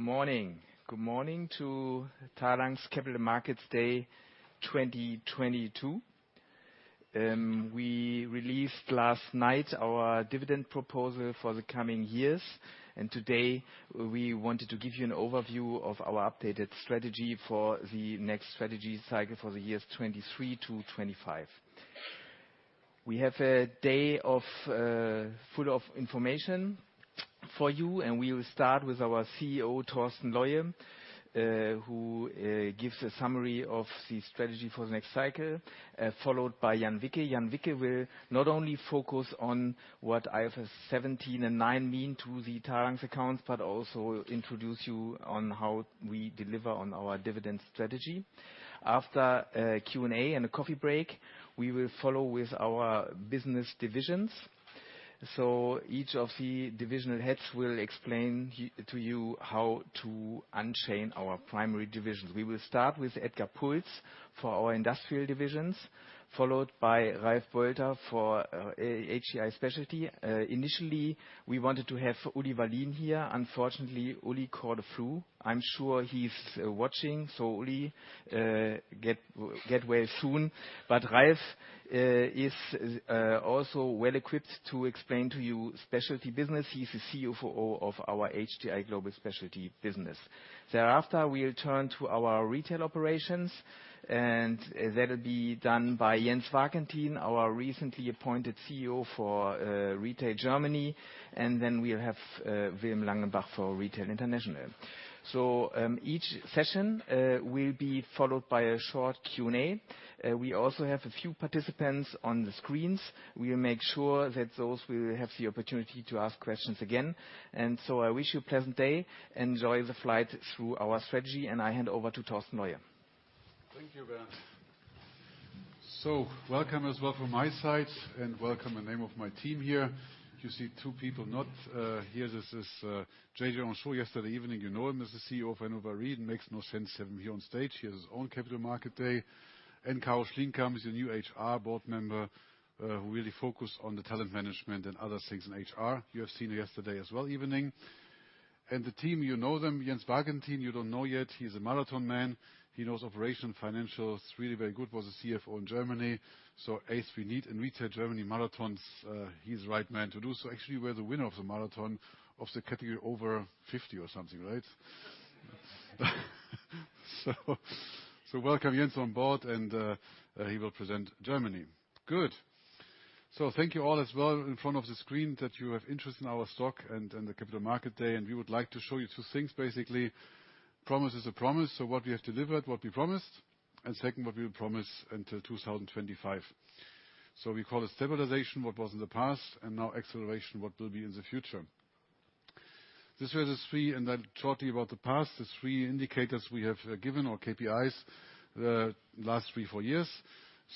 Good morning. Good morning to Talanx's Capital Markets Day 2022. We released last night our dividend proposal for the coming years. Today we wanted to give you an overview of our updated strategy for the next strategy cycle for the years 2023-2025. We have a day of full of information for you, and we will start with our CEO, Torsten Leue, who gives a summary of the strategy for the next cycle, followed by Jan Wicke. Jan Wicke will not only focus on what IFRS 17 and 9 mean to the Talanx's accounts, but also introduce you on how we deliver on our dividend strategy. After a Q&A and a coffee break, we will follow with our business divisions. Each of the divisional heads will explain to you how to unchain our primary divisions. We will start with Edgar Puls for our industrial divisions, followed by Ralph Beutter for HDI Global Specialty. Initially, we wanted to have Ulrich Wallin here. Unfortunately, Ulrich caught a flu. I'm sure he's watching. Ulrich, get well soon. Ralph is also well-equipped to explain to you specialty business. He's the CFO of our HDI Global Specialty business. Thereafter, we'll turn to our retail operations. That'll be done by Jens Wartenberg, our recently appointed CEO for Retail Germany. We'll have Wilm Langenbach for Retail International. Each session will be followed by a short Q&A. We also have a few participants on the screens. We'll make sure that those will have the opportunity to ask questions again. I wish you a pleasant day. Enjoy the flight through our strategy, and I hand over to Torsten Leue. Thank you, Bernd. Welcome as well from my side, and welcome in name of my team here. You see two people not here. This is J.J. Henchoz. Yesterday evening, you know him as the CEO of Hannover Re. It makes no sense to have him here on stage. He has his own capital market day. Caroline Schlienkamp, the new HR board member, who really focus on the talent management and other things in HR. You have seen her yesterday as well, evening. The team, you know them. Jens Wartenberg, you don't know yet. He's a marathon man. He knows operation financials really very good. Was a CFO in Germany. As we need in Retail Germany marathons, he's the right man to do. Actually, we're the winner of the marathon of the category over 50 or something, right? Welcome Jens on board and he will present Germany. Good. Thank you all as well in front of the screen that you have interest in our stock and the capital market day. We would like to show you two things. Basically, promise is a promise. What we have delivered, what we promised. Second, what we will promise until 2025. We call it stabilization, what was in the past, and now acceleration, what will be in the future. These are the three, and I'll talk to you about the past, the three indicators we have given our KPIs the last three, four years.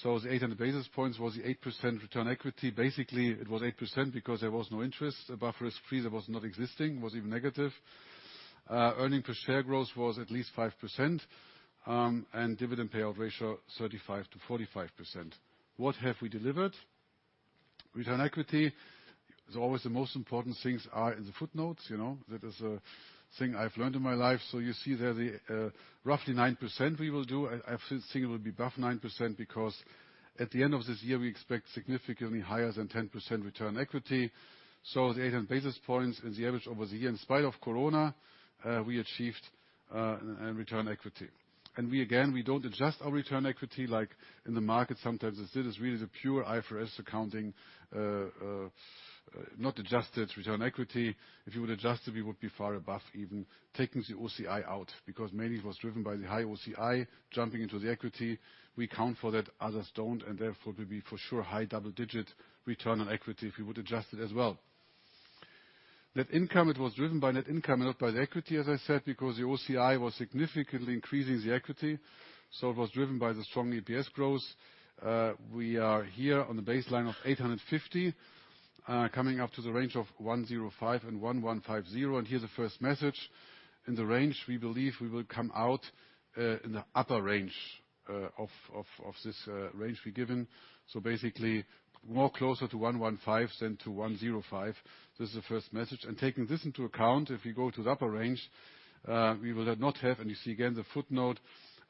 The 800 basis points was the 8% return equity. Basically, it was 8% because there was no interest above risk-free that was not existing, was even negative. Earning per share growth was at least 5%, dividend payout ratio 35%-45%. What have we delivered? Return equity is always the most important things are in the footnotes, you know. That is a thing I've learned in my life. You see there the roughly 9% we will do. I think it will be above 9% because at the end of this year, we expect significantly higher than 10% return equity. The 800 basis points is the average over the year. In spite of Corona, we achieved return equity. We again don't adjust our return equity like in the market sometimes. This is really the pure IFRS accounting, not adjusted return equity. If you would adjust it, we would be far above even taking the OCI out because mainly it was driven by the high OCI jumping into the equity. We account for that, others don't, and therefore we'll be for sure high double-digit return on equity if you would adjust it as well. Net income, it was driven by net income, not by the equity, as I said, because the OCI was significantly increasing the equity. It was driven by the strong EPS growth. We are here on the baseline of 850, coming up to the range of 1,050-1,150. Here's the first message. In the range, we believe we will come out in the upper range of this range we've given. Basically, more closer to 115 than to 105. This is the first message. Taking this into account, if you go to the upper range, we will not have, and you see again the footnote,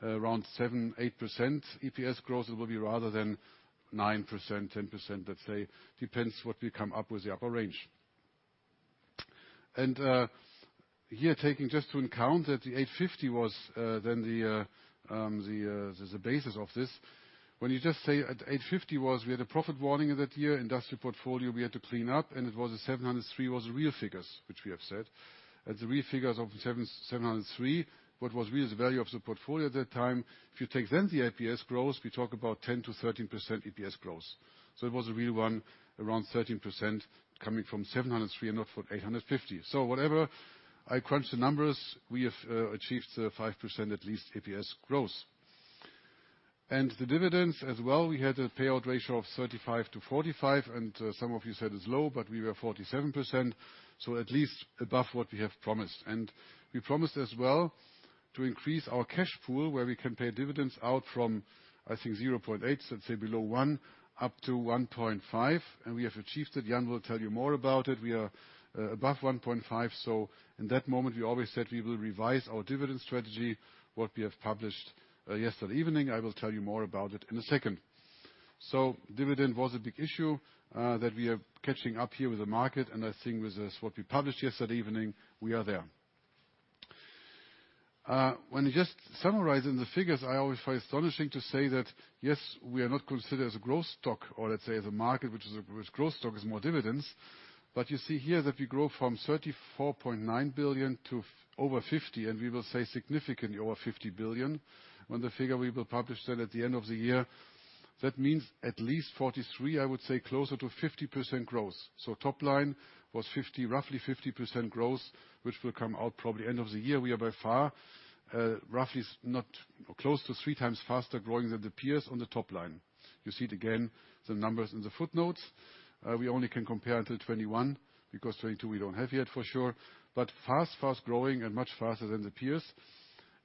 around 7%-8% EPS growth. It will be rather than 9%, 10%, let's say. Depends what we come up with the upper range. Here, taking just to account that the 850 was then the the basis of this. When you just say at 850 was, we had a profit warning in that year. Industrial portfolio, we had to clean up, and it was the 703 was the real figures, which we have said. At the real figures of 703, what was real is the value of the portfolio at that time. If you take the EPS growth, we talk about 10%-13% EPS growth. It was a real one, around 13% coming from 703 and now for 850. Whatever I crunch the numbers, we have achieved the 5% at least EPS growth. The dividends as well, we had a payout ratio of 35%-45%, and some of you said it's low, but we were 47%, so at least above what we have promised. We promised as well to increase our cash pool, where we can pay dividends out from, I think, 0.8, let's say below 1, up to 1.5, and we have achieved it. Jan will tell you more about it. We are above 1.5, so in that moment, we always said we will revise our dividend strategy, what we have published yesterday evening. I will tell you more about it in a second. Dividend was a big issue that we are catching up here with the market, and I think with this, what we published yesterday evening, we are there. When you just summarizing the figures, I always find astonishing to say that, yes, we are not considered as a growth stock or let's say as a market which growth stock is more dividends. You see here that we grow from 34.9 billion to over 50 billion, and we will say significantly over 50 billion on the figure we will publish that at the end of the year. That means at least 43%, I would say closer to 50% growth. Top line was 50%, roughly 50% growth, which will come out probably end of the year. We are by far, roughly not close to 3x faster growing than the peers on the top line. You see it again, the numbers in the footnotes. We only can compare until 2021, because 2022 we don't have yet for sure. Fast-growing and much faster than the peers.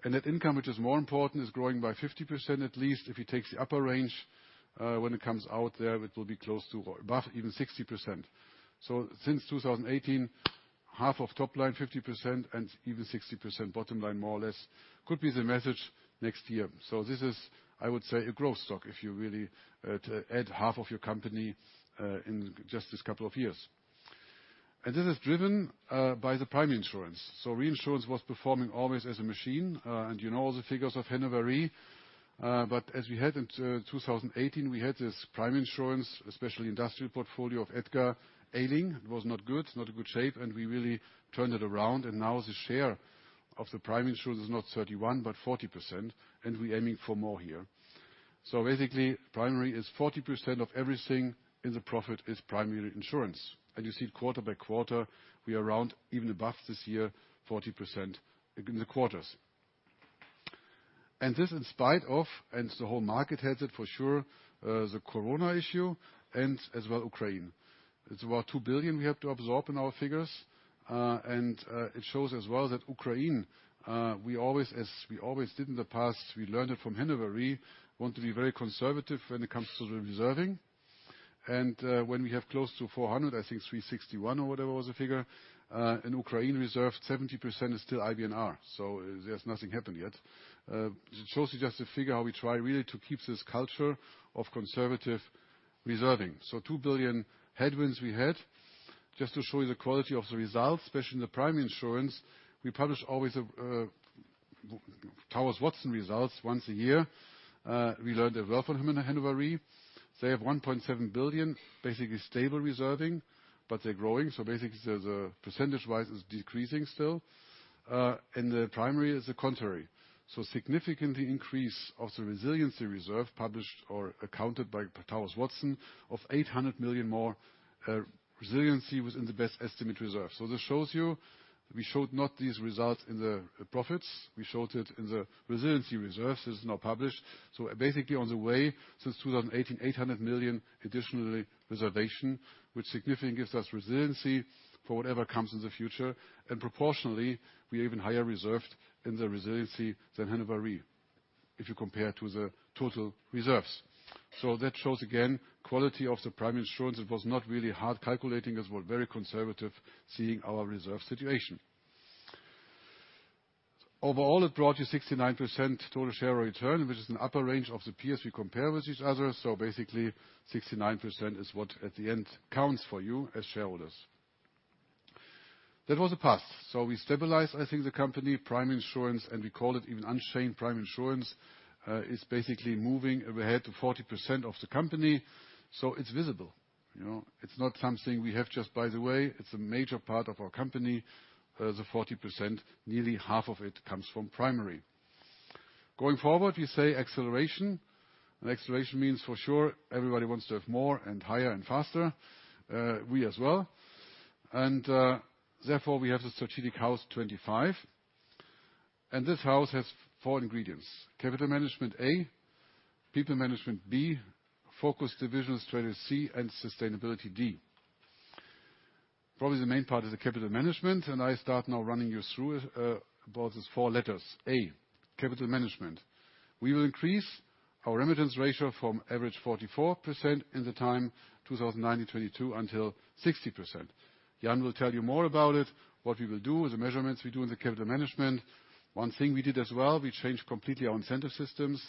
Net income, which is more important, is growing by 50% at least. If you take the upper range, when it comes out there, it will be close to or above even 60%. Since 2018, half of top line, 50% and even 60% bottom line, more or less, could be the message next year. This is, I would say, a growth stock, if you really to add half of your company in just this couple of years. This is driven by the prime insurance. Reinsurance was performing always as a machine, and you know all the figures of Hannover Re. But as we had in 2018, we had this prime insurance, especially industrial portfolio of Edgar, ailing. It was not good. Not a good shape. We really turned it around, and now the share of the prime insurance is not 31%, but 40%, and we're aiming for more here. Basically, primary is 40% of everything, and the profit is primary insurance. You see it quarter by quarter. We are around even above this year, 40% in the quarters. This in spite of, and the whole market has it for sure, the Corona issue and as well Ukraine. It's about 2 billion we have to absorb in our figures. And, it shows as well that Ukraine, we always, as we always did in the past, we learned it from Hannover Re, want to be very conservative when it comes to the reserving. When we have close to 400, I think 361 or whatever was the figure, in Ukraine reserved, 70% is still IBNR. There's nothing happened yet. It shows you just a figure how we try really to keep this culture of conservative reserving. 2 billion headwinds we had. Just to show you the quality of the results, especially in the prime insurance, we publish always, Towers Watson results once a year. We learned a lot from him in Hannover Re. They have 1.7 billion, basically stable reserving, they're growing. Basically the percentage-wise is decreasing still. The primary is the contrary. Significantly increase of the resiliency reserve published or accounted by Towers Watson of 800 million more, resiliency was in the best estimate reserve. This shows you that we showed not these results in the profits. We showed it in the resiliency reserves. This is now published. Basically on the way since 2018, 800 million additionally reservation, which significantly gives us resiliency for whatever comes in the future. Proportionally, we are even higher reserved in the resiliency than Hannover Re, if you compare to the total reserves. That shows again, quality of the prime insurance. It was not really hard calculating. It was very conservative, seeing our reserve situation. Overall, it brought you 69% total share return, which is an upper range of the peers we compare with each other. Basically 69% is what at the end counts for you as shareholders. That was the past. We stabilized, I think, the company. Prime insurance, and we call it even unchained Prime insurance, is basically moving ahead to 40% of the company. It's visible. You know, it's not something we have just by the way. It's a major part of our company. The 40%, nearly half of it comes from primary. Going forward, we say acceleration. Acceleration means for sure everybody wants to have more and higher and faster. We as well. Therefore, we have the Strategic House 25. This house has four ingredients. Capital management, A. People management, B. Focus divisions strategy, C. Sustainability, D. Probably the main part is the capital management. I start now running you through it about these four letters. A, capital management. We will increase our remittance ratio from average 44% in the time 2019-2022 until 60%. Jan will tell you more about it, what we will do, the measurements we do in the capital management. One thing we did as well, we changed completely our incentive systems.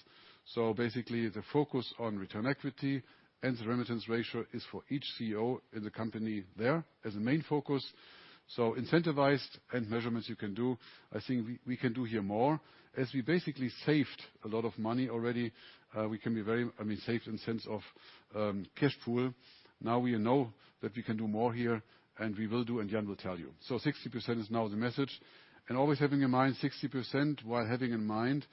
Basically, the focus on return equity and the remittance ratio is for each CEO in the company there as the main focus. Incentivized and measurements you can do, I think we can do here more. We basically saved a lot of money already, we can be very, I mean, saved in sense of cash pool. We know that we can do more here, and we will do, and Jan Wicke will tell you. 60% is now the message. Always having in mind 60% while having in mind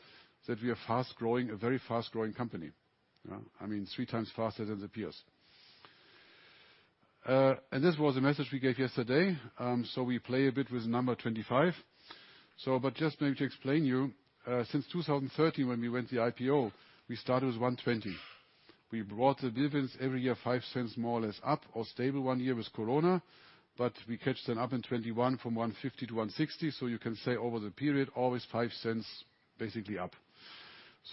that we are fast-growing, a very fast-growing company. You know? I mean, 3x faster than the peers. This was the message we gave yesterday, we play a bit with number 25. Just maybe to explain you, since 2013, when we went the IPO, we started with 1.20. We brought the dividends every year 0.05 more or less up, or stable one year with Corona. We catched an up in 2021 from 1.50 to 1.60. You can say over the period, always 0.05 basically up.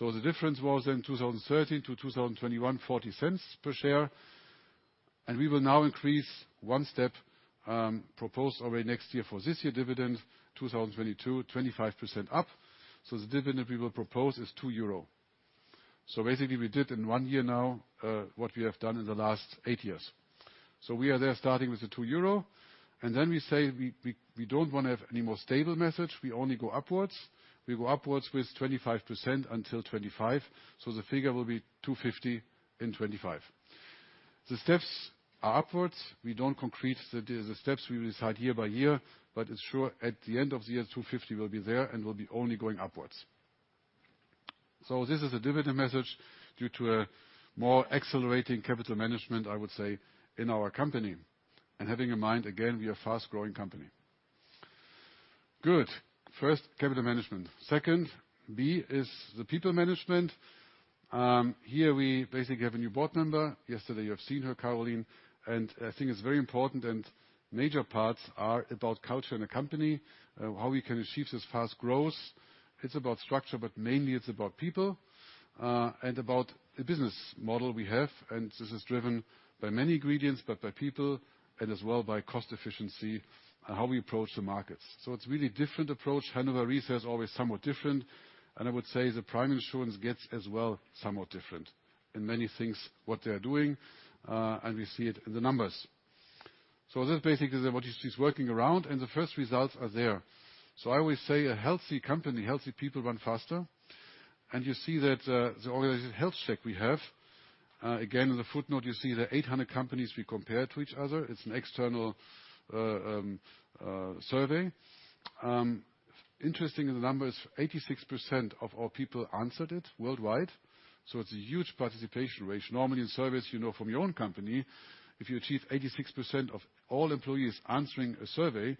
The difference was in 2013 to 2021, 0.40 per share. We will now increase one step, proposed already next year for this year dividend, 2022, 25% up. The dividend we will propose is 2 euro. Basically we did in one year now what we have done in the last eight years. We are there starting with the 2 euro, and then we say we don't wanna have any more stable message. We only go upwards. We go upwards with 25% until 2025. The figure will be 2.50 in 2025. The steps are upwards. We don't concrete the steps. We decide year by year. It's sure at the end of the year, 2.50 will be there, and we'll be only going upwards. This is a dividend message due to a more accelerating capital management, I would say, in our company. Having in mind, again, we are fast-growing company. Good. First, capital management. Second, B, is the people management. Here we basically have a new board member. Yesterday, you have seen her, Caroline, and I think it's very important and major parts are about culture in the company, how we can achieve this fast growth. It's about structure, but mainly it's about people, and about the business model we have. This is driven by many ingredients, but by people and as well by cost efficiency, how we approach the markets. It's really different approach. Hannover Re is always somewhat different, I would say the prime insurance gets as well, somewhat different in many things, what they are doing, and we see it in the numbers. That basically is what she's working around, and the first results are there. I always say a healthy company, healthy people run faster. You see that, the organized health check we have, again, in the footnote, you see the 800 companies we compare to each other. It's an external survey. Interesting in the numbers, 86% of our people answered it worldwide. It's a huge participation rate. Normally in surveys, you know, from your own company, if you achieve 86% of all employees answering a survey,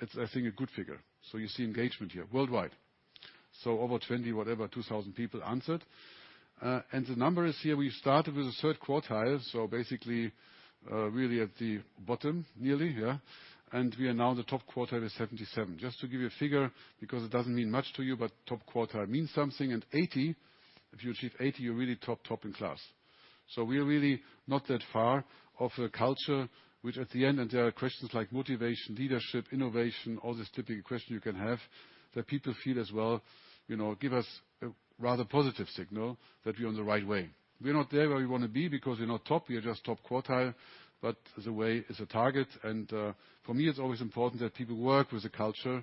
it's I think, a good figure. You see engagement here worldwide. Over 2,000 people answered. The numbers here, we started with the third quartile. Basically, really at the bottom, nearly, yeah. We are now the top quartile is 77. Just to give you a figure, because it doesn't mean much to you, but top quartile means something. 80, if you achieve 80, you're really top in class. We are really not that far of a culture, which at the end, there are questions like motivation, leadership, innovation, all these typical questions you can have, that people feel as well, you know, give us a rather positive signal that we're on the right way. We're not there where we wanna be because we're not top. We are just top quartile. The way is a target. For me, it's always important that people work with the culture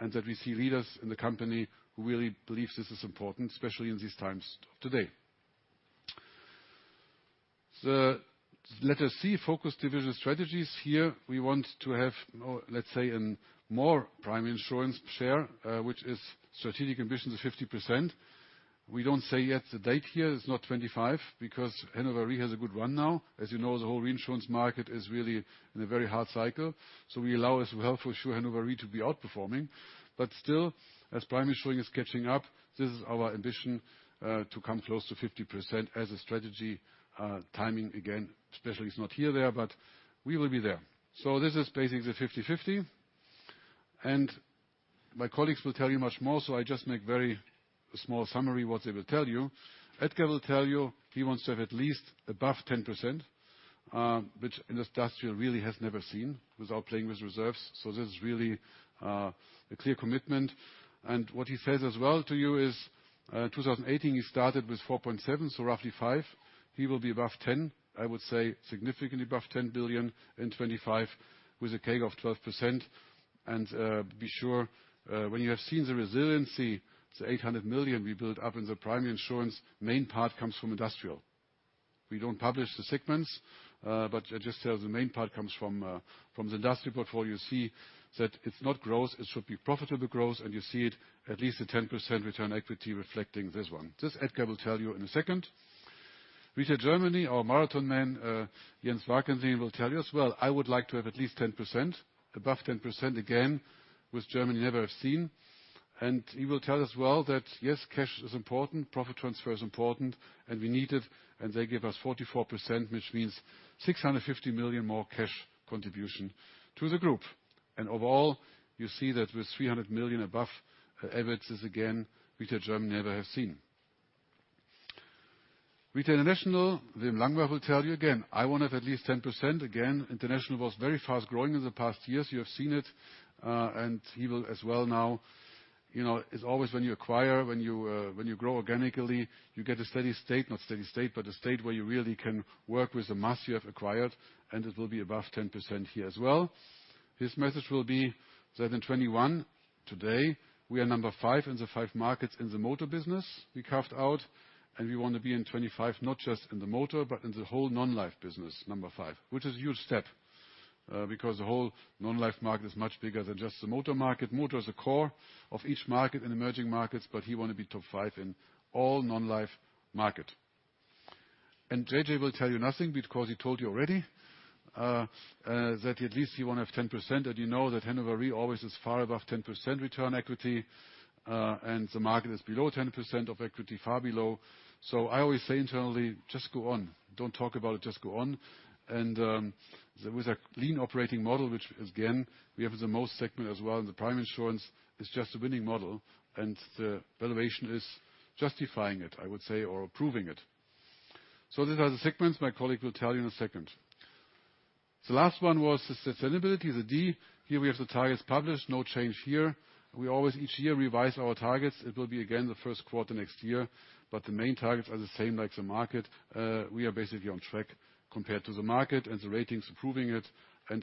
and that we see leaders in the company who really believe this is important, especially in these times of today. The letter C, focus division strategies. Here, we want to have, let's say, a more primary insurance share, which is strategic ambition is 50%. We don't say yet the date here. It's not 2025 because Hannover Re has a good run now. As you know, the whole reinsurance market is really in a very hard cycle. We allow as well for sure Hannover Re to be outperforming. Still, as primary insurance is catching up, this is our ambition, to come close to 50% as a strategy, timing again, especially it's not here, there, but we will be there. This is basically the 50/50. My colleagues will tell you much more. I just make very small summary what they will tell you. Edgar will tell you he wants to have at least above 10%, which in Industrial really has never seen without playing with reserves. This is really a clear commitment. What he says as well to you is, 2018, he started with 4.7, so roughly five. He will be above 10, I would say significantly above 10 billion in 2025 with a CAGR of 12%. Be sure, when you have seen the resiliency, the 800 million we built up in the primary insurance, main part comes from Industrial. We don't publish the segments, but I just tell the main part comes from the Industrial portfolio. You see that it's not growth. It should be profitable growth, you see it at least a 10% return equity reflecting this one. This Edgar Puls will tell you in a second. Retail Germany, our marathon man, Jens Warkentin will tell you as well. I would like to have at least 10%. Above 10% again, which Germany never have seen. He will tell as well that yes, cash is important, profit transfer is important, and we need it. They give us 44%, which means 650 million more cash contribution to the group. Overall, you see that with 300 million above EBIT, this again, Retail Germany never have seen. Retail International, Dr. Wilm Langenbach will tell you again, "I want to have at least 10%." Again, International was very fast-growing in the past years. You have seen it, he will as well now. You know, it's always when you acquire, when you grow organically, you get a steady state. Not steady state, but a state where you really can work with the mass you have acquired. It will be above 10% here as well. His message will be that in 2021, today, we are number five in the five markets in the motor business we carved out. We wanna be in 2025, not just in the motor, but in the whole non-life business, number five, which is a huge step. Because the whole non-life market is much bigger than just the motor market. Motor is the core of each market in emerging markets, but he wanna be top five in all non-life market. JJ will tell you nothing because he told you already that at least he wanna have 10%. You know that Hannover Re always is far above 10% return equity, and the market is below 10% of equity, far below. I always say internally, "Just go on. Don't talk about it, just go on." With a clean operating model, which is again, we have the most segment as well, and the primary insurance is just a winning model, and the valuation is justifying it, I would say, or approving it. These are the segments my colleague will tell you in a second. The last one was the sustainability, the D. Here we have the targets published. No change here. We always each year revise our targets. It will be again the first quarter next year. The main targets are the same like the market. We are basically on track compared to the market, the ratings are proving it.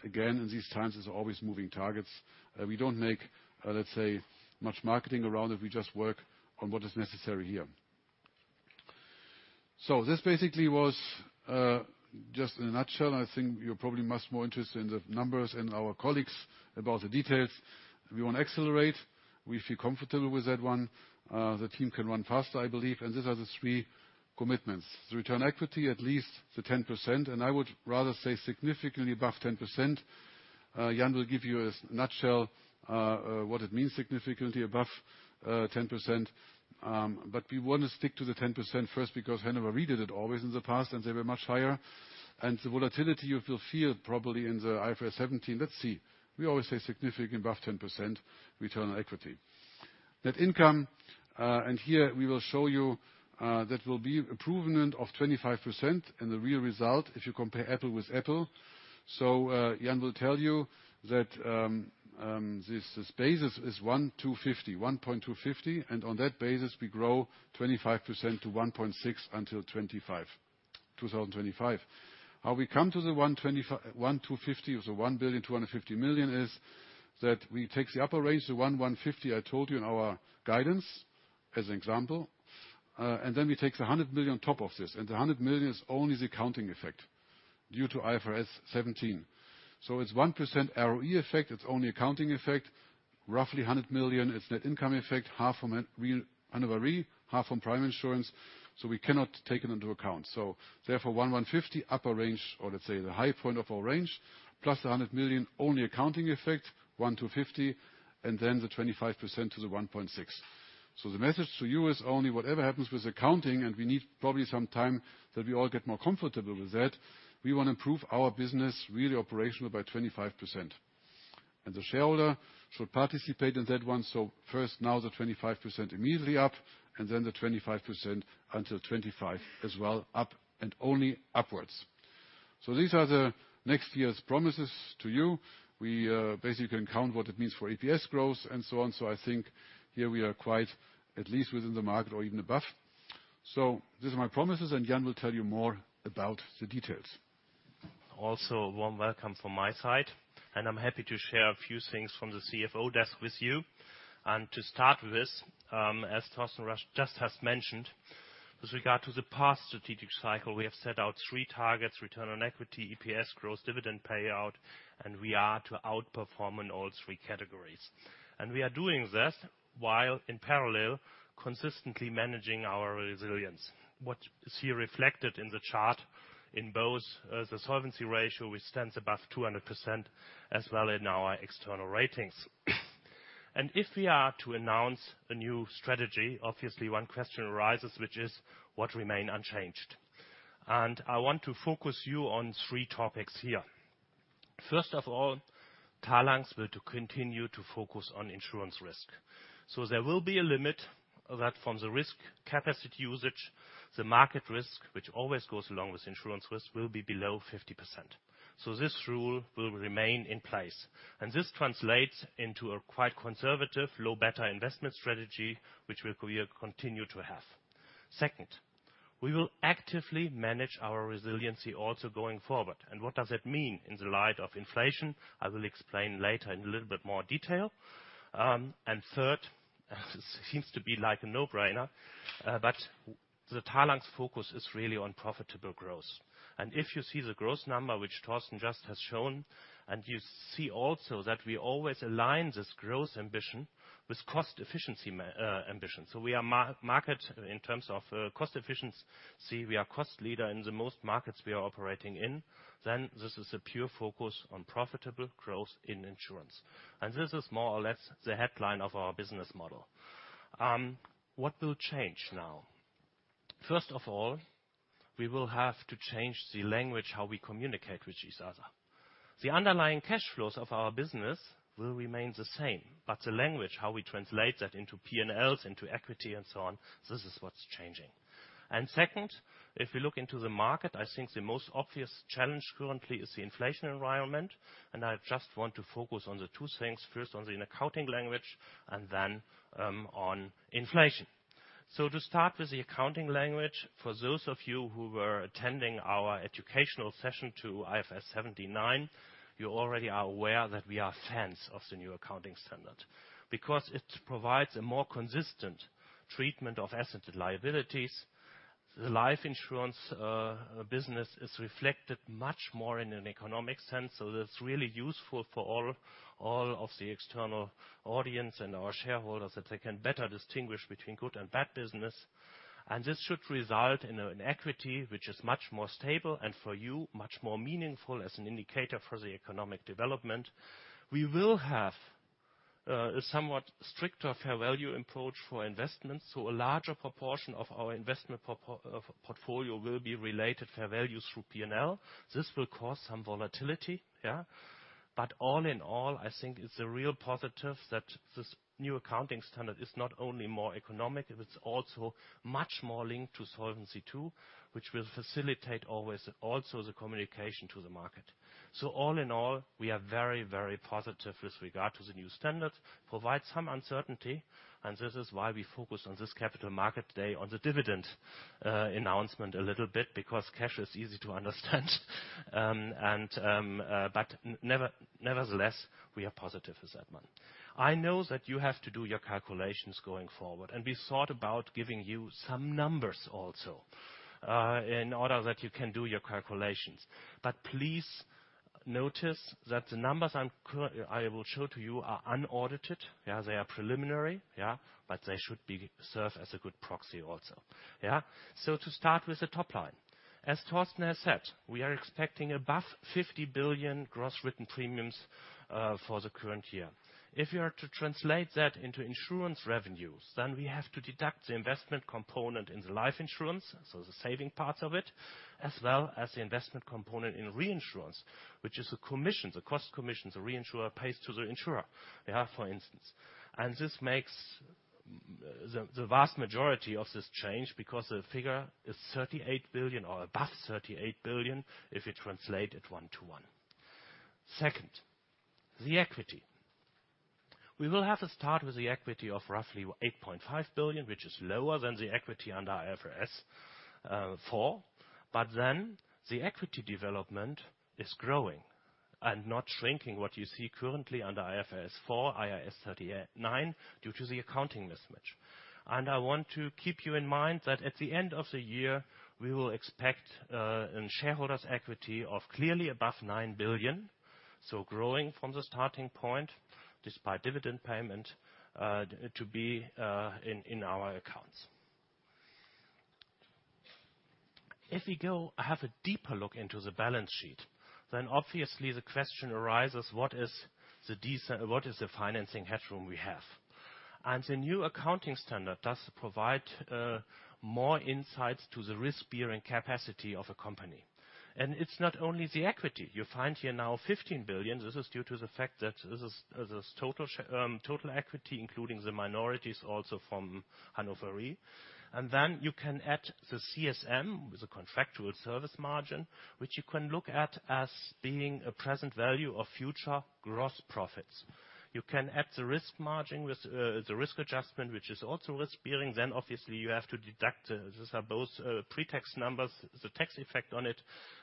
Again, in these times, it's always moving targets. We don't make, let's say, much marketing around it. We just work on what is necessary here. This basically was just in a nutshell. I think you're probably much more interested in the numbers and our colleagues about the details. We wanna accelerate. We feel comfortable with that one. The team can run faster, I believe. These are the three commitments. The return equity, at least the 10%, and I would rather say significantly above 10%. Jan will give you a nutshell what it means, significantly above 10%. We wanna stick to the 10% first because Hannover Re did it always in the past, and they were much higher. The volatility you feel probably in the IFRS 17. Let's see. We always say significantly above 10% return on equity. Net income, and here we will show you that will be improvement of 25% in the real result if you compare apple with apple. Jan will tell you that this basis is one to 50, 1.250. On that basis, we grow 25% to 1.6 until 2025. How we come to the 1,250 million, is that we take the upper range, the 1,150 million I told you in our guidance as an example, then we take the 100 million on top of this. The 100 million is only the accounting effect due to IFRS 17. It's 1% ROE effect. It's only accounting effect. Roughly 100 million is net income effect, half from it real Hannover Re, half from primary insurance. We cannot take it into account. Therefore, 1,150 million upper range or let's say the high point of our range, plus the 100 million only accounting effect, 1,250 million, then the 25% to the 1.6 billion. The message to you is only whatever happens with accounting, and we need probably some time that we all get more comfortable with that, we wanna improve our business really operational by 25%. The shareholder should participate in that one. First, now the 25% immediately up, and then the 25% until 2025 as well up and only upwards. These are the next year's promises to you. We basically can count what it means for EPS growth and so on. I think here we are quite at least within the market or even above. These are my promises, and Jan will tell you more about the details. Warm welcome from my side. I'm happy to share a few things from the CFO desk with you. To start with, as Torsten Leue just has mentioned, with regard to the past strategic cycle, we have set out three targets: return on equity, EPS growth, dividend payout. We are to outperform in all three categories. We are doing this while in parallel consistently managing our resilience, what you see reflected in the chart in both, the solvency ratio, which stands above 200%, as well in our external ratings. If we are to announce a new strategy, obviously one question arises, which is what remain unchanged. I want to focus you on three topics here. First of all, Talanx will to continue to focus on insurance risk. There will be a limit that from the risk capacity usage, the market risk, which always goes along with insurance risk, will be below 50%. This rule will remain in place. This translates into a quite conservative low beta investment strategy, which we'll continue to have. Second, we will actively manage our resiliency also going forward. What does it mean in the light of inflation? I will explain later in a little bit more detail. Third, seems to be like a no-brainer, but the Talanx focus is really on profitable growth. If you see the growth number, which Torsten just has shown, and you see also that we always align this growth ambition with cost efficiency ambition. We are market in terms of cost efficiency. We are cost leader in the most markets we are operating in. This is a pure focus on profitable growth in insurance. This is more or less the headline of our business model. What will change now? First of all, we will have to change the language, how we communicate with each other. The underlying cash flows of our business will remain the same, but the language, how we translate that into P&Ls, into equity, and so on, this is what's changing. Second, if we look into the market, I think the most obvious challenge currently is the inflation environment. I just want to focus on the two things, first on the accounting language and then on inflation. To start with the accounting language, for those of you who were attending our educational session to IFRS 17, 9, you already are aware that we are fans of the new accounting standard. It provides a more consistent treatment of assets and liabilities. The life insurance business is reflected much more in an economic sense. That's really useful for all of the external audience and our shareholders that they can better distinguish between good and bad business. This should result in an equity which is much more stable, and for you, much more meaningful as an indicator for the economic development. We will have a somewhat stricter fair value approach for investments. A larger proportion of our investment portfolio will be related fair value through P&L. This will cause some volatility, yeah? All in all, I think it's a real positive that this new accounting standard is not only more economic, it's also much more linked to Solvency II, which will facilitate always also the communication to the market. All in all, we are very, very positive with regard to the new standards. Provide some uncertainty, and this is why we focus on this capital market today on the dividend announcement a little bit because cash is easy to understand. Nevertheless, we are positive as that one. I know that you have to do your calculations going forward. We thought about giving you some numbers also in order that you can do your calculations. Please notice that the numbers I will show to you are unaudited. Yeah, they are preliminary, yeah? They should serve as a good proxy also. To start with the top line. As Torsten has said, we are expecting above 50 billion gross written premiums for the current year. If you are to translate that into insurance revenues, then we have to deduct the investment component in the life insurance, so the saving parts of it, as well as the investment component in reinsurance, which is the commission, the cost commission the reinsurer pays to the insurer, for instance. This makes the vast majority of this change because the figure is 38 billion or above 38 billion if you translate it one to one. Second, the equity. We will have to start with the equity of roughly 8.5 billion, which is lower than the equity under IFRS 4. The equity development is growing and not shrinking, what you see currently under IFRS 4, IAS 39 due to the accounting mismatch. I want to keep you in mind that at the end of the year, we will expect in shareholders' equity of clearly above 9 billion, so growing from the starting point, despite dividend payment, to be in our accounts. If you go have a deeper look into the balance sheet, then obviously the question arises, what is the financing headroom we have? The new accounting standard does provide more insights to the risk-bearing capacity of a company. It's not only the equity. You find here now 15 billion. This is due to the fact that this is total equity, including the minorities also from Hannover Re. You can add the CSM, the contractual service margin, which you can look at as being a present value of future gross profits. You can add the risk margin with the risk adjustment, which is also risk-bearing. Obviously, you have to deduct, these are both pre-tax numbers, the tax effect on it.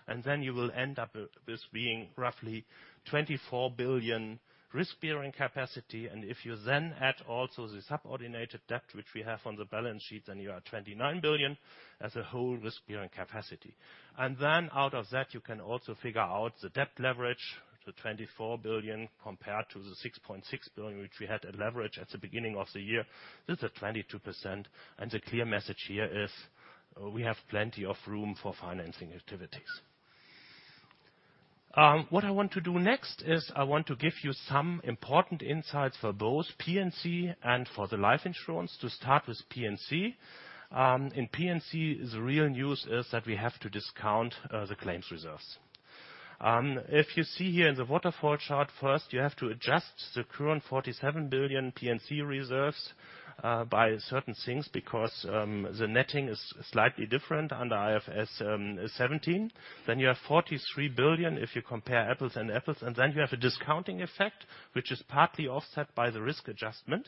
You will end up with this being roughly 24 billion risk-bearing capacity. If you then add also the subordinated debt which we have on the balance sheet, then you are 29 billion as a whole risk-bearing capacity. Out of that, you can also figure out the debt leverage to 24 billion compared to the 6.6 billion, which we had a leverage at the beginning of the year. This is 22%. The clear message here is, we have plenty of room for financing activities. What I want to do next is I want to give you some important insights for both P&C and for the life insurance. To start with P&C. In P&C, the real news is that we have to discount, the claims reserves. If you see here in the waterfall chart, first you have to adjust the current 47 billion P&C reserves, by certain things because, the netting is slightly different under IFRS 17. Then you have 43 billion if you compare apples and apples. Then you have a discounting effect, which is partly offset by the risk adjustment.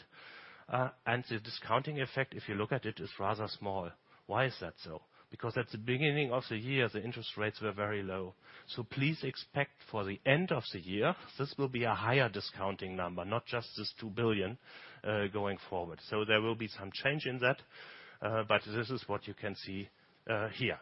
The discounting effect, if you look at it, is rather small. Why is that so? At the beginning of the year, the interest rates were very low. Please expect for the end of the year, this will be a higher discounting number, not just this 2 billion going forward. There will be some change in that, but this is what you can see here.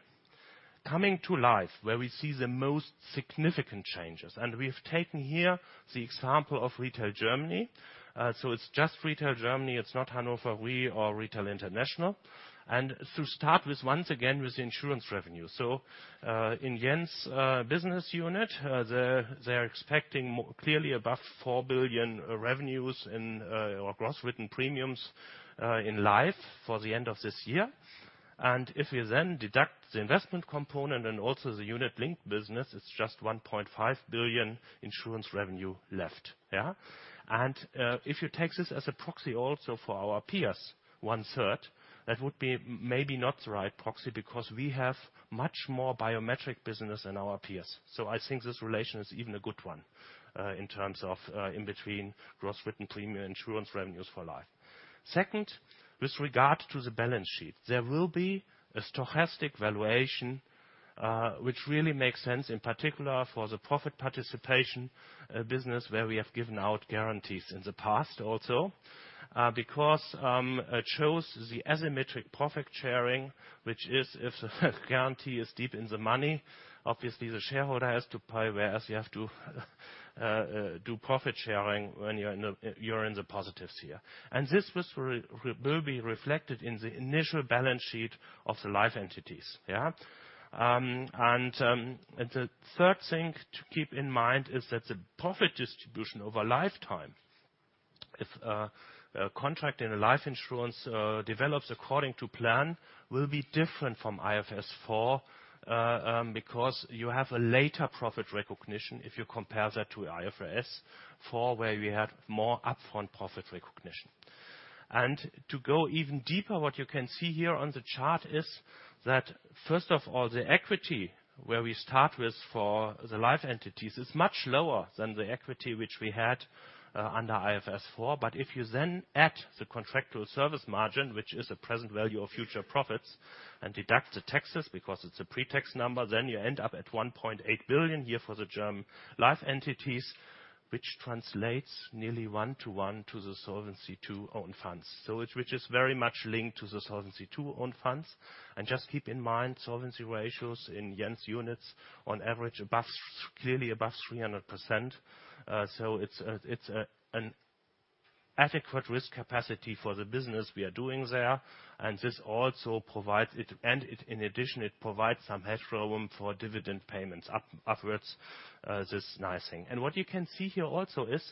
Coming to life, where we see the most significant changes. We've taken here the example of Retail Germany. It's just Retail Germany. It's not Hannover Re or Retail International. To start with, once again, with the insurance revenue. In Jan's business unit, they're expecting clearly above 4 billion revenues in or gross written premiums in life for the end of this year. If we then deduct the investment component and also the Unit-Linked business, it's just 1.5 billion insurance revenue left. If you take this as a proxy also for our peers, 1/3, that would be maybe not the right proxy because we have much more biometric business than our peers. I think this relation is even a good one in terms of in between gross written premium insurance revenues for life. Second, with regard to the balance sheet. There will be a stochastic valuation, which really makes sense, in particular for the profit participation business where we have given out guarantees in the past also. Because it shows the asymmetric profit sharing, which is if the guarantee is deep in the money. Obviously, the shareholder has to pay, whereas you have to do profit sharing when you're in the positives here. This will be reflected in the initial balance sheet of the life entities, yeah? The third thing to keep in mind is that the profit distribution over lifetime, if a contract in a life insurance develops according to plan, will be different from IFRS 4, because you have a later profit recognition if you compare that to IFRS 4, where we had more upfront profit recognition. To go even deeper, what you can see here on the chart is that, first of all, the equity where we start with for the life entities is much lower than the equity which we had under IFRS 4. If you then add the contractual service margin, which is the present value of future profits, and deduct the taxes because it's a pre-tax number, then you end up at 1.8 billion here for the German life entities, which translates nearly one-to-one to the Solvency II own funds. Which is very much linked to the Solvency II own funds. Just keep in mind solvency ratios in Jens' units on average above, clearly above 300%. It's an adequate risk capacity for the business we are doing there. This also provides and it, in addition, it provides some headroom for dividend payments upwards, this nice thing. What you can see here also is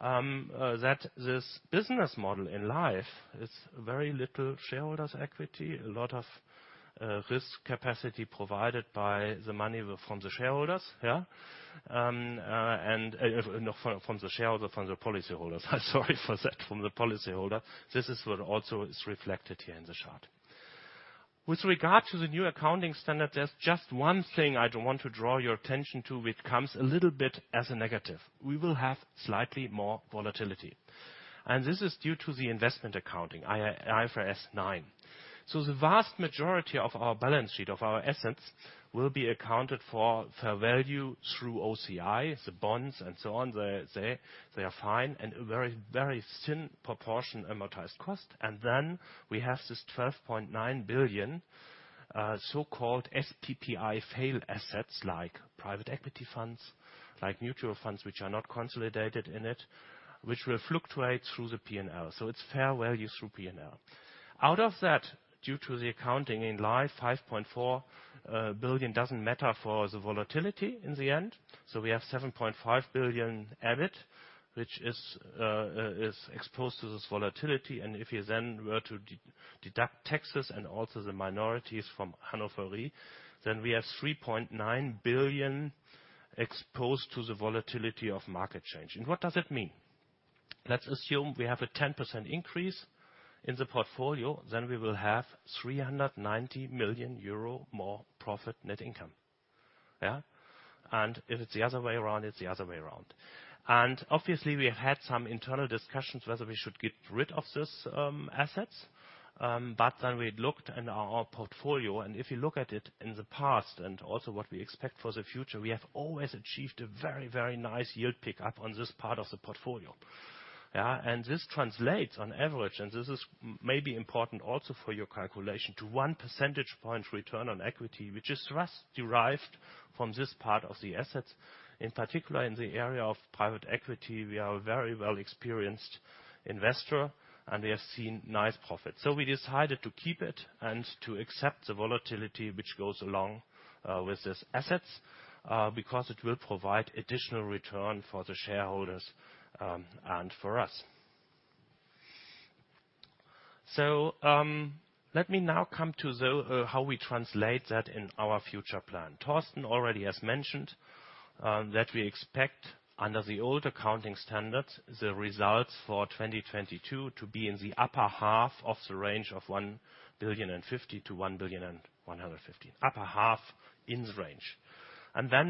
that this business model in life is very little shareholders equity, a lot of risk capacity provided by the money from the shareholders, yeah. No, from the shareholder, from the policyholders. Sorry for that. From the policyholder. This is what also is reflected here in the chart. With regard to the new accounting standard, there's just one thing I do want to draw your attention to, which comes a little bit as a negative. We will have slightly more volatility, and this is due to the investment accounting, IFRS 9. The vast majority of our balance sheet, of our assets, will be accounted for fair value through OCI, the bonds and so on. They are fine. A very thin proportion amortized cost. We have this 12.9 billion so-called SPPI failed assets like private equity funds, like mutual funds which are not consolidated in it, which will fluctuate through the P&L. It's fair value through P&L. Out of that, due to the accounting in life, 5.4 billion doesn't matter for the volatility in the end. We have 7.5 billion EBIT, which is exposed to this volatility. If you then were to deduct taxes and also the minorities from Hannover Re, then we have 3.9 billion exposed to the volatility of market change. What does it mean? Let's assume we have a 10% increase in the portfolio, then we will have 390 million euro more profit net income, yeah? If it's the other way around, it's the other way around. Obviously we have had some internal discussions whether we should get rid of this assets. We looked in our portfolio, and if you look at it in the past and also what we expect for the future, we have always achieved a very nice yield pickup on this part of the portfolio. Yeah. This translates on average, and this is maybe important also for your calculation, to one percentage point return on equity, which is for us derived from this part of the assets. In particular, in the area of private equity, we are a very well experienced investor, and we have seen nice profits. We decided to keep it and to accept the volatility which goes along with these assets because it will provide additional return for the shareholders and for us. Let me now come to how we translate that in our future plan. Torsten already has mentioned that we expect under the old accounting standards, the results for 2022 to be in the upper half of the range of 1.05 billion-1.15 billion. Upper half in the range.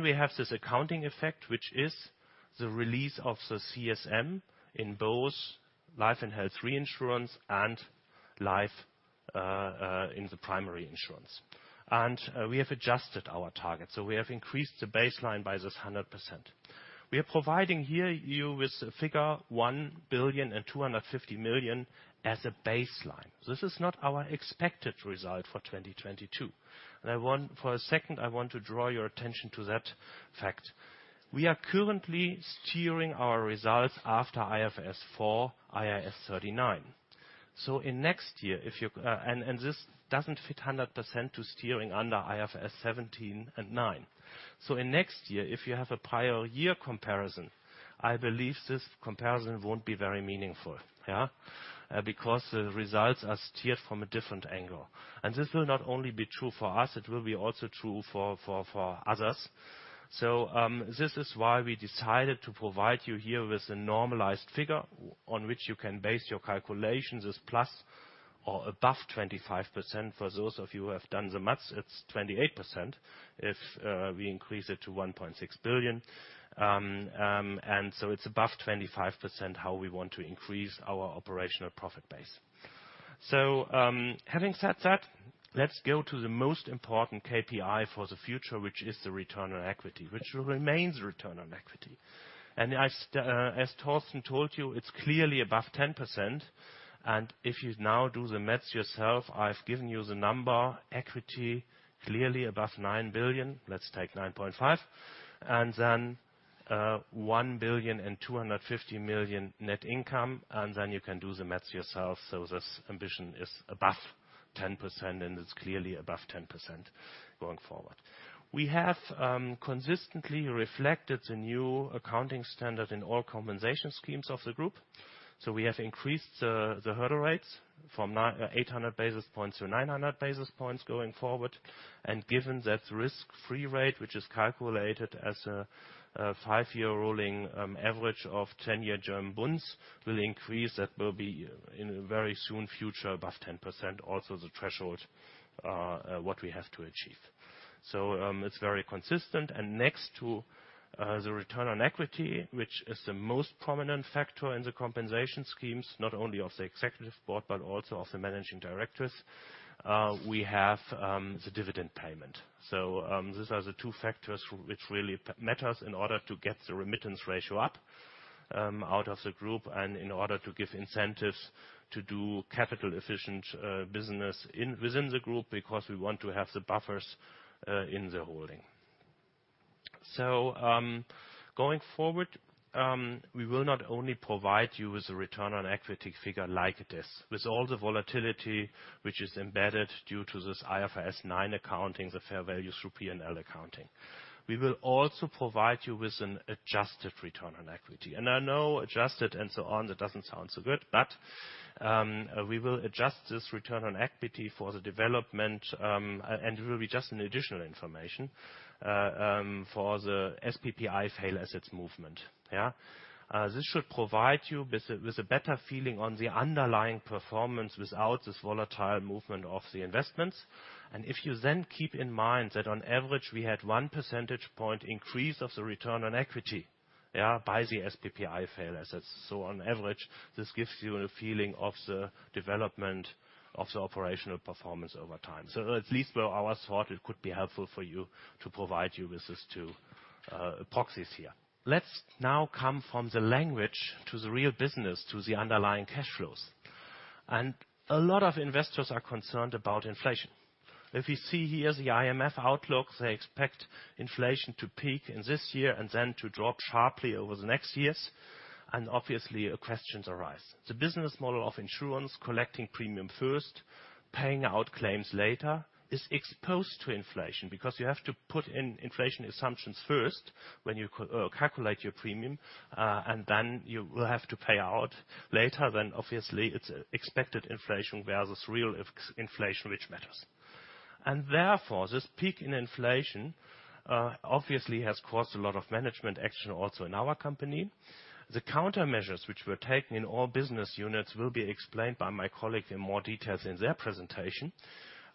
We have this accounting effect, which is the release of the CSM in both life and health reinsurance and life in the primary insurance. We have adjusted our target. We have increased the baseline by this 100%. We are providing here you with figure 1.25 billion as a baseline. This is not our expected result for 2022. I want, for a second, I want to draw your attention to that fact. We are currently steering our results after IFRS 4, IAS 39. In next year, if you, and this doesn't fit 100% to steering under IFRS 17 and 9. In next year, if you have a prior year comparison, I believe this comparison won't be very meaningful, yeah. Because the results are steered from a different angle. This will not only be true for us, it will be also true for others. This is why we decided to provide you here with a normalized figure on which you can base your calculations as plus or above 25%. For those of you who have done the maths, it's 28% if we increase it to 1.6 billion. It's above 25% how we want to increase our operational profit base. Having said that, let's go to the most important KPI for the future, which is the return on equity, which remains return on equity. As Torsten told you, it's clearly above 10%. If you now do the maths yourself, I've given you the number equity clearly above 9 billion. Let's take 9.5 billion, 1.25 billion net income, then you can do the maths yourself. This ambition is above 10%, and it's clearly above 10% going forward. We have consistently reflected the new accounting standard in all compensation schemes of the group. We have increased the hurdle rates from 800 basis points to 900 basis points going forward. Given that risk-free rate, which is calculated as a five-year rolling average of 10-year German bunds, will increase. That will be in the very soon future above 10%, also the threshold what we have to achieve. It's very consistent. Next to the return on equity, which is the most prominent factor in the compensation schemes, not only of the executive board, but also of the managing directors, we have the dividend payment. These are the two factors which really matters in order to get the remittance ratio up out of the group and in order to give incentives to do capital efficient business within the group, because we want to have the buffers in the holding. Going forward, we will not only provide you with a return on equity figure like this. With all the volatility which is embedded due to this IFRS 9 accounting, the fair value through P&L accounting. We will also provide you with an adjusted return on equity. I know adjusted and so on, that doesn't sound so good. We will adjust this return on equity for the development, and it will be just an additional information for the SPPI fail assets movement. This should provide you with a better feeling on the underlying performance without this volatile movement of the investments. If you then keep in mind that on average we had one percentage point increase of the return on equity by the SPPI fail assets. On average, this gives you a feeling of the development of the operational performance over time. At least where I thought it could be helpful for you to provide you with these two proxies here. Let's now come from the language to the real business, to the underlying cash flows. A lot of investors are concerned about inflation. If you see here the IMF outlook, they expect inflation to peak in this year and then to drop sharply over the next years. Obviously, questions arise. The business model of insurance, collecting premium first, paying out claims later, is exposed to inflation because you have to put in inflation assumptions first when you calculate your premium, and then you will have to pay out later, then obviously it's expected inflation versus real inflation which matters. Therefore, this peak in inflation, obviously has caused a lot of management action also in our company. The countermeasures which were taken in all business units will be explained by my colleague in more details in their presentation.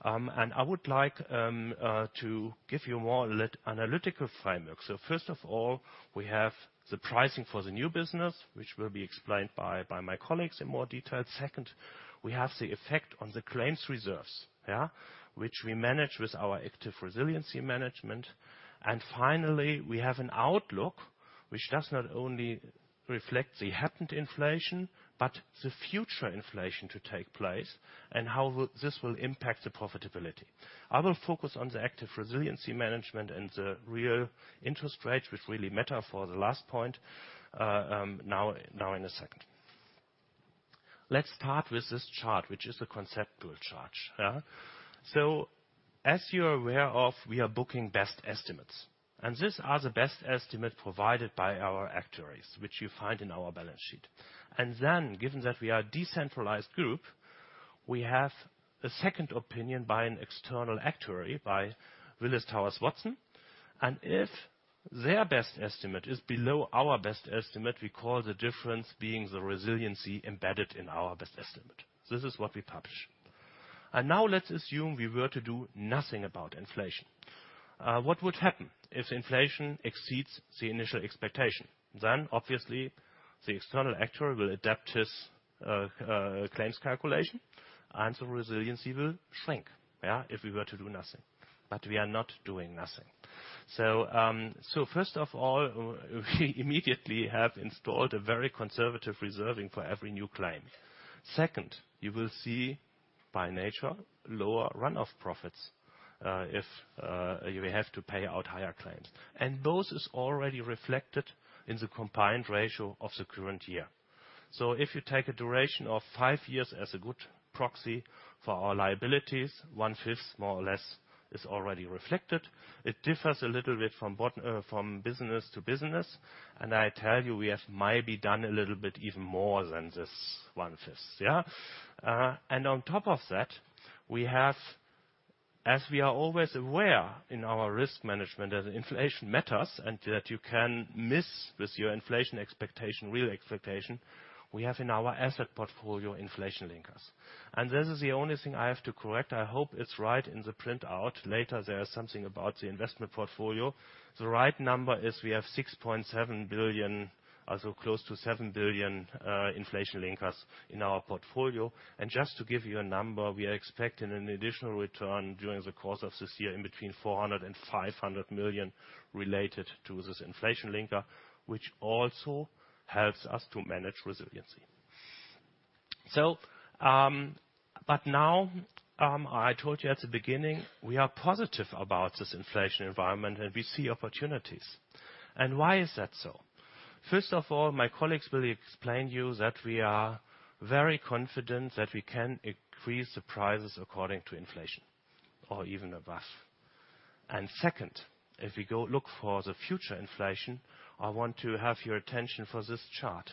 I would like to give you more analytical framework. First of all, we have the pricing for the new business, which will be explained by my colleagues in more detail. Second, we have the effect on the claims reserves, yeah, which we manage with our active resiliency management. Finally, we have an outlook which does not only reflect the happened inflation, but the future inflation to take place and how this will impact the profitability. I will focus on the active resiliency management and the real interest rate, which really matter for the last point, now in a second. Let's start with this chart, which is a conceptual chart. Yeah. As you're aware of, we are booking best estimates, and these are the best estimate provided by our actuaries, which you find in our balance sheet. Given that we are a decentralized group, we have a second opinion by an external actuary, by Willis Towers Watson. If their best estimate is below our best estimate, we call the difference being the resiliency embedded in our best estimate. This is what we publish. Now let's assume we were to do nothing about inflation. What would happen if inflation exceeds the initial expectation? Obviously, the external actuary will adapt his claims calculation and the resiliency will shrink. Yeah. If we were to do nothing. We are not doing nothing. First of all, we immediately have installed a very conservative reserving for every new claim. Second, you will see by nature lower run of profits, if you have to pay out higher claims. Those is already reflected in the combined ratio of the current year. If you take a duration of five years as a good proxy for our liabilities, 1/5 more or less is already reflected. It differs a little bit from business to business, and I tell you, we have maybe done a little bit even more than this one-fifth. On top of that, we have, as we are always aware in our risk management that inflation matters and that you can miss with your inflation expectation, real expectation, we have in our asset portfolio inflation linkers. This is the only thing I have to correct. I hope it's right in the printout. Later, there is something about the investment portfolio. The right number is we have 6.7 billion, so close to 7 billion, inflation linkers in our portfolio. Just to give you a number, we are expecting an additional return during the course of this year in between 400 million-500 million related to this inflation linker, which also helps us to manage resiliency. But now, I told you at the beginning, we are positive about this inflation environment, and we see opportunities. Why is that so? First of all, my colleagues will explain you that we are very confident that we can increase the prices according to inflation or even above. Second, if you go look for the future inflation, I want to have your attention for this chart.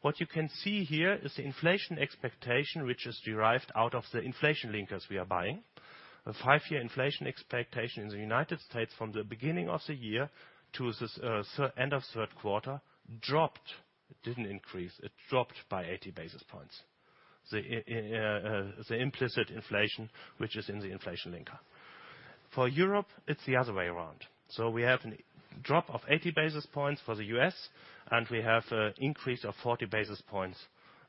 What you can see here is the inflation expectation, which is derived out of the inflation linkers we are buying. The five-year inflation expectation in the United States from the beginning of the year to this end of third quarter dropped. It didn't increase, it dropped by 80 basis points. The implicit inflation, which is in the inflation linker. For Europe, it's the other way around. We have a drop of 80 basis points for the U.S., and we have a increase of 40 basis points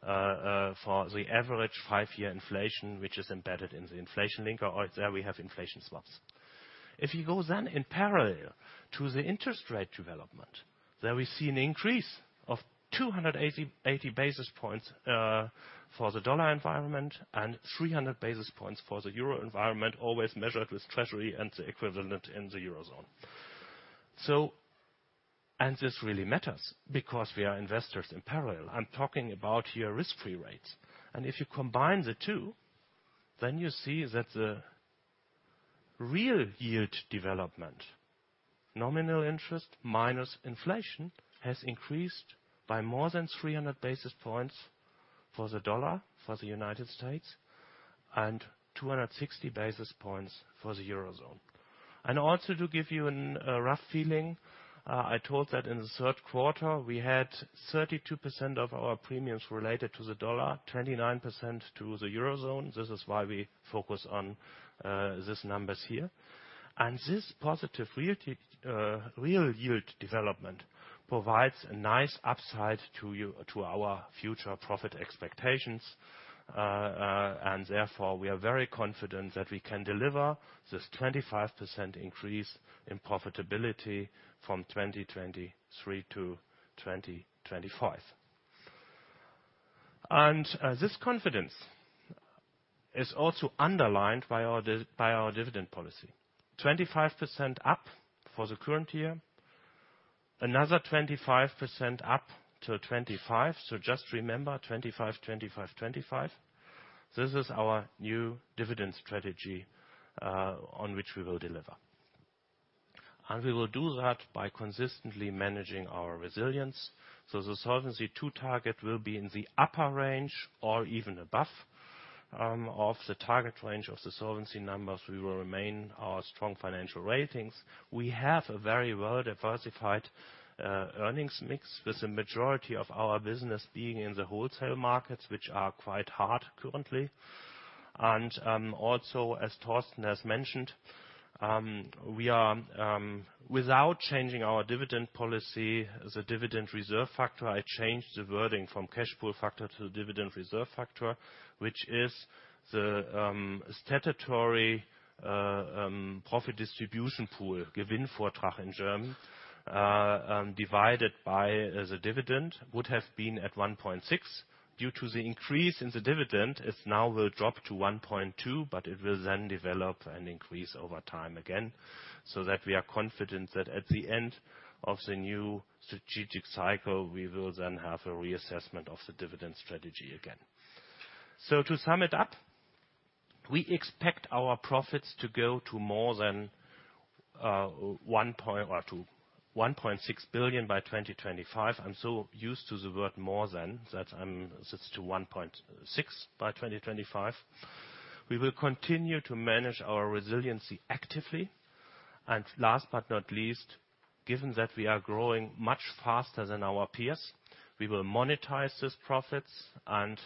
for the average five-year inflation, which is embedded in the inflation linker. There we have inflation swaps. If you go then in parallel to the interest rate development, there we see an increase of 280 basis points for the dollar environment and 300 basis points for the euro environment, always measured with Treasury and the equivalent in the Eurozone. This really matters because we are investors in parallel. I'm talking about here risk-free rates. If you combine the two, then you see that the real yield development, nominal interest minus inflation, has increased by more than 300 basis points for the dollar, for the United States, and 260 basis points for the Eurozone. Also to give you a rough feeling, I told that in the third quarter, we had 32% of our premiums related to the dollar, 29% to the Eurozone. This is why we focus on these numbers here. This positive real yield development provides a nice upside to you, to our future profit expectations. Therefore, we are very confident that we can deliver this 25% increase in profitability from 2023 to 2025. This confidence is also underlined by our dividend policy. 25% up for the current year, another 25% up till 2025. Just remember 25%, 2025. This is our new dividend strategy on which we will deliver. We will do that by consistently managing our resilience. The Solvency II target will be in the upper range or even above of the target range of the solvency numbers. We will remain our strong financial ratings. We have a very well-diversified earnings mix, with the majority of our business being in the wholesale markets, which are quite hard currently. Also, as Torsten has mentioned, we are without changing our dividend policy, the dividend reserve factor. I changed the wording from cash flow factor to dividend reserve factor, which is the statutory profit distribution pool, Gewinnvortrag in German, divided by the dividend, would have been at 1.6. Due to the increase in the dividend, it now will drop to 1.2, but it will then develop and increase over time again, so that we are confident that at the end of the new strategic cycle, we will then have a reassessment of the dividend strategy again. To sum it up, we expect our profits to go to more than 1.6 billion by 2025. I'm so used to the word more than, that's to 1.6 billion by 2025. We will continue to manage our resiliency actively. Last but not least, given that we are growing much faster than our peers, we will monetize these profits and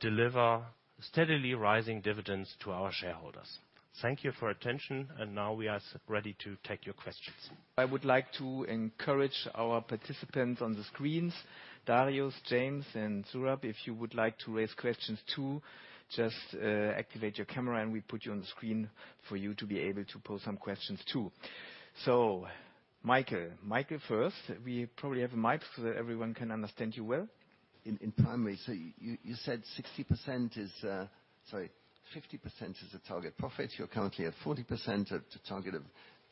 deliver steadily rising dividends to our shareholders. Thank you for attention. Now we are ready to take your questions. I would like to encourage our participants on the screens, Darius, James, and Saurabh, if you would like to raise questions too, just activate your camera, and we put you on the screen for you to be able to pose some questions too. Michael first. We probably have a mic so that everyone can understand you well. In primary, you said 60% is, sorry, 50% is the target profit. You're currently at 40% at the target of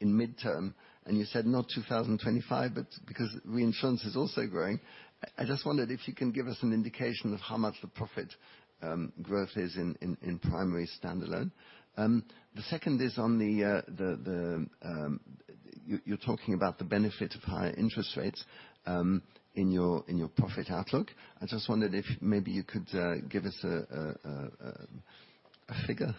in midterm, you said not 2025, because reinsurance is also growing. I just wondered if you can give us an indication of how much the profit growth is in primary standalone. The second is on the, you're talking about the benefit of higher interest rates in your profit outlook. I just wondered if maybe you could give us a figure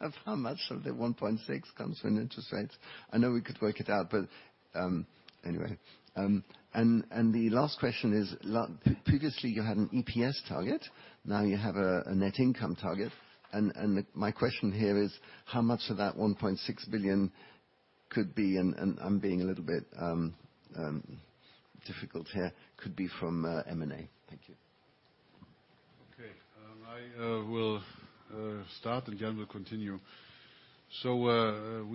of how much of the 1.6 comes from interest rates. I know we could work it out, anyway. The last question is previously you had an EPS target, now you have a net income target. My question here is how much of that 1.6 billion could be, I'm being a little bit difficult here, could be from M&A? Thank you. Okay. I will start, and Jan will continue. We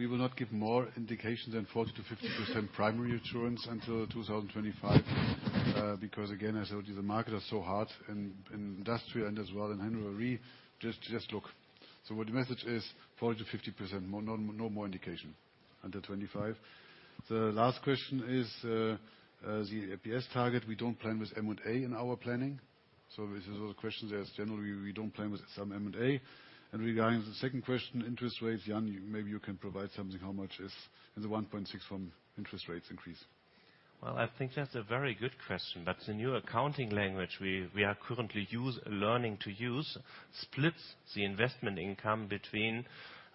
will not give more indication than 40%-50% primary insurance until 2025. Because again, as I told you, the market is so hard in industrial and as well in Hannover Re, just look. What the message is 40%-50%. More, no more indication under 25. The last question is the EPS target. We don't plan with M&A in our planning. This is all the questions as generally we don't plan with some M&A. Regarding the second question, interest rates, Jan, maybe you can provide something. How much is the 1.6 from interest rates increase? Well, I think that's a very good question. The new accounting language we are currently learning to use, splits the investment income between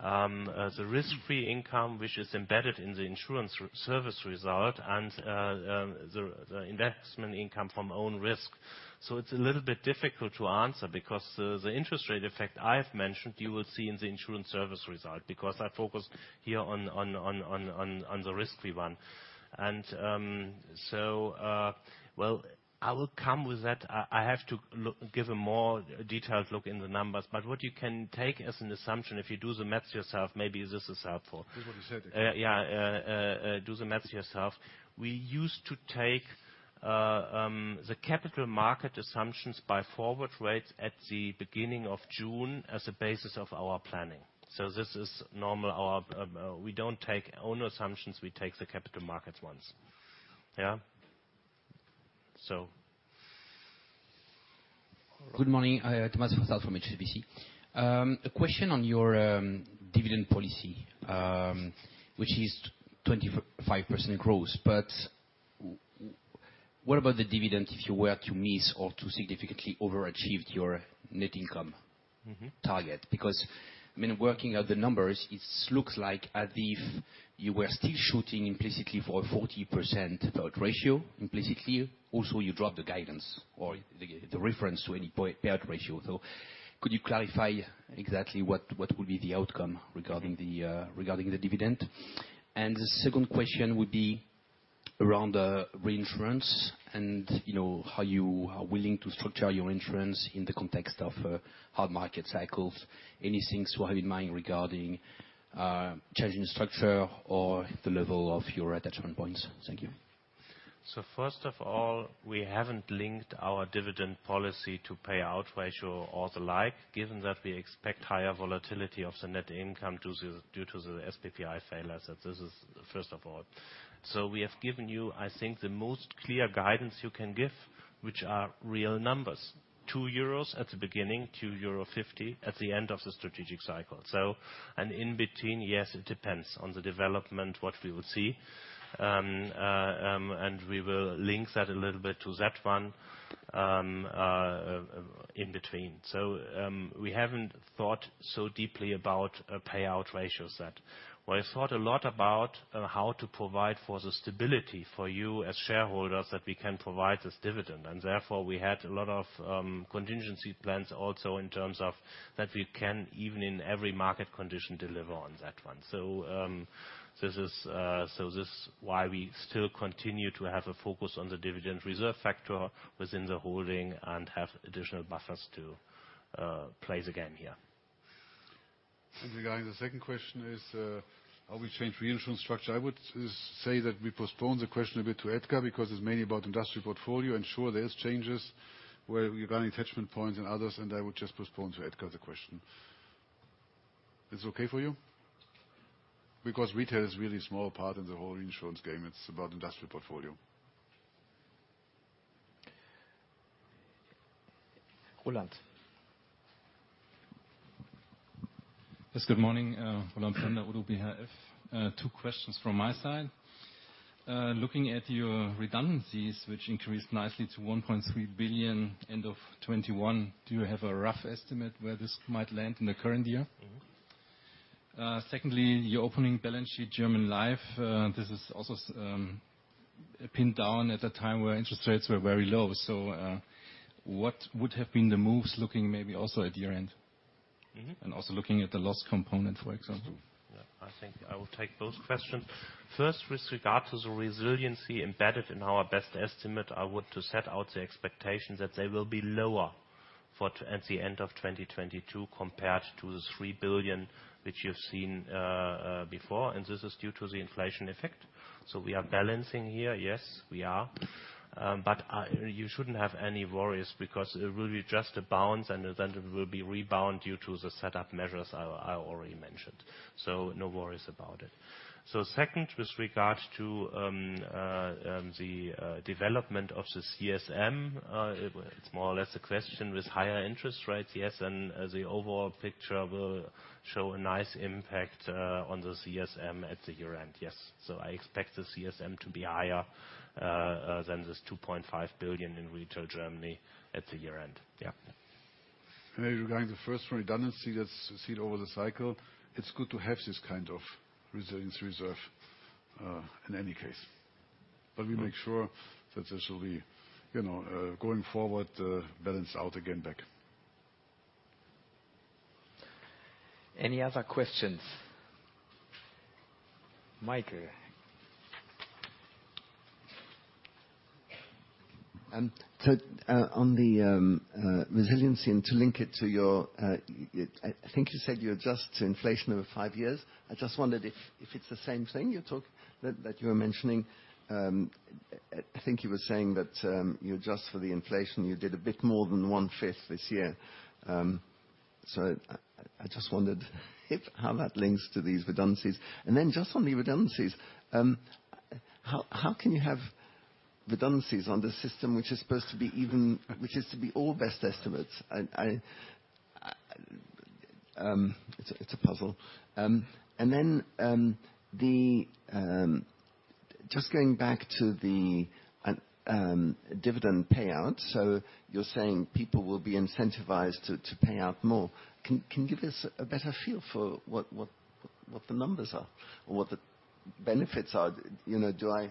the risk-free income, which is embedded in the insurance service result and the investment income from own risk. It's a little bit difficult to answer because the interest rate effect I've mentioned, you will see in the insurance service result. I focus here on the risky one. Well, I will come with that. I have to look, give a more detailed look in the numbers. What you can take as an assumption, if you do the maths yourself, maybe this is helpful. This is what he said. yourself. We used to take the capital market assumptions by forward rates at the beginning of June as a basis of our planning. This is normal. Our, we don't take owner assumptions, we take the capital markets ones. Yeah Good morning. Thomas Fossard from HSBC. A question on your dividend policy, which is 25% growth. What about the dividend if you were to miss or to significantly overachieved your net income target? I mean, working out the numbers, it's looks like as if you were still shooting implicitly for a 40% payout ratio, implicitly. Also, you dropped the guidance or the reference to any payout ratio. Could you clarify exactly what will be the outcome regarding the dividend? The second question would be around the reinsurance and, you know, how you are willing to structure your insurance in the context of hard market cycles. Anything to have in mind regarding changing the structure or the level of your attachment points? Thank you. First of all, we haven't linked our dividend policy to payout ratio or the like, given that we expect higher volatility of the net income due to the SPPI sale. This is first of all. We have given you, I think, the most clear guidance you can give, which are real numbers. 2 euros at the beginning, 2.50 euro at the end of the strategic cycle. In between, yes, it depends on the development, what we will see. And we will link that a little bit to that one in between. We haven't thought so deeply about payout ratios yet. We thought a lot about how to provide for the stability for you as shareholders that we can provide this dividend. We had a lot of contingency plans also in terms of that we can, even in every market condition, deliver on that one. This is why we still continue to have a focus on the dividend reserve factor within the holding and have additional buffers to play the game here. Regarding the second question is, how we change reinsurance structure. I would say that we postpone the question a bit to Edgar, because it's mainly about industrial portfolio. Sure, there is changes where regarding attachment points and others, I would just postpone to Edgar the question. Is this okay for you? Because retail is really a small part in the whole reinsurance game. It's about industrial portfolio. Roland. Yes. Good morning. Roland Pfaender, Oddo BHF. Two questions from my side. Looking at your redundancies, which increased nicely to 1.3 billion end of 2021, do you have a rough estimate where this might land in the current year? Secondly, your opening balance sheet, German Life, this is also pinned down at a time where interest rates were very low. What would have been the moves looking maybe also at year-end? Also looking at the loss component, for example. Yeah. I think I will take both questions. First, with regard to the resiliency embedded in our best estimate, I want to set out the expectation that they will be lower for, at the end of 2022 compared to the 3 billion which you've seen before. This is due to the inflation effect. We are balancing here. Yes, we are. But you shouldn't have any worries because it will be just a bounce, and then it will be rebound due to the setup measures I already mentioned. No worries about it. Second, with regards to the development of the CSM, it's more or less a question with higher interest rates. Yes. The overall picture will show a nice impact on the CSM at the year-end. Yes. I expect the CSM to be higher than this 2.5 billion in Retail Germany at the year-end. Yeah. Regarding the first one, redundancy, that's seen over the cycle. It's good to have this kind of resilience reserve in any case. We make sure that this will be, you know, going forward, balance out again back. Any other questions? Michael. On the resiliency and to link it to your, I think you said you adjust to inflation over five years. I just wondered if it's the same thing you talk, that you were mentioning. I think you were saying that you adjust for the inflation. You did a bit more than 1/5 this year. I just wondered if, how that links to these redundancies. Just on the redundancies, can you have redundancies on the system which is supposed to be even, which is to be all best estimates? It's a puzzle. Just going back to the dividend payout. You're saying people will be incentivized to pay out more. Can you give us a better feel for what the numbers are or what the benefits are? You know, do I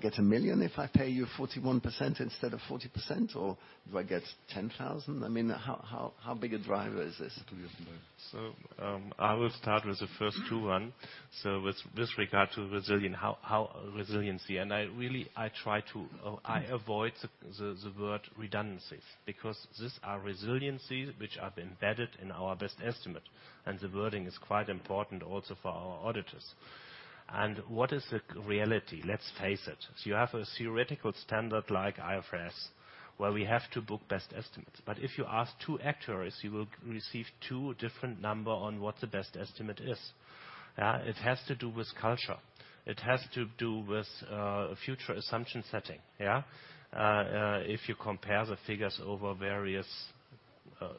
get 1 million if I pay you 41% instead of 40%? Or do I get 10,000? I mean, how big a driver is this? I will start with the first two one. With this regard to resilient, how resiliency. I really, I try to avoid the word redundancies, because these are resiliencies which are embedded in our best estimate. The wording is quite important also for our auditors. What is the reality? Let's face it. You have a theoretical standard like IFRS, where we have to book best estimates. If you ask two actuaries, you will receive two different number on what the best estimate is. It has to do with culture. It has to do with future assumption setting, yeah. If you compare the figures over various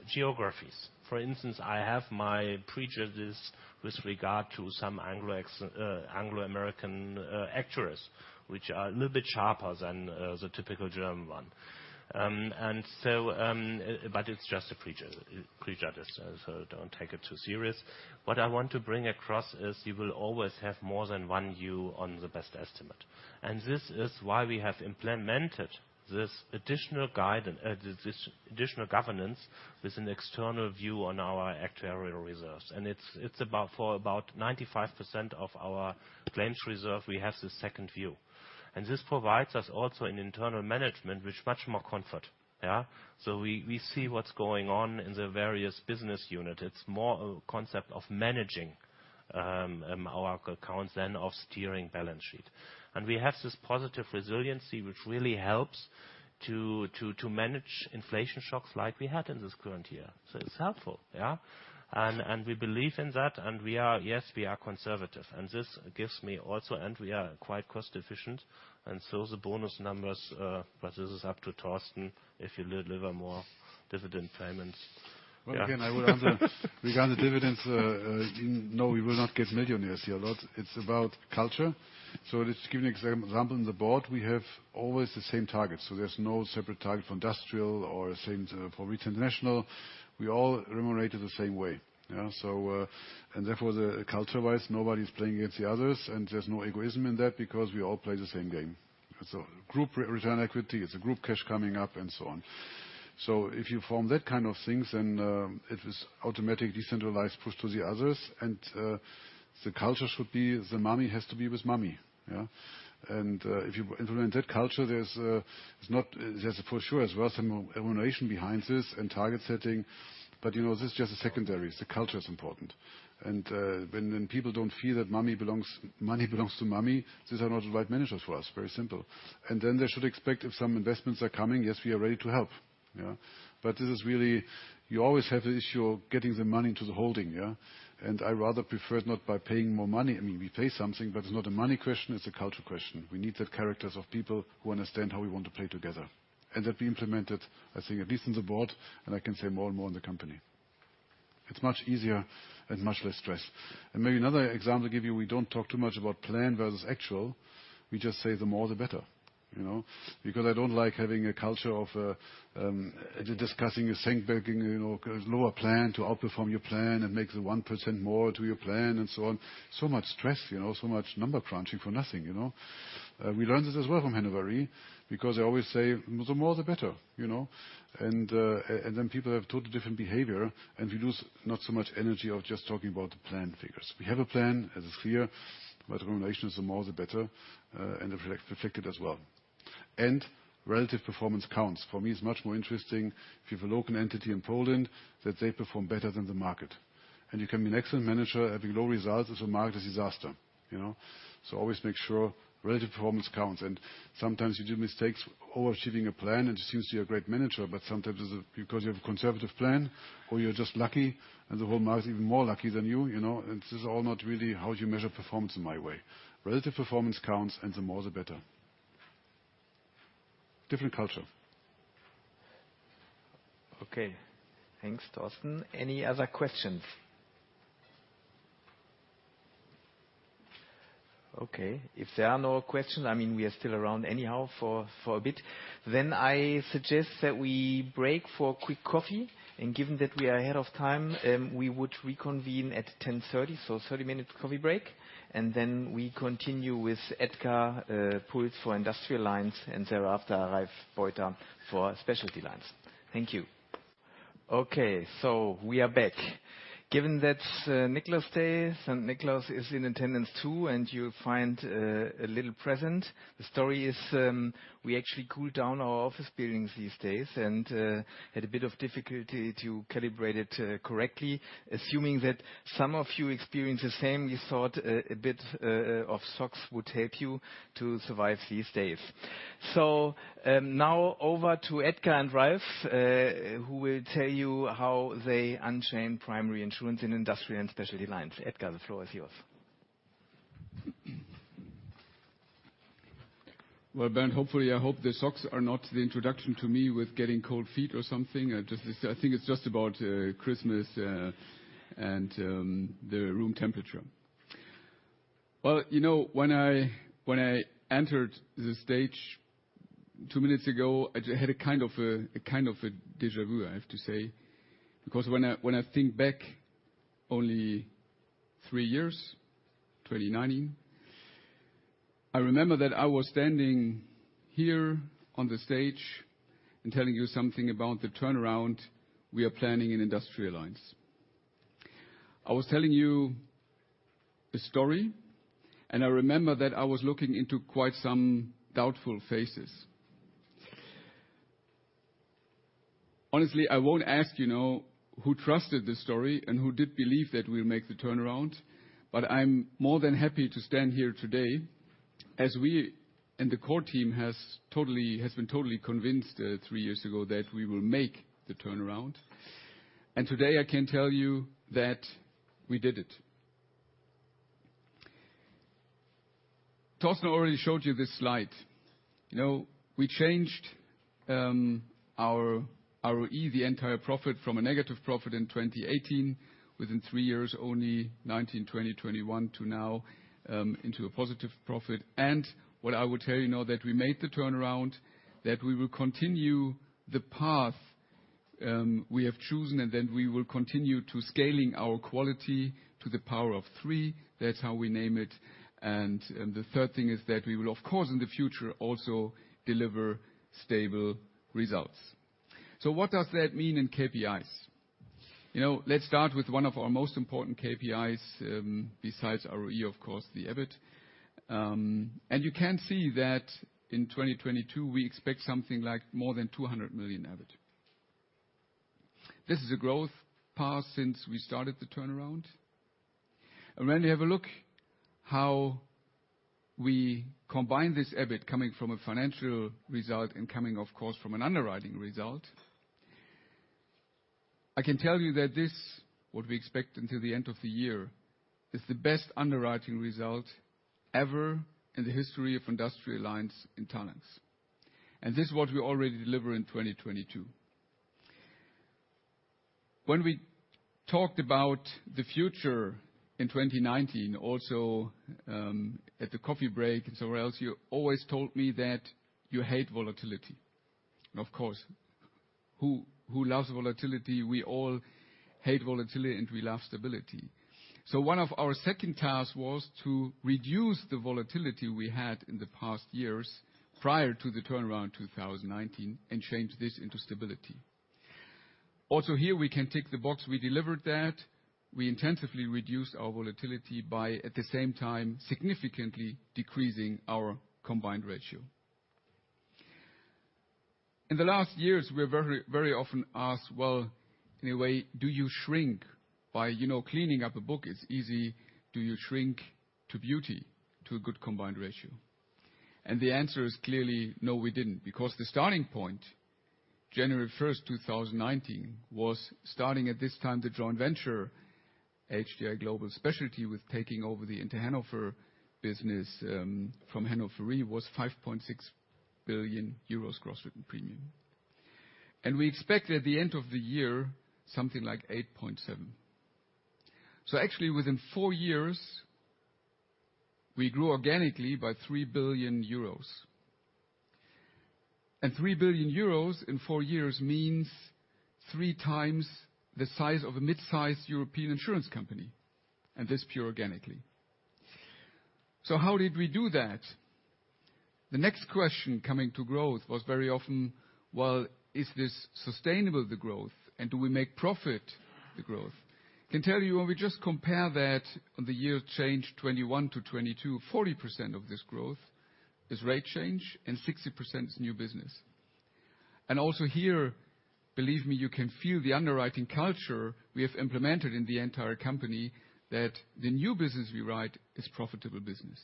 geographies. For instance, I have my prejudices with regard to some Anglo-American actuaries, which are a little bit sharper than the typical German one. but it's just a prejudice, so don't take it too serious. What I want to bring across is you will always have more than one view on the best estimate. This is why we have implemented this additional guidance, this additional governance with an external view on our actuarial reserves. It's about, for about 95% of our claims reserve, we have the second view. This provides us also an internal management with much more comfort. We, we see what's going on in the various business unit. It's more a concept of managing our accounts than of steering balance sheet. We have this positive resiliency, which really helps to manage inflation shocks like we had in this current year. It's helpful, yeah. We believe in that. We are, yes, we are conservative. This gives me also, we are quite cost efficient. The bonus numbers, but this is up to Torsten, if you deliver more dividend payments. Yeah. Again, I will answer. Regarding the dividends, no, we will not get millionaires here. It's about culture. Let's give you an example. In the board, we have always the same target. There's no separate target for Industrial or same for Retail International. We all remunerated the same way. Yeah. Therefore, the culture-wise, nobody's playing against the others, and there's no egoism in that because we all play the same game. Group re-return equity, it's a group cash coming up and so on. If you form that kind of things, it is automatic, decentralized push to the others. The culture should be the money has to be with mummy, yeah. If you implement that culture, there's for sure as well some remuneration behind this and target setting. You know, this is just a secondary. The culture is important. When people don't feel that money belongs, money belongs to mummy, these are not the right managers for us. Very simple. Then they should expect if some investments are coming, yes, we are ready to help. Yeah. This is really, you always have the issue of getting the money into the holding, yeah. I rather prefer it not by paying more money. I mean, we pay something, but it's not a money question, it's a culture question. We need the characters of people who understand how we want to play together. That we implemented, I think, at least in the board, and I can say more and more in the company. It's much easier and much less stress. Maybe another example to give you, we don't talk too much about plan versus actual. We just say the more, the better. You know? I don't like having a culture of discussing a sandbagging, you know, lower plan to outperform your plan and make the 1% more to your plan and so on. Much stress, you know. Much number crunching for nothing, you know. We learned this as well from Hannover Re, because they always say, "The more, the better." You know? People have totally different behavior, and we lose not so much energy of just talking about the plan figures. We have a plan, it is clear, but remuneration is the more, the better, and reflected as well. Relative performance counts. For me, it's much more interesting if you have a local entity in Poland that they perform better than the market. You can be an excellent manager having low results as a market disaster. You know? Always make sure relative performance counts. Sometimes you do mistakes overachieving a plan, and it seems to be a great manager. Sometimes it's because you have a conservative plan or you're just lucky, and the whole market is even more lucky than you know. This is all not really how you measure performance in my way. Relative performance counts, and the more, the better. Different culture. Okay. Thanks, Torsten. Any other questions? Okay. If there are no questions, I mean, we are still around anyhow for a bit. I suggest that we break for quick coffee. Given that we are ahead of time, we would reconvene at 10:30 A.M. 30 minutes coffee break. We continue with Edgar Puls for industrial lines, and thereafter Ralph Beutter for specialty lines. Thank you. Okay, we are back. Given that it's Saint Nicholas Day, Saint Nicholas is in attendance too, and you find a little present. The story is, we actually cool down our office buildings these days and had a bit of difficulty to calibrate it correctly. Assuming that some of you experience the same, we thought a bit of socks would help you to survive these days. Now over to Edgar and Ralph, who will tell you how they unchain primary insurance in Industrial and Specialty Lines. Edgar, the floor is yours. Bernd, hopefully, I hope the socks are not the introduction to me with getting cold feet or something. I think it's just about Christmas and the room temperature. You know, when I, when I entered the stage two minutes ago, I just had a kind of a deja vu, I have to say, because when I, when I think back only three years, 2019, I remember that I was standing here on the stage and telling you something about the turnaround we are planning in Industrial Lines. I was telling you a story. I remember that I was looking into quite some doubtful faces. Honestly, I won't ask, you know, who trusted the story and who did believe that we'll make the turnaround, but I'm more than happy to stand here today as we and the core team has been totally convinced three years ago that we will make the turnaround. Today I can tell you that we did it. Torsten already showed you this slide. You know, we changed our ROE, the entire profit, from a negative profit in 2018 within three years only, 2019, 2020, 2021 to now, into a positive profit. What I will tell you now that we made the turnaround, that we will continue the path we have chosen, and then we will continue to scaling our quality to the power of three. That's how we name it. The third thing is that we will, of course, in the future, also deliver stable results. What does that mean in KPIs? You know, let's start with one of our most important KPIs, besides ROE, of course, the EBIT. You can see that in 2022, we expect something like more than 200 million EBIT. This is a growth path since we started the turnaround. When you have a look how we combine this EBIT coming from a financial result and coming, of course, from an underwriting result, I can tell you that this, what we expect until the end of the year, is the best underwriting result ever in the history of Industrial Lines in Talanx. This is what we already deliver in 2022. When we talked about the future in 2019, also, at the coffee break and somewhere else, you always told me that you hate volatility. Of course, who loves volatility? We all hate volatility, and we love stability. One of our second tasks was to reduce the volatility we had in the past years prior to the turnaround in 2019 and change this into stability. Here we can tick the box. We delivered that. We intensively reduced our volatility by, at the same time, significantly decreasing our combined ratio. In the last years, we are very, very often asked, well, in a way, do you shrink by, you know, cleaning up a book? It's easy. Do you shrink to beauty, to a good combined ratio? The answer is clearly, no, we didn't. The starting point, January 1st, 2019, the joint venture, HDI Global Specialty, with taking over the Inter Hannover business from Hannover Re, was 5.6 billion euros gross written premium. We expect at the end of the year something like 8.7 billion. Actually, within four years, we grew organically by 3 billion euros. 3 billion euros in four years means three times the size of a mid-size European insurance company, and this pure organically. How did we do that? The next question coming to growth was very often, well, is this sustainable, the growth, and do we make profit, the growth? Can tell you when we just compare that on the year change 2021 to 2022, 40% of this growth is rate change and 60% is new business. Also here, believe me, you can feel the underwriting culture we have implemented in the entire company that the new business we write is profitable business.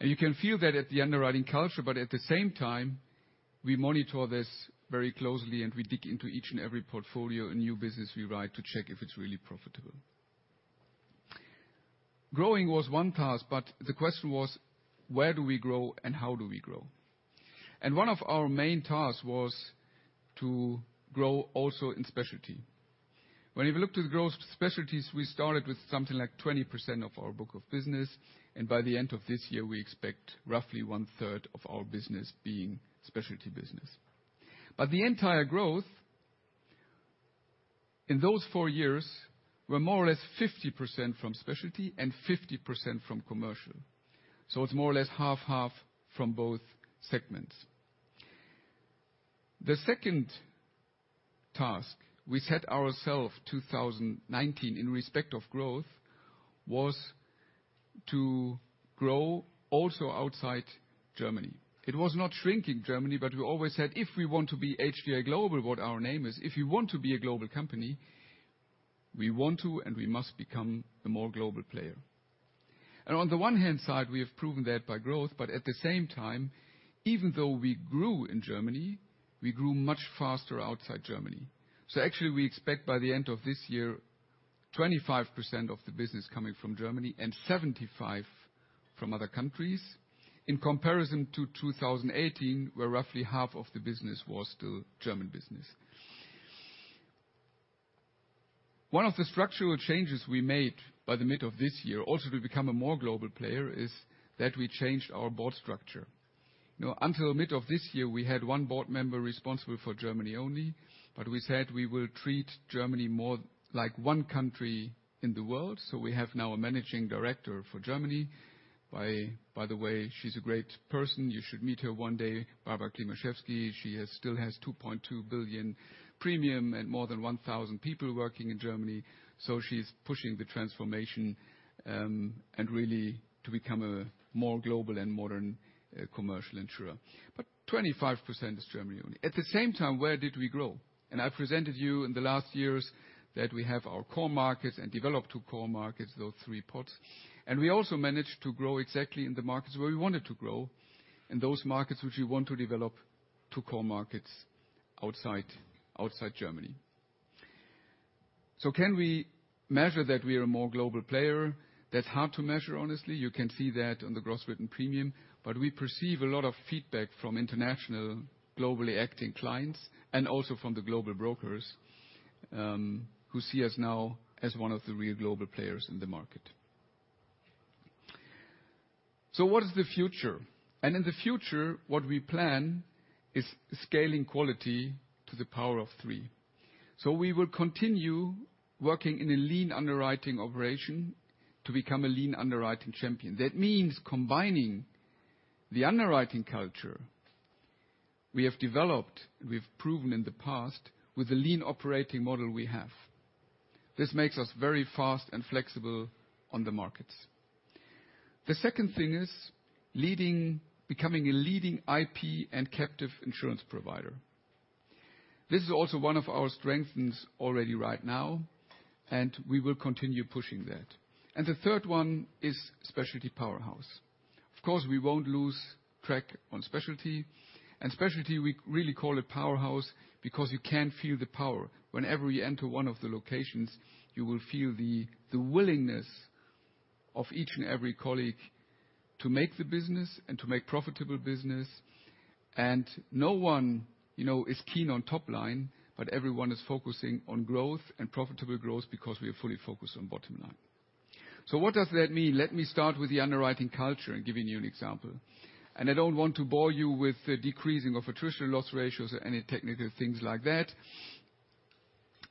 You can feel that at the underwriting culture, but at the same time, we monitor this very closely, and we dig into each and every portfolio and new business we write to check if it's really profitable. Growing was one task, but the question was, where do we grow and how do we grow? One of our main tasks was to grow also in specialty. When we looked at growth specialties, we started with something like 20% of our book of business, and by the end of this year, we expect roughly one-third of our business being specialty business. The entire growth-In those four years, we're more or less 50% from specialty and 50% from commercial. It's more or less half from both segments. The second task we set ourselves 2019 in respect of growth was to grow also outside Germany. We always said, "If we want to be HDI Global, what our name is, if you want to be a global company, we want to and we must become a more global player." On the one-hand side, we have proven that by growth, but at the same time, even though we grew in Germany, we grew much faster outside Germany. Actually we expect by the end of this year, 25% of the business coming from Germany and 75% from other countries. In comparison to 2018, where roughly half of the business was still German business. One of the structural changes we made by the mid of this year, also to become a more global player, is that we changed our board structure. You know, until mid of this year, we had one board member responsible for Germany only. We said we will treat Germany more like one country in the world, so we have now a managing director for Germany. By the way, she's a great person. You should meet her one day, Barbara Klimaszewski. She still has 2.2 billion premium and more than 1,000 people working in Germany. She's pushing the transformation and really to become a more global and modern commercial insurer. 25% is Germany only. At the same time, where did we grow? I presented you in the last years that we have our core markets and developed two core markets, those three pots. We also managed to grow exactly in the markets where we wanted to grow and those markets which we want to develop to core markets outside Germany. Can we measure that we are a more global player? That's hard to measure, honestly. You can see that on the gross written premium. We perceive a lot of feedback from international globally acting clients and also from the global brokers, who see us now as one of the real global players in the market. What is the future? In the future, what we plan is scaling quality to the power of three. We will continue working in a lean underwriting operation to become a lean underwriting champion. That means combining the underwriting culture we have developed, we've proven in the past, with the lean operating model we have. This makes us very fast and flexible on the markets. The second thing is leading, becoming a leading IP and captive insurance provider. This is also one of our strengths already right now, we will continue pushing that. The third one is specialty powerhouse. Of course, we won't lose track on specialty. Specialty, we really call it powerhouse because you can feel the power. Whenever you enter one of the locations, you will feel the willingness of each and every colleague to make the business and to make profitable business. No one, you know, is keen on top line, but everyone is focusing on growth and profitable growth because we are fully focused on bottom line. What does that mean? Let me start with the underwriting culture and giving you an example. I don't want to bore you with the decreasing of attritional loss ratios or any technical things like that.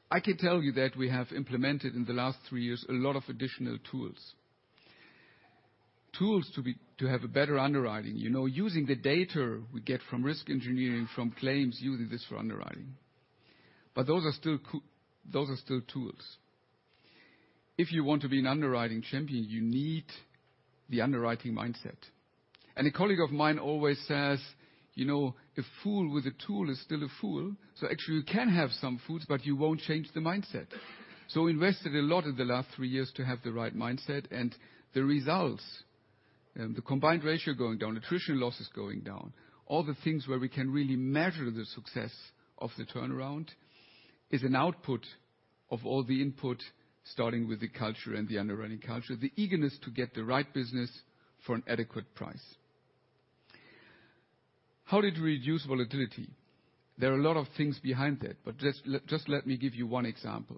I can tell you that we have implemented in the last three years a lot of additional tools. Tools to be, to have a better underwriting. You know, using the data we get from risk engineering, from claims, using this for underwriting. Those are still tools. If you want to be an underwriting champion, you need the underwriting mindset. A colleague of mine always says, "You know, a fool with a tool is still a fool." Actually, you can have some fools, but you won't change the mindset. We invested a lot in the last three years to have the right mindset and the results, the combined ratio going down, attritional losses going down, all the things where we can really measure the success of the turnaround is an output of all the input, starting with the culture and the underwriting culture. The eagerness to get the right business for an adequate price. How did we reduce volatility? There are a lot of things behind it, but just let me give you one example.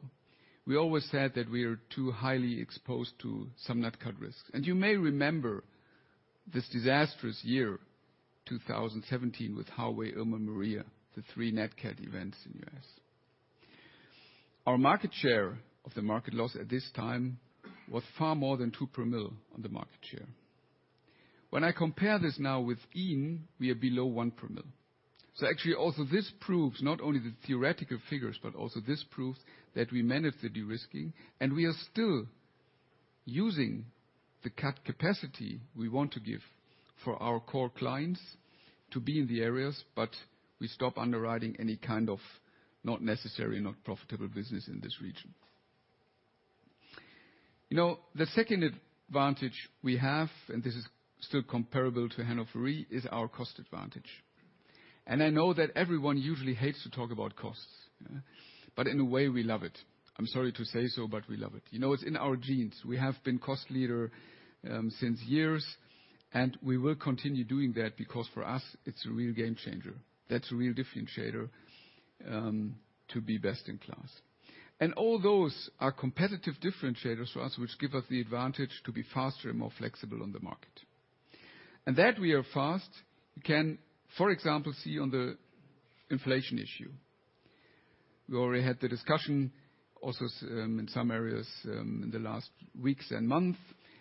We always said that we are too highly exposed to some NatCat risks. You may remember this disastrous year, 2017, with Harvey, Irma, Maria, the three NatCat events in U.S. Our market share of the market loss at this time was far more than two per mil on the market share. When I compare this now with Ian, we are below one per mil. Actually, also this proves not only the theoretical figures, but also this proves that we managed the de-risking, and we are still using the cat capacity we want to give for our core clients to be in the areas, but we stop underwriting any kind of not necessary, not profitable business in this region. You know, the second advantage we have, and this is still comparable to Hannover Re, is our cost advantage. I know that everyone usually hates to talk about costs, but in a way we love it. I'm sorry to say so, but we love it. You know, it's in our genes. We have been cost leader, since years, and we will continue doing that because for us it's a real game changer. That's a real differentiator to be best in class. All those are competitive differentiators for us, which give us the advantage to be faster and more flexible on the market. That we are fast, you can, for example, see on the inflation issue. We already had the discussion also in some areas in the last weeks and months.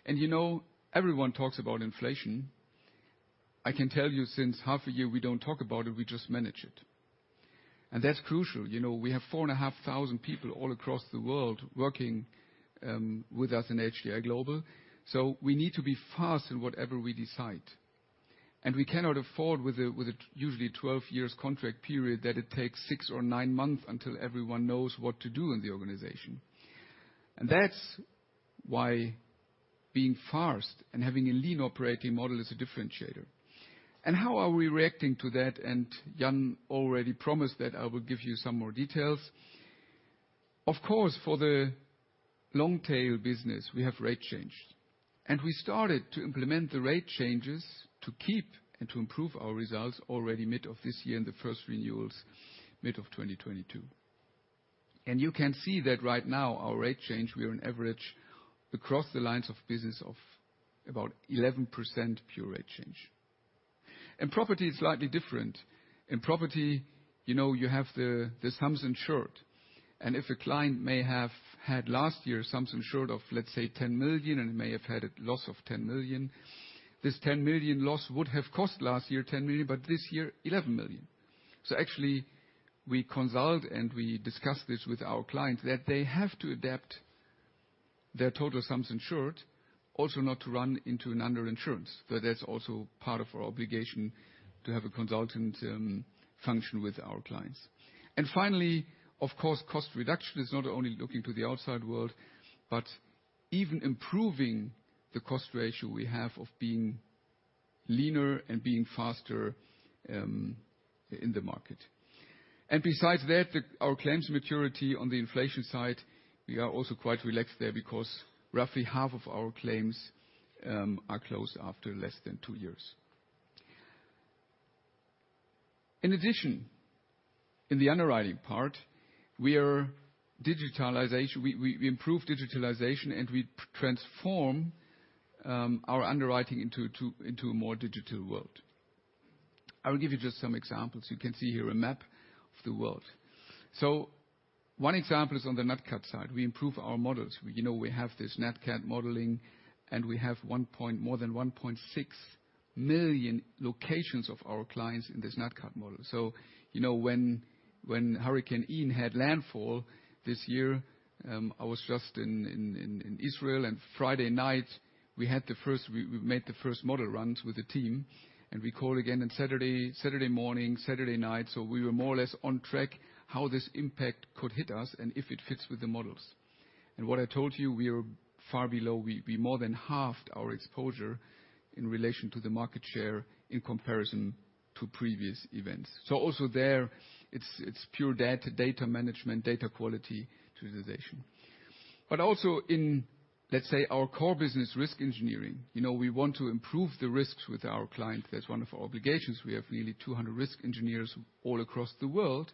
You know, everyone talks about inflation. I can tell you since half a year, we don't talk about it, we just manage it. That's crucial. You know, we have 4,500 people all across the world working with us in HDI Global. We need to be fast in whatever we decide. We cannot afford with a usually 12 years contract period that it takes six or nine months until everyone knows what to do in the organization. That's why being fast and having a lean operating model is a differentiator. How are we reacting to that? Jan already promised that I would give you some more details. Of course, for the long tail business, we have rate changed. We started to implement the rate changes to keep and to improve our results already mid of this year in the first renewals, mid of 2022. You can see that right now our rate change, we are on average across the lines of business of about 11% pure rate change. In property, it's slightly different. In property, you know, you have the sums insured. If a client may have had last year sums insured of, let's say, 10 million, and may have had a loss of 10 million, this 10 million loss would have cost last year 10 million, but this year 11 million. Actually we consult and we discuss this with our clients that they have to adapt their total sums insured also not to run into an under insurance. That's also part of our obligation to have a consultant function with our clients. Finally, of course, cost reduction is not only looking to the outside world, but even improving the cost ratio we have of being leaner and being faster in the market. Besides that, our claims maturity on the inflation side, we are also quite relaxed there because roughly half of our claims are closed after less than two years. In addition, in the underwriting part, we improve digitalization and we transform our underwriting into a more digital world. I will give you just some examples. You can see here a map of the world. One example is on the NatCat side. We improve our models. You know, we have this NatCat modeling, and we have more than 1.6 million locations of our clients in this NatCat model. You know, when Hurricane Ian had landfall this year, I was just in Israel. Friday night, we made the first model runs with the team, and we call again on Saturday morning, Saturday night. We were more or less on track how this impact could hit us and if it fits with the models. What I told you, we are far below. We more than halved our exposure in relation to the market share in comparison to previous events. Also there, it's pure data management, data quality utilization. Also in, let's say, our core business risk engineering, you know, we want to improve the risks with our clients. That's one of our obligations. We have nearly 200 risk engineers all across the world.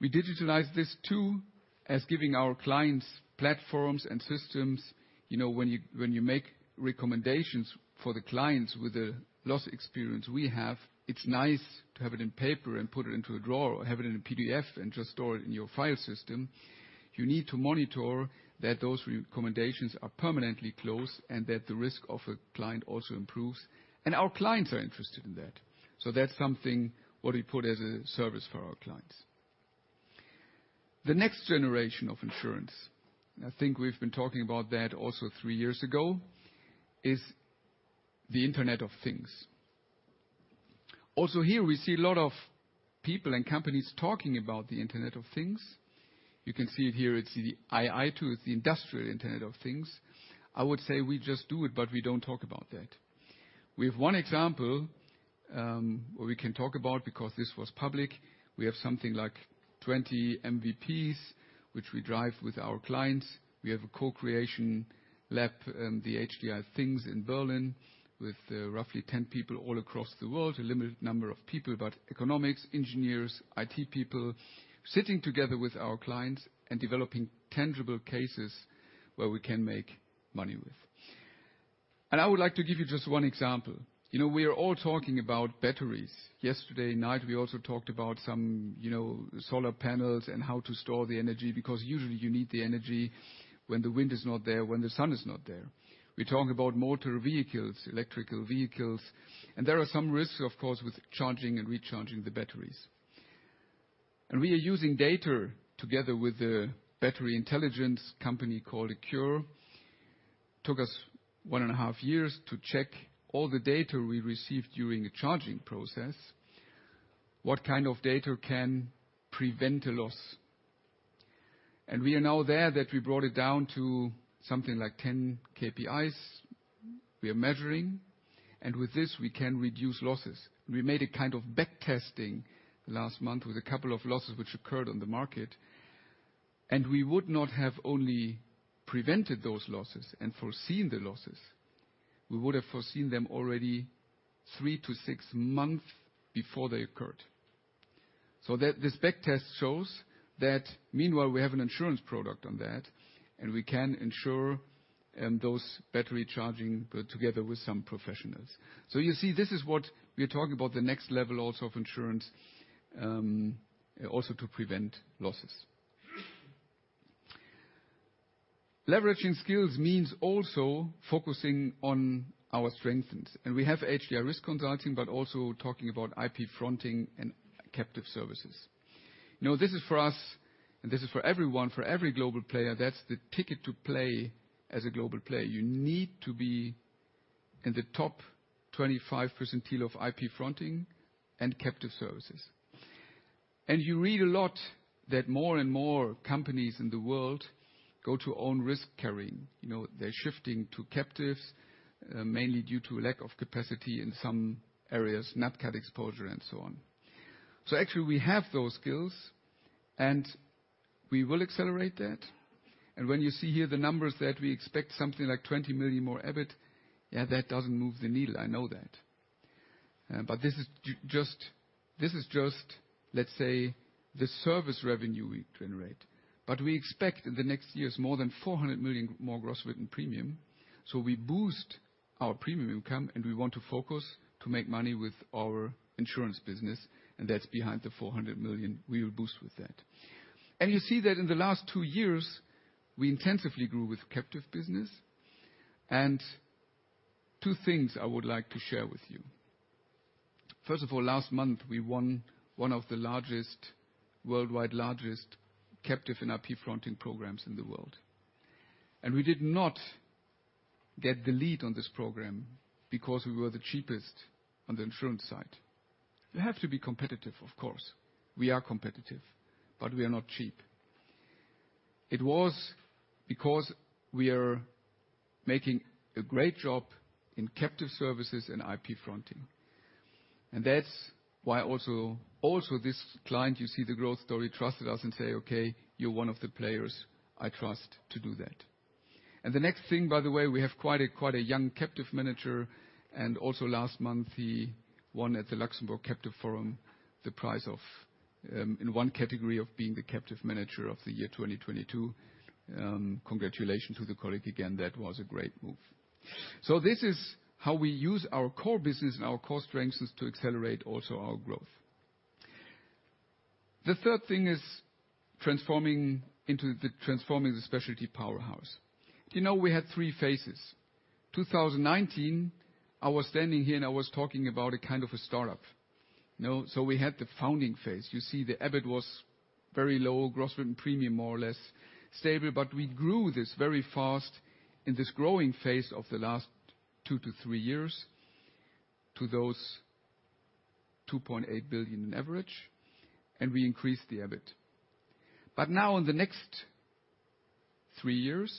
We digitalize this too as giving our clients platforms and systems. You know, when you, when you make recommendations for the clients with the loss experience we have, it's nice to have it in paper and put it into a drawer or have it in a PDF and just store it in your file system. You need to monitor that those recommendations are permanently closed and that the risk of a client also improves. Our clients are interested in that. That's something what we put as a service for our clients. The next generation of insurance, I think we've been talking about that also three years ago, is the Internet of Things. Also here we see a lot of people and companies talking about the Internet of Things. You can see it here. It's the II to the Industrial Internet of Things. I would say we just do it, we don't talk about that. We have one example where we can talk about because this was public. We have something like 20 MVPs, which we drive with our clients. We have a co-creation lab, the HDI TH!NX in Berlin with roughly 10 people all across the world. A limited number of people, but economics, engineers, IT people, sitting together with our clients and developing tangible cases where we can make money with. I would like to give you just one example. You know, we are all talking about batteries. Yesterday night, we also talked about some, you know, solar panels and how to store the energy, because usually you need the energy when the wind is not there, when the sun is not there. We talk about motor vehicles, electrical vehicles, and there are some risks of course with charging and recharging the batteries. We are using data together with a battery intelligence company called ACCURE. Took us one and a half years to check all the data we received during the charging process. What kind of data can prevent a loss? We are now there that we brought it down to something like 10 KPIs we are measuring. With this, we can reduce losses. We made a kind of back testing last month with a couple of losses which occurred on the market, and we would not have only prevented those losses and foreseen the losses. We would have foreseen them already three to six months before they occurred. This back test shows that meanwhile we have an insurance product on that, and we can insure those battery charging together with some professionals. You see, this is what we are talking about, the next level also of insurance, also to prevent losses. Leveraging skills means also focusing on our strengths. We have HDI Risk Consulting, but also talking about IP fronting and captive services. You know, this is for us, and this is for everyone, for every global player, that's the ticket to play as a global player. You need to be in the top 25 percentile of IP fronting and captive services. You read a lot that more and more companies in the world go to own risk-carrying. You know, they're shifting to captives, mainly due to lack of capacity in some areas, NatCat exposure and so on. Actually we have those skills, and we will accelerate that. When you see here the numbers that we expect something like 20 million more EBIT, yeah, that doesn't move the needle, I know that. This is just, let's say, the service revenue we generate. We expect in the next years more than 400 million more gross written premium. We boost our premium income, and we want to focus to make money with our insurance business, and that's behind the 400 million we will boost with that. You see that in the last two years, we intensively grew with captive business. Two things I would like to share with you. First of all, last month, we won one of the largest, worldwide largest captive and IP fronting programs in the world. We did not get the lead on this program because we were the cheapest on the insurance side. You have to be competitive, of course. We are competitive, but we are not cheap. It was because we are making a great job in captive services and IP fronting. That's why also this client, you see the growth story, trusted us and say, "Okay, you're one of the players I trust to do that." The next thing, by the way, we have quite a young captive manager, and also last month, he won at the Luxembourg Captive Forum the prize of in one category of being the captive manager of the year 2022. Congratulation to the colleague again, that was a great move. This is how we use our core business and our core strengths is to accelerate also our growth. The third thing is transforming the specialty powerhouse. You know, we had three phases. 2019, I was standing here, and I was talking about a kind of a startup. You know, we had the founding phase. You see the EBIT was very low, gross written premium, more or less stable, but we grew this very fast in this growing phase of the last two to three years to those 2.8 billion in average, and we increased the EBIT. Now in the next three years,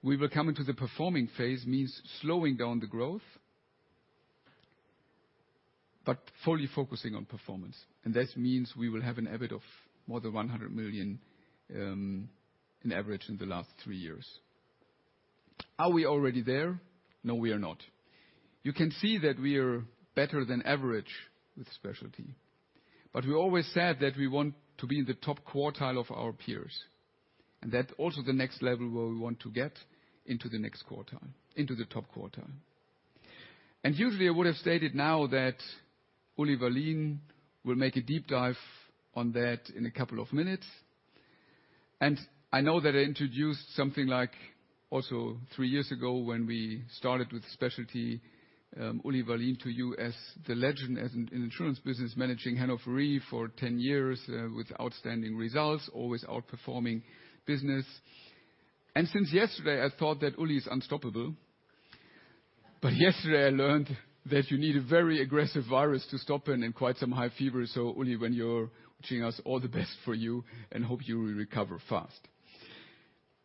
we will come into the performing phase, means slowing down the growth, but fully focusing on performance. That means we will have an EBIT of more than 100 million in average in the last three years. Are we already there? No, we are not. You can see that we are better than average with specialty, we always said that we want to be in the top quartile of our peers. That also the next level where we want to get into the next quartile, into the top quartile. Usually, I would have stated now that Ulrich Wallin will make a deep dive on that in a couple of minutes. I know that I introduced something like also three years ago when we started with specialty, Ulrich Wallin to you as the legend as in insurance business, managing Hannover Re for 10 years with outstanding results, always outperforming business. Since yesterday, I thought that Ulrich is unstoppable. Yesterday I learned that you need a very aggressive virus to stop him and quite some high fever. Ulrich, when you're watching us, all the best for you and hope you will recover fast.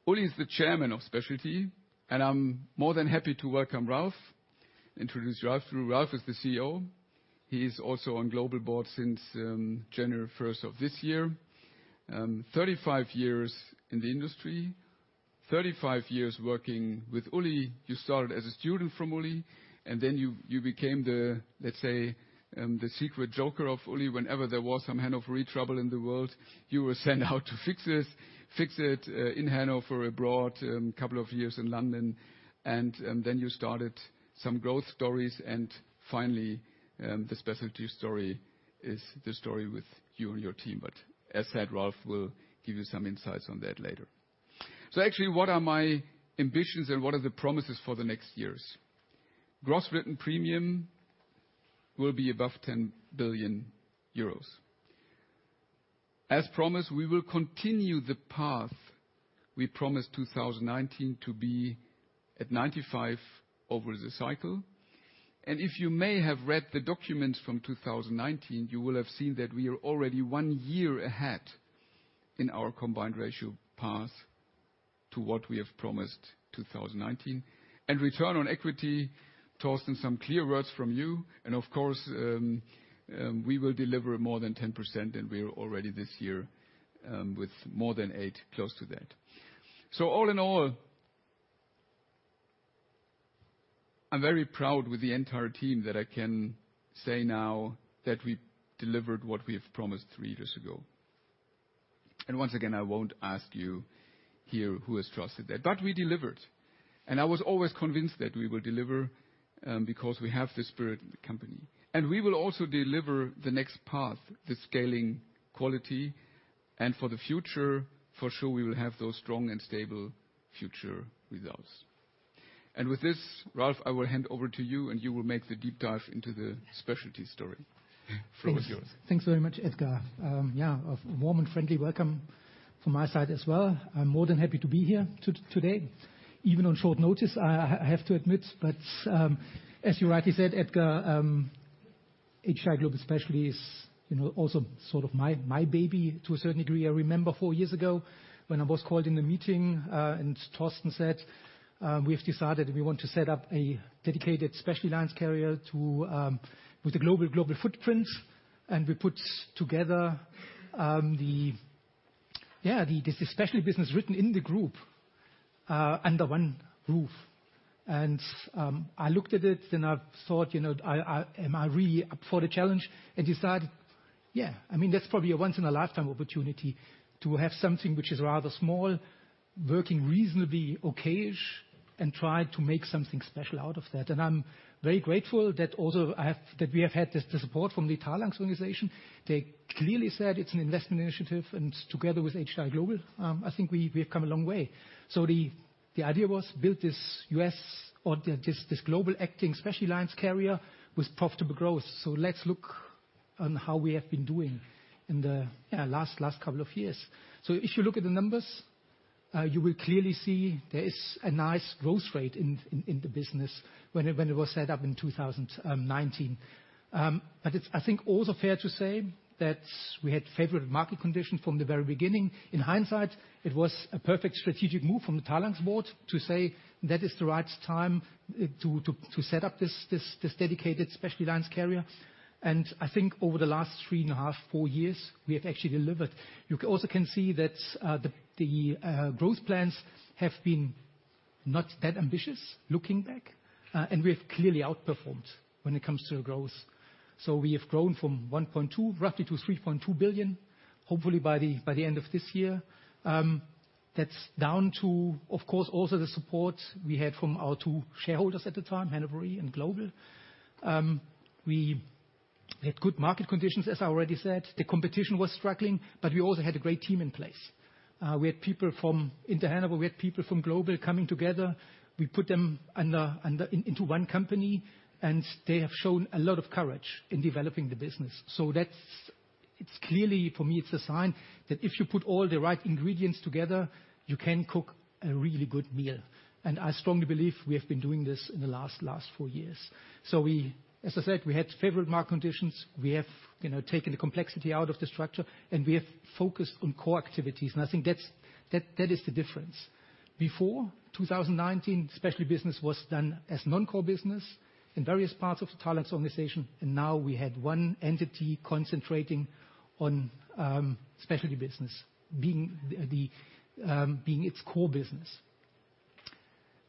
Ulrich is the Chairman of Specialty, and I'm more than happy to welcome Ralph, introduce Ralph through. Ralph is the CEO. He is also on global board since January 1st of this year. 35 years in the industry, 35 years working with Ulrich. You started as a student from Ulrich, and then you became the, let's say, the secret joker of Ulrich. Whenever there was some Hannover Re trouble in the world, you were sent out to fix it in Hannover abroad, couple of years in London. Then you started some growth stories and finally, the Specialty story is the story with you and your team. As said, Ralph will give you some insights on that later. Actually, what are my ambitions and what are the promises for the next years? Gross written premium will be above 10 billion euros. As promised, we will continue the path we promised 2019 to be at 95% over the cycle. If you may have read the documents from 2019, you will have seen that we are already one year ahead in our combined ratio path to what we have promised 2019. Return on equity, Torsten, some clear words from you. Of course, we will deliver more than 10%, and we are already this year with more than 8%, close to that. All in all, I'm very proud with the entire team that I can say now that we delivered what we have promised three years ago. Once again, I won't ask you here who has trusted that. We delivered. I was always convinced that we will deliver because we have the spirit in the company. We will also deliver the next path, the scaling quality. For the future, for sure we will have those strong and stable future results. With this, Ralph, I will hand over to you, and you will make the deep dive into the specialty story. Floor is yours. Thanks. Thanks very much, Edgar. Yeah, a warm and friendly welcome from my side as well. I'm more than happy to be here today, even on short notice, I have to admit. As you rightly said, Edgar, HDI Global Specialty is, you know, also sort of my baby to a certain degree. I remember four years ago when I was called in a meeting, Torsten said, "We've decided we want to set up a dedicated specialty lines carrier to with a global footprint," we put together the, yeah, the specialty business written in the group under one roof. I looked at it, then I thought, you know, am I really up for the challenge? Decided, yeah. I mean, that's probably a once-in-a-lifetime opportunity to have something which is rather small, working reasonably okay-ish, and try to make something special out of that. I'm very grateful that also we have had the support from the Talanx organization. They clearly said it's an investment initiative, and together with HDI Global, I think we have come a long way. The idea was build this U.S. or this global-acting specialty lines carrier with profitable growth. Let's look on how we have been doing in the last couple of years. If you look at the numbers, you will clearly see there is a nice growth rate in the business when it was set up in 2019. It's I think also fair to say that we had favored market conditions from the very beginning. In hindsight, it was a perfect strategic move from the Talanx board to say that is the right time to set up this dedicated specialty lines carrier. I think over the last three and a half, four years, we have actually delivered. You also can see that the growth plans have been not that ambitious looking back, and we have clearly outperformed when it comes to growth. We have grown from 1.2 billion roughly to 3.2 billion, hopefully by the end of this year. That's down to, of course, also the support we had from our two shareholders at the time, Hannover Re and HDI Global. We had good market conditions, as I already said. The competition was struggling, but we also had a great team in place. We had people from... In the Hannover Re, we had people from Global coming together. We put them under, into one company, and they have shown a lot of courage in developing the business. That's, it's clearly, for me it's a sign that if you put all the right ingredients together, you can cook a really good meal, and I strongly believe we have been doing this in the last four years. We, as I said, we had favored market conditions. We have, you know, taken the complexity out of the structure, and we have focused on core activities, and I think that's, that is the difference. Before 2019, specialty business was done as non-core business in various parts of the Talanx organization, and now we had one entity concentrating on specialty business being the being its core business.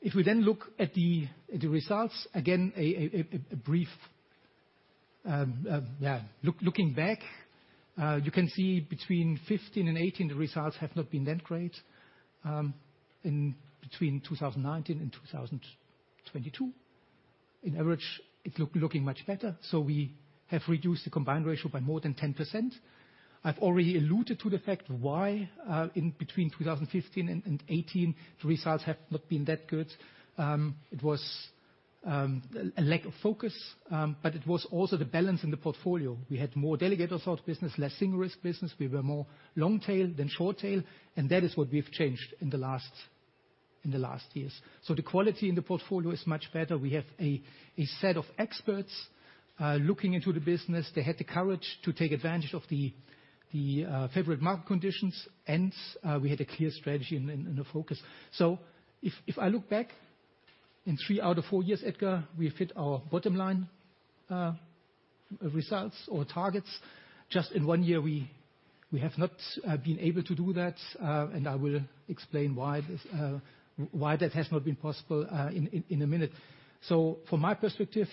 If we then look at the results, again, a brief looking back, you can see between 2015 and 2018, the results have not been that great. In between 2019 and 2022, in average, it's looking much better. We have reduced the combined ratio by more than 10%. I've already alluded to the fact why in between 2015 and 2018, the results have not been that good. It was a lack of focus, but it was also the balance in the portfolio. We had more delegated sort of business, less single risk business. We were more long tail than short tail. That is what we've changed in the last years. The quality in the portfolio is much better. We have a set of experts looking into the business. They had the courage to take advantage of the favored market conditions. We had a clear strategy and a focus. If I look back, in three out of four years, Edgar, we hit our bottom line results or targets. Just in one year, we have not been able to do that. I will explain why this, why that has not been possible in a minute. From my perspective,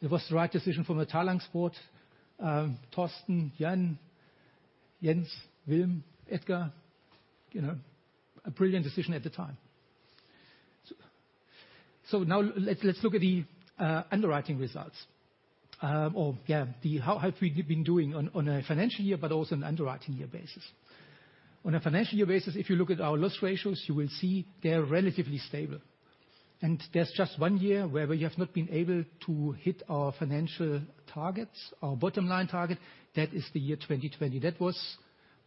it was the right decision from the Talanx board. Torsten, Jan, Jens, Wilm, Edgar, you know, a brilliant decision at the time. Now let's look at the underwriting results. Or yeah, how have we been doing on a financial year, but also an underwriting year basis. On a financial year basis, if you look at our loss ratios, you will see they're relatively stable. There's just one year where we have not been able to hit our financial targets, our bottom line target. That is the year 2020. That was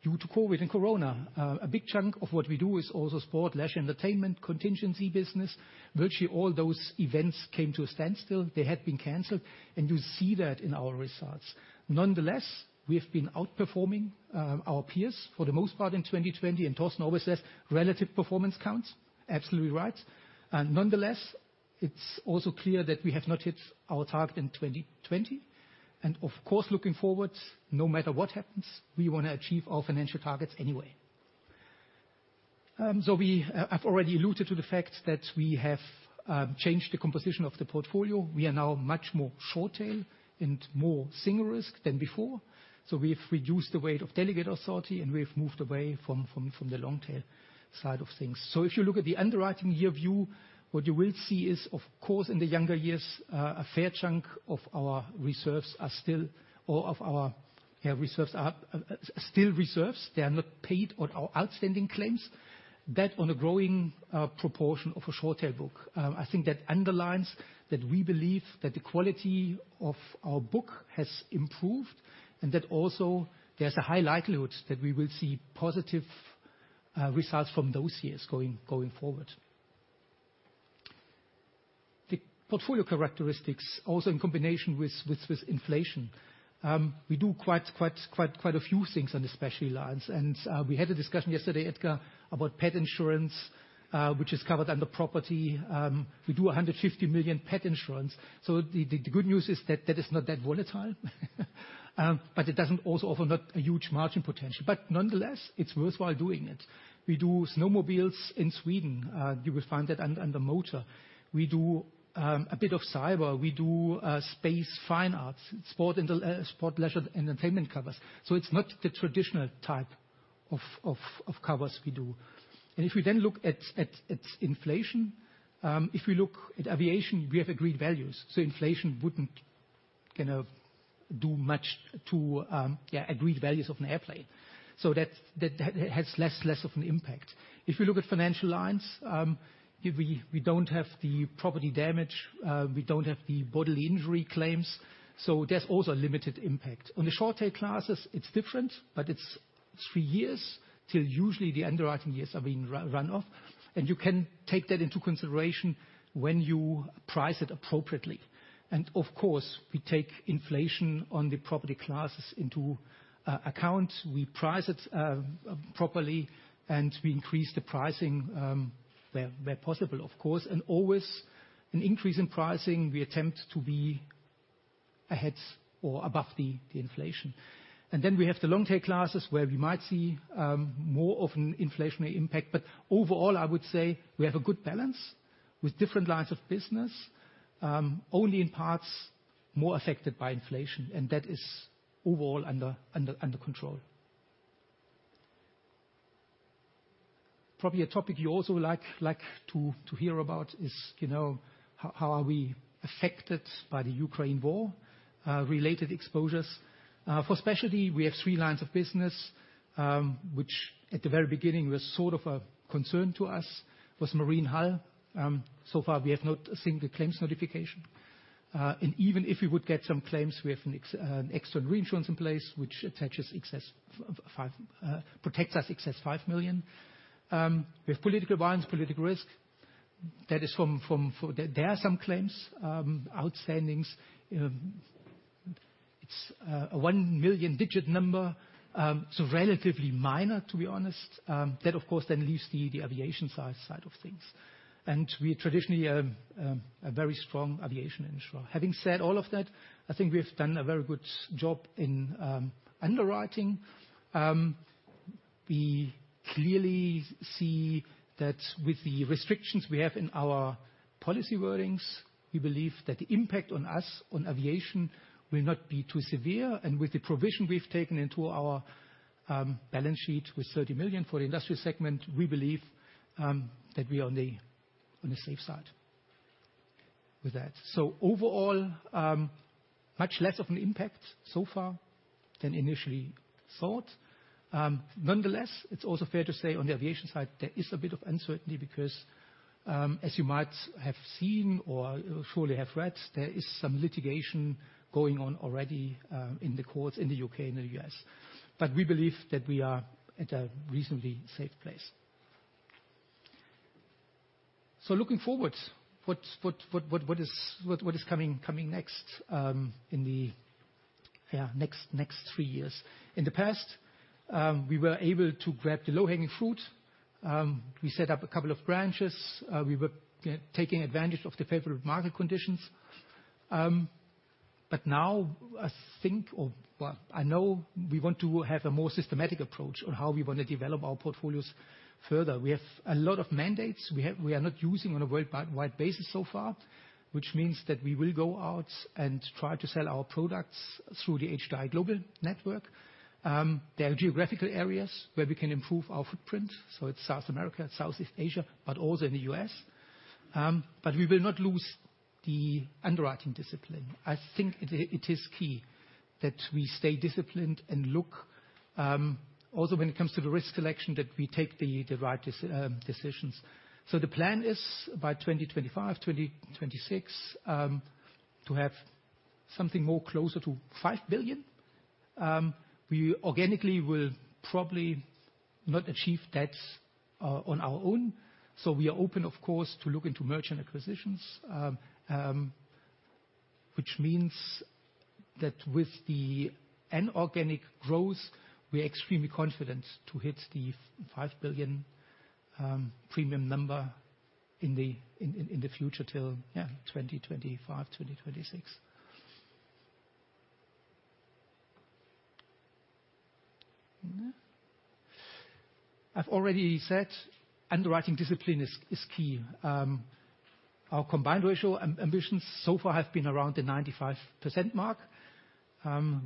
due to COVID and Corona. A big chunk of what we do is also sport, leisure and entertainment, contingency business. Virtually all those events came to a standstill. They had been canceled, and you see that in our results. Nonetheless, we have been outperforming our peers for the most part in 2020. Torsten always says relative performance counts. Absolutely right. Nonetheless, it's also clear that we have not hit our target in 2020. Of course, looking forward, no matter what happens, we wanna achieve our financial targets anyway. We have already alluded to the fact that we have changed the composition of the portfolio. We are now much more short tail and more single risk than before. We've reduced the weight of delegated authority, and we have moved away from the long tail side of things. If you look at the underwriting year view, what you will see is, of course, in the younger years, a fair chunk of our reserves are still, or of our, yeah, reserves are still reserves. They are not paid on our outstanding claims. That on a growing proportion of a short tail book. I think that underlines that we believe that the quality of our book has improved, that also there's a high likelihood that we will see positive results from those years going forward. The portfolio characteristics also in combination with inflation. We do quite a few things on the Specialty Lines. We had a discussion yesterday, Edgar, about pet insurance, which is covered under property. We do 150 million pet insurance. The good news is that that is not that volatile. It doesn't also offer not a huge margin potential. Nonetheless, it's worthwhile doing it. We do snowmobiles in Sweden. You will find that under motor. We do a bit of cyber. We do space fine arts, sport, leisure, and entertainment covers. It's not the traditional type of covers we do. If we then look at inflation, if we look at aviation, we have agreed values, so inflation wouldn't kind of do much to agreed values of an airplane. That has less of an impact. If we look at financial lines, we don't have the property damage, we don't have the bodily injury claims, so there's also a limited impact. On the short tail classes, it's different, but it's three years till usually the underwriting years are being run off. You can take that into consideration when you price it appropriately. Of course, we take inflation on the property classes into account. We price it properly, we increase the pricing where possible, of course. Always an increase in pricing, we attempt to be ahead or above the inflation. Then we have the long tail classes where we might see more of an inflationary impact. Overall, I would say we have a good balance with different lines of business, only in parts more affected by inflation, and that is overall under control. Probably a topic you also like to hear about is, you know, how are we affected by the Ukraine war related exposures. For Specialty, we have three lines of business which at the very beginning was sort of a concern to us was marine hull. So far we have not a single claims notification. Even if we would get some claims, we have an external reinsurance in place which protects us excess 5 million. We have political violence, political risk. That is. There are some claims, outstandings. You know, it's a 1 million digit number, so relatively minor, to be honest. That, of course, then leaves the aviation side of things. We traditionally are a very strong aviation insurer. Having said all of that, I think we have done a very good job in underwriting. We clearly see that with the restrictions we have in our policy wordings, we believe that the impact on us on aviation will not be too severe. With the provision we've taken into our balance sheet with 30 million for the industrial segment, we believe that we're on the safe side with that. Overall, much less of an impact so far than initially thought. Nonetheless, it's also fair to say on the aviation side, there is a bit of uncertainty because as you might have seen or surely have read, there is some litigation going on already in the courts in the U.K. and the U.S. We believe that we are at a reasonably safe place. Looking forward, what is coming next in the next three years? In the past, we were able to grab the low-hanging fruit. We set up a couple of branches. We were taking advantage of the favorable market conditions. Now I think or well, I know we want to have a more systematic approach on how we wanna develop our portfolios further. We have a lot of mandates we are not using on a worldwide basis so far, which means that we will go out and try to sell our products through the HDI Global network. There are geographical areas where we can improve our footprint, so it's South America, Southeast Asia, but also in the U.S. We will not lose the underwriting discipline. I think it is key that we stay disciplined and look, also when it comes to the risk selection that we take the right decisions. The plan is by 2025, 2026, to have something more closer to 5 billion. We organically will probably not achieve that on our own, we are open, of course, to look into merchant acquisitions. Which means that with an organic growth, we're extremely confident to hit the 5 billion premium number in the future till 2025, 2026. I've already said underwriting discipline is key. Our combined ratio ambitions so far have been around the 95% mark.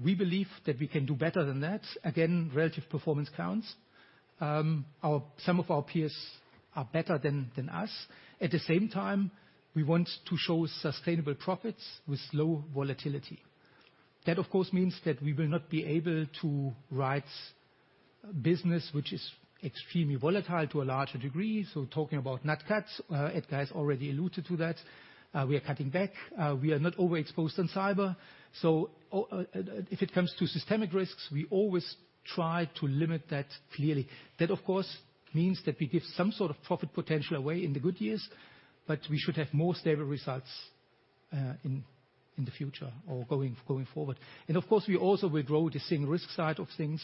We believe that we can do better than that. Again, relative performance counts. Some of our peers are better than us. At the same time, we want to show sustainable profits with low volatility. That, of course, means that we will not be able to write business which is extremely volatile to a larger degree. Talking about NatCat, Edgar has already alluded to that. We are cutting back. We are not overexposed in cyber. If it comes to systemic risks, we always try to limit that clearly. That, of course, means that we give some sort of profit potential away in the good years, but we should have more stable results in the future or going forward. Of course, we also withdraw the same risk side of things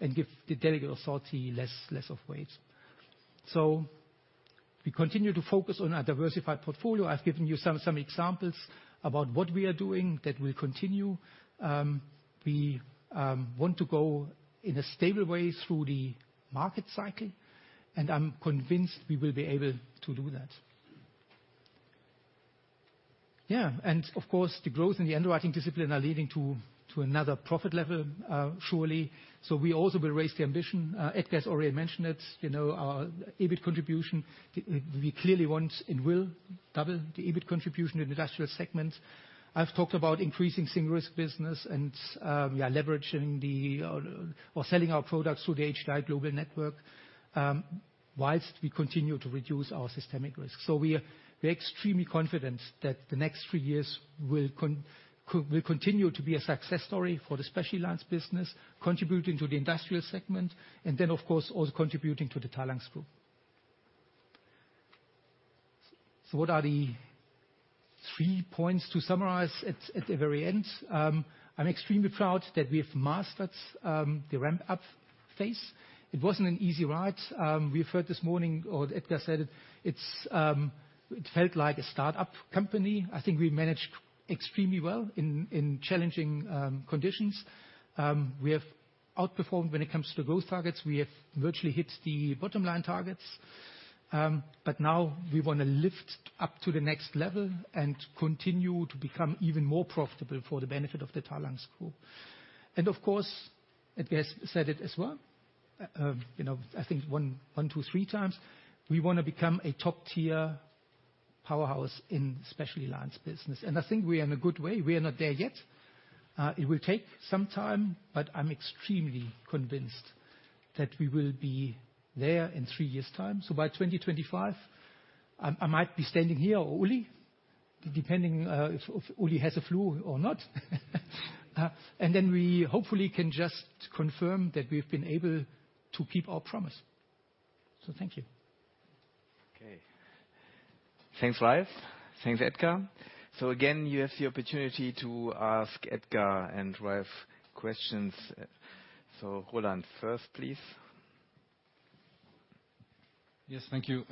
and give the delegated authority less of weight. We continue to focus on a diversified portfolio. I've given you some examples about what we are doing that will continue. We want to go in a stable way through the market cycle, and I'm convinced we will be able to do that. Of course, the growth and the underwriting discipline are leading to another profit level, surely. We also will raise the ambition. Edgar has already mentioned it. You know, our EBIT contribution, we clearly want and will double the EBIT contribution in industrial segments. I've talked about increasing same-risk business and leveraging or selling our products through the HDI Global Network, whilst we continue to reduce our systemic risk. We are extremely confident that the next three years will continue to be a success story for the Specialty Lines business, contributing to the industrial segment, of course, also contributing to the Talanx Group. What are the three points to summarize at the very end? I'm extremely proud that we have mastered the ramp-up phase. It wasn't an easy ride. We've heard this morning, or Edgar said it's, it felt like a startup company. I think we managed extremely well in challenging conditions. We have outperformed when it comes to growth targets. We have virtually hit the bottom line targets. Now we want to lift up to the next level and continue to become even more profitable for the benefit of the Talanx Group. Of course, Edgar said it as well, you know, I think one, two, three times, we wanna become a top-tier powerhouse in Specialty Lines business. I think we are in a good way. We are not there yet. It will take some time, but I'm extremely convinced that we will be there in three years' time. By 2025, I might be standing here or Ulrich, depending, if Ulrich has a flu or not. And then we hopefully can just confirm that we've been able to keep our promise. Thank you. Okay. Thanks, Ralph. Thanks, Edgar. Again, you have the opportunity to ask Edgar and Ralph questions. Roland first, please. Yes, thank you.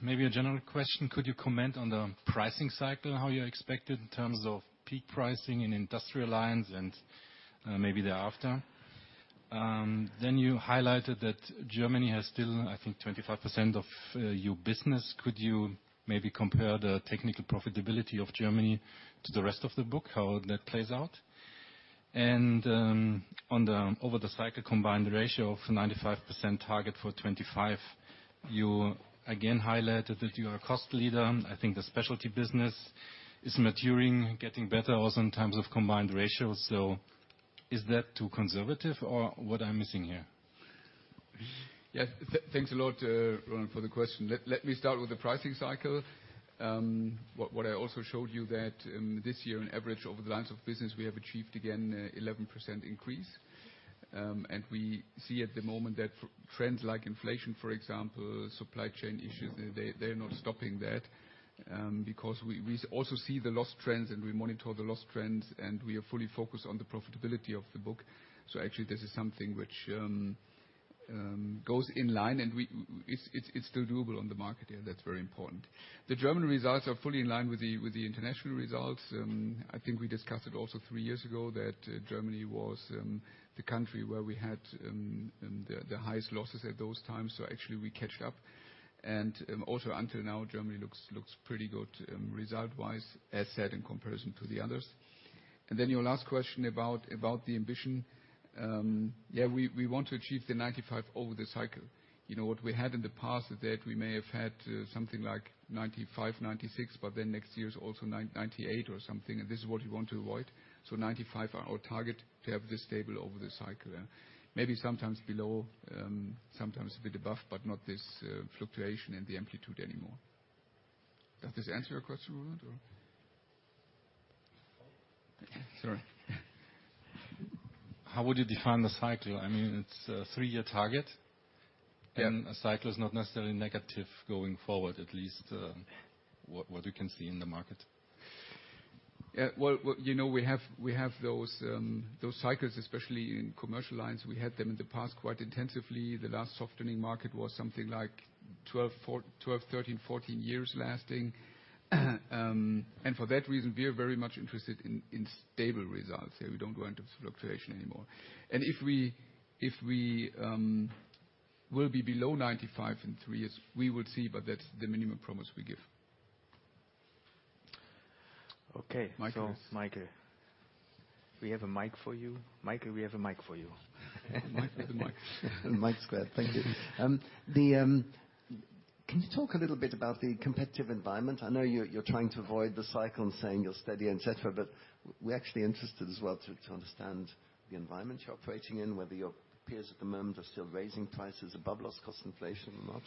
Maybe a general question. Could you comment on the pricing cycle, how you expected in terms of peak pricing in Industrial Lines and, maybe thereafter? You highlighted that Germany has still, I think, 25% of your business. Could you maybe compare the technical profitability of Germany to the rest of the book, how that plays out? On the over the cycle combined ratio of 95% target for 2025, you again highlighted that you are a cost leader. I think the specialty business is maturing, getting better also in terms of combined ratio. Is that too conservative or what am I missing here? Thanks a lot, Roland, for the question. Let me start with the pricing cycle. What I also showed you that, this year in average over the lines of business, we have achieved again 11% increase. We see at the moment that trends like inflation, for example, supply chain issues, they're not stopping that, because we also see the loss trends and we monitor the loss trends, and we are fully focused on the profitability of the book. Actually, this is something which goes in line, and it's still doable on the market. That's very important. The German results are fully in line with the international results. I think we discussed it also three years ago that Germany was the country where we had the highest losses at those times. Actually, we catched up. Also until now, Germany looks pretty good result-wise, as said, in comparison to the others. Your last question about the ambition. Yeah, we want to achieve the 95% over the cycle. You know, what we had in the past is that we may have had something like 95%, 96%, but then next year is also 98% or something. This is what we want to avoid. 95% are our target to have this stable over the cycle. Yeah. Maybe sometimes below, sometimes a bit above, but not this fluctuation in the amplitude anymore. Does this answer your question, Roland, or? Sorry. How would you define the cycle? I mean, it's a three-year target. Yeah. A cycle is not necessarily negative going forward, at least, what we can see in the market. Yeah. Well, you know, we have those cycles, especially in commercial lines. We had them in the past quite intensively. The last softening market was something like 12, 13, 14 years lasting. For that reason, we are very much interested in stable results. Yeah, we don't go into fluctuation anymore. If we will be below 95% in three years, we will see, but that's the minimum promise we give. Okay. Michael. Michael, we have a mic for you. Mike with the mic. Mike squared. Thank you. Can you talk a little bit about the competitive environment? I know you're trying to avoid the cycle and saying you're steady, et cetera, but we're actually interested as well to understand the environment you're operating in, whether your peers at the moment are still raising prices above lost cost inflation or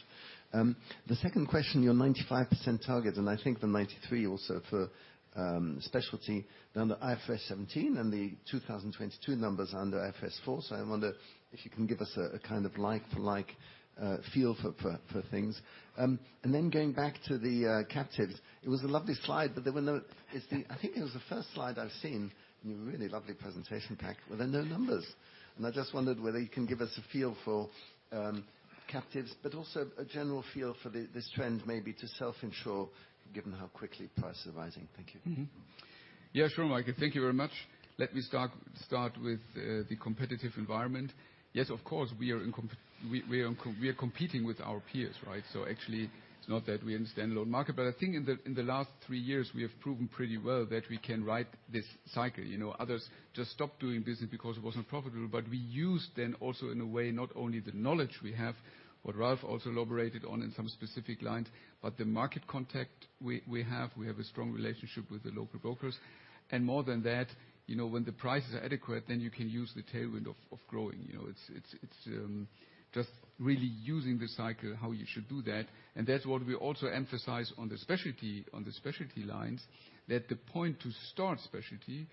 not. The second question, your 95% target, and I think the 93% also for specialty under IFRS 17 and the 2022 numbers under IFRS 4. I wonder if you can give us a kind of like for like feel for things. Going back to the captives. It was a lovely slide, there were no... It's I think it was the first slide I've seen in your really lovely presentation pack, where there are no numbers. I just wondered whether you can give us a feel for captives, but also a general feel for this trend maybe to self-insure, given how quickly price is rising. Thank you. Yeah, sure, Michael. Thank you very much. Let me start with the competitive environment. Yes, of course, we are competing with our peers, right? Actually, it's not that we're in a standalone market. I think in the last three years, we have proven pretty well that we can ride this cycle. You know, others just stopped doing business because it wasn't profitable. We used then also, in a way, not only the knowledge we have, what Ralph also elaborated on in some specific lines, but the market contact we have. We have a strong relationship with the local brokers. More than that, you know, when the prices are adequate, then you can use the tailwind of growing. You know, it's just really using the cycle how you should do that. That's what we also emphasize on the specialty lines, that the point to start specialty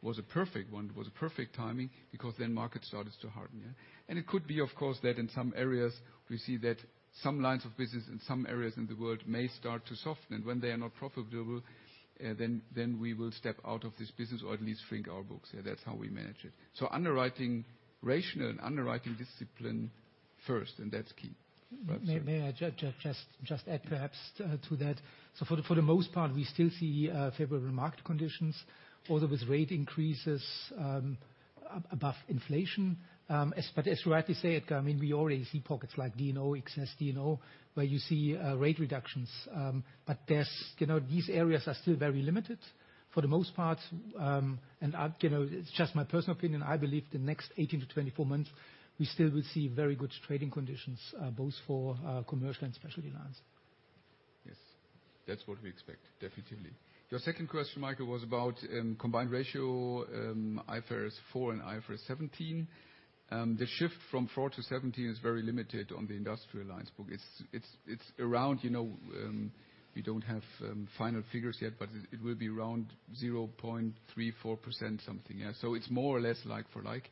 was a perfect one, was a perfect timing, because then market started to harden, yeah. It could be, of course, that in some areas, we see that some lines of business in some areas in the world may start to soften. When they are not profitable, then we will step out of this business or at least shrink our books. Yeah, that's how we manage it. Underwriting rational and underwriting discipline first, and that's key. May I just add perhaps to that? For the most part, we still see favorable market conditions, although with rate increases above inflation. As you rightly say, Edgar, I mean, we already see pockets like D&O, excess D&O, where you see rate reductions. There's, you know, these areas are still very limited for the most part. I've, you know, it's just my personal opinion, I believe the next 18-24 months, we still will see very good trading conditions, both for commercial and specialty lines. Yes, that's what we expect, definitely. Your second question, Michael, was about combined ratio, IFRS 4 and IFRS 17. The shift from 4 to 17 is very limited on the Industrial Lines book. It's around, you know, we don't have final figures yet, but it will be around 0.3%, 0.4% something. It's more or less like for like.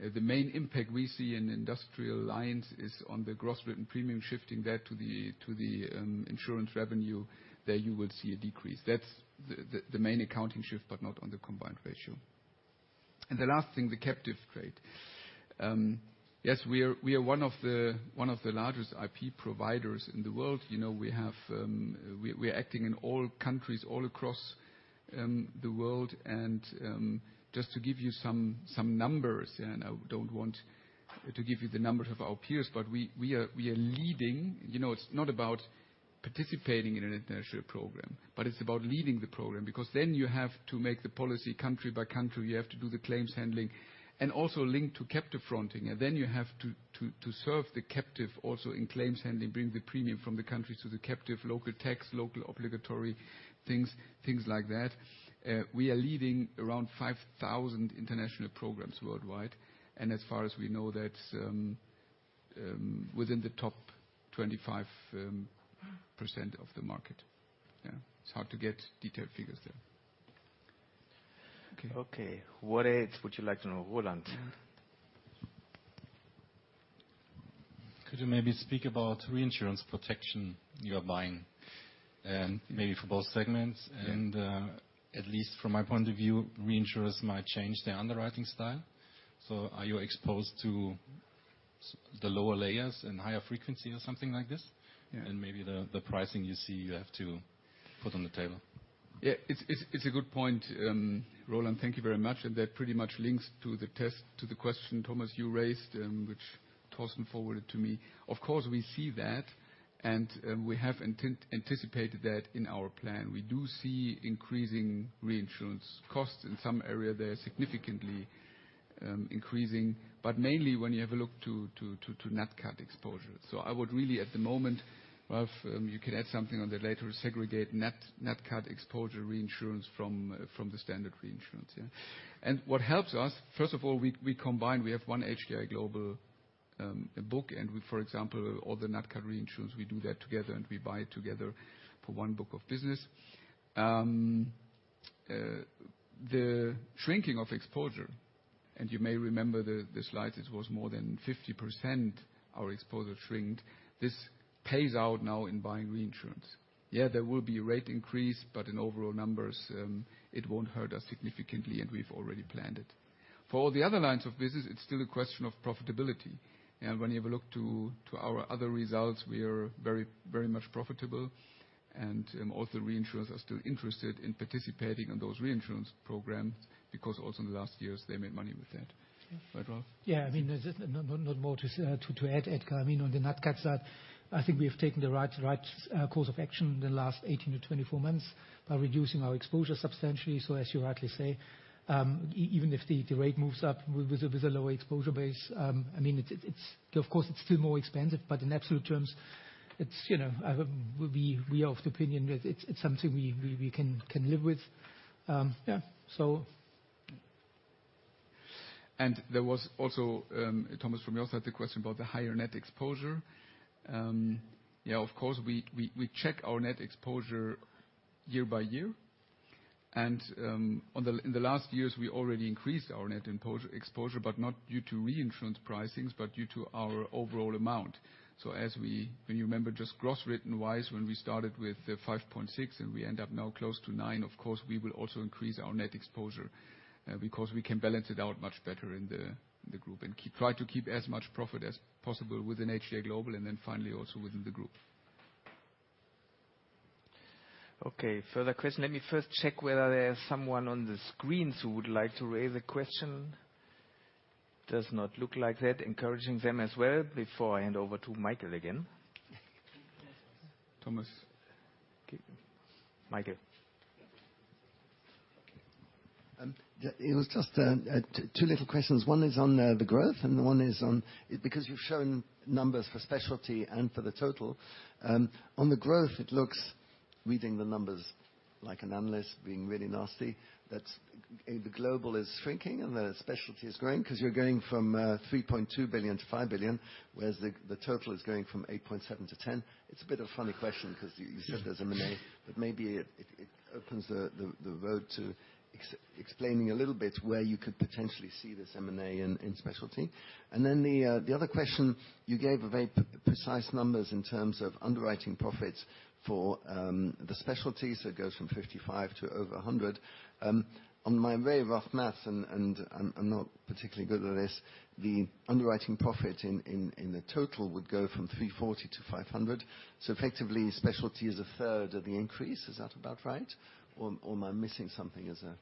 The main impact we see in Industrial Lines is on the gross written premium shifting that to the insurance revenue. There you will see a decrease. That's the main accounting shift, but not on the combined ratio. The last thing, the captive trade. Yes, we are one of the largest IP providers in the world. You know, we are acting in all countries all across the world. Just to give you some numbers, and I don't want to give you the numbers of our peers, but we are leading. You know, it's not about participating in an international program, but it's about leading the program, because then you have to make the policy country by country. You have to do the claims handling and also link to captive fronting. Then you have to serve the captive also in claims handling, bring the premium from the countries to the captive local tax, local obligatory things like that. We are leading around 5,000 international programs worldwide, and as far as we know, that's within the top 25% of the market. Yeah. It's hard to get detailed figures there. Okay. Okay. What else would you like to know, Roland? Could you maybe speak about reinsurance protection you are buying, maybe for both segments? Yeah. At least from my point of view, reinsurers might change their underwriting style. Are you exposed to the lower layers and higher frequency or something like this? Yeah. maybe the pricing you see you have to put on the table. Yeah. It's a good point, Roland. Thank you very much. That pretty much links to the question, Thomas, you raised, which Torsten forwarded to me. Of course, we see that, and we have anticipated that in our plan. We do see increasing reinsurance costs. In some area, they are significantly increasing, but mainly when you have a look to NatCat exposure. I would really at the moment, Ralph, you can add something on that later, segregate NatCat exposure reinsurance from the standard reinsurance, yeah. What helps us, first of all, we combine, we have one HDI Global book, and we, for example, all the NatCat reinsurance, we do that together, and we buy it together for one book of business. The shrinking of exposure. You may remember the slide, it was more than 50% our exposure shrink. This pays out now in buying reinsurance. Yeah, there will be a rate increase, but in overall numbers, it won't hurt us significantly, and we've already planned it. For all the other lines of business, it's still a question of profitability. When you have a look to our other results, we are very much profitable. Also, reinsurers are still interested in participating in those reinsurance program because also in the last years, they made money with that. Right, Ralph? I mean, there's just no, not more to add, Edgar. I mean, on the NatCat, I think we have taken the right course of action in the last 18-24 months by reducing our exposure substantially. As you rightly say, even if the rate moves up with a lower exposure base, I mean, it's of course still more expensive, but in absolute terms, it's, you know, we are of the opinion that it's something we can live with. There was also, Thomas from your side, the question about the higher net exposure. Of course, we check our net exposure year by year. In the last years, we already increased our net exposure, but not due to reinsurance pricings, but due to our overall amount. As when you remember just gross written wise, when we started with 5.6 and we end up now close to nine, of course, we will also increase our net exposure because we can balance it out much better in the group and try to keep as much profit as possible within HDI Global and then finally also within the group. Okay, further question. Let me first check whether there is someone on the screens who would like to raise a question. Does not look like that. Encouraging them as well before I hand over to Michael again. Thomas. Michael. It was just two little questions. One is on the growth and one is on... You've shown numbers for specialty and for the total. On the growth, it looks, reading the numbers like an analyst being really nasty, that's the global is shrinking and the specialty is growing because you're going from 3.2 billion-5 billion, whereas the total is going from 8.7-10. It's a bit of a funny question because you said there's M&A, but maybe it opens the road to explaining a little bit where you could potentially see this M&A in specialty. The other question, you gave very precise numbers in terms of underwriting profits for the specialties. It goes from 55 to over 100. On my very rough math, and I'm not particularly good at this, the underwriting profit in the total would go from 340-500. Effectively, specialty is a third of the increase. Is that about right? Am I missing something as a...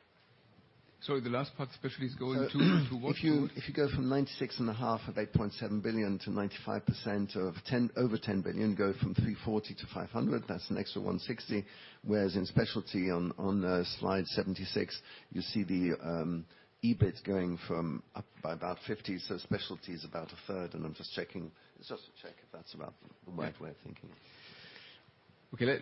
Sorry, the last part, specialty is going to what? If you go from 96.5% of 8.7 billion to 95% of over 10 billion, go from 340 million to 500 million, that's an extra 160 million. Whereas in specialty on slide 76, you see the EBIT going up by about 50 million. Specialty is about 1/3, and I'm just checking. It's just to check if that's about the right way of thinking.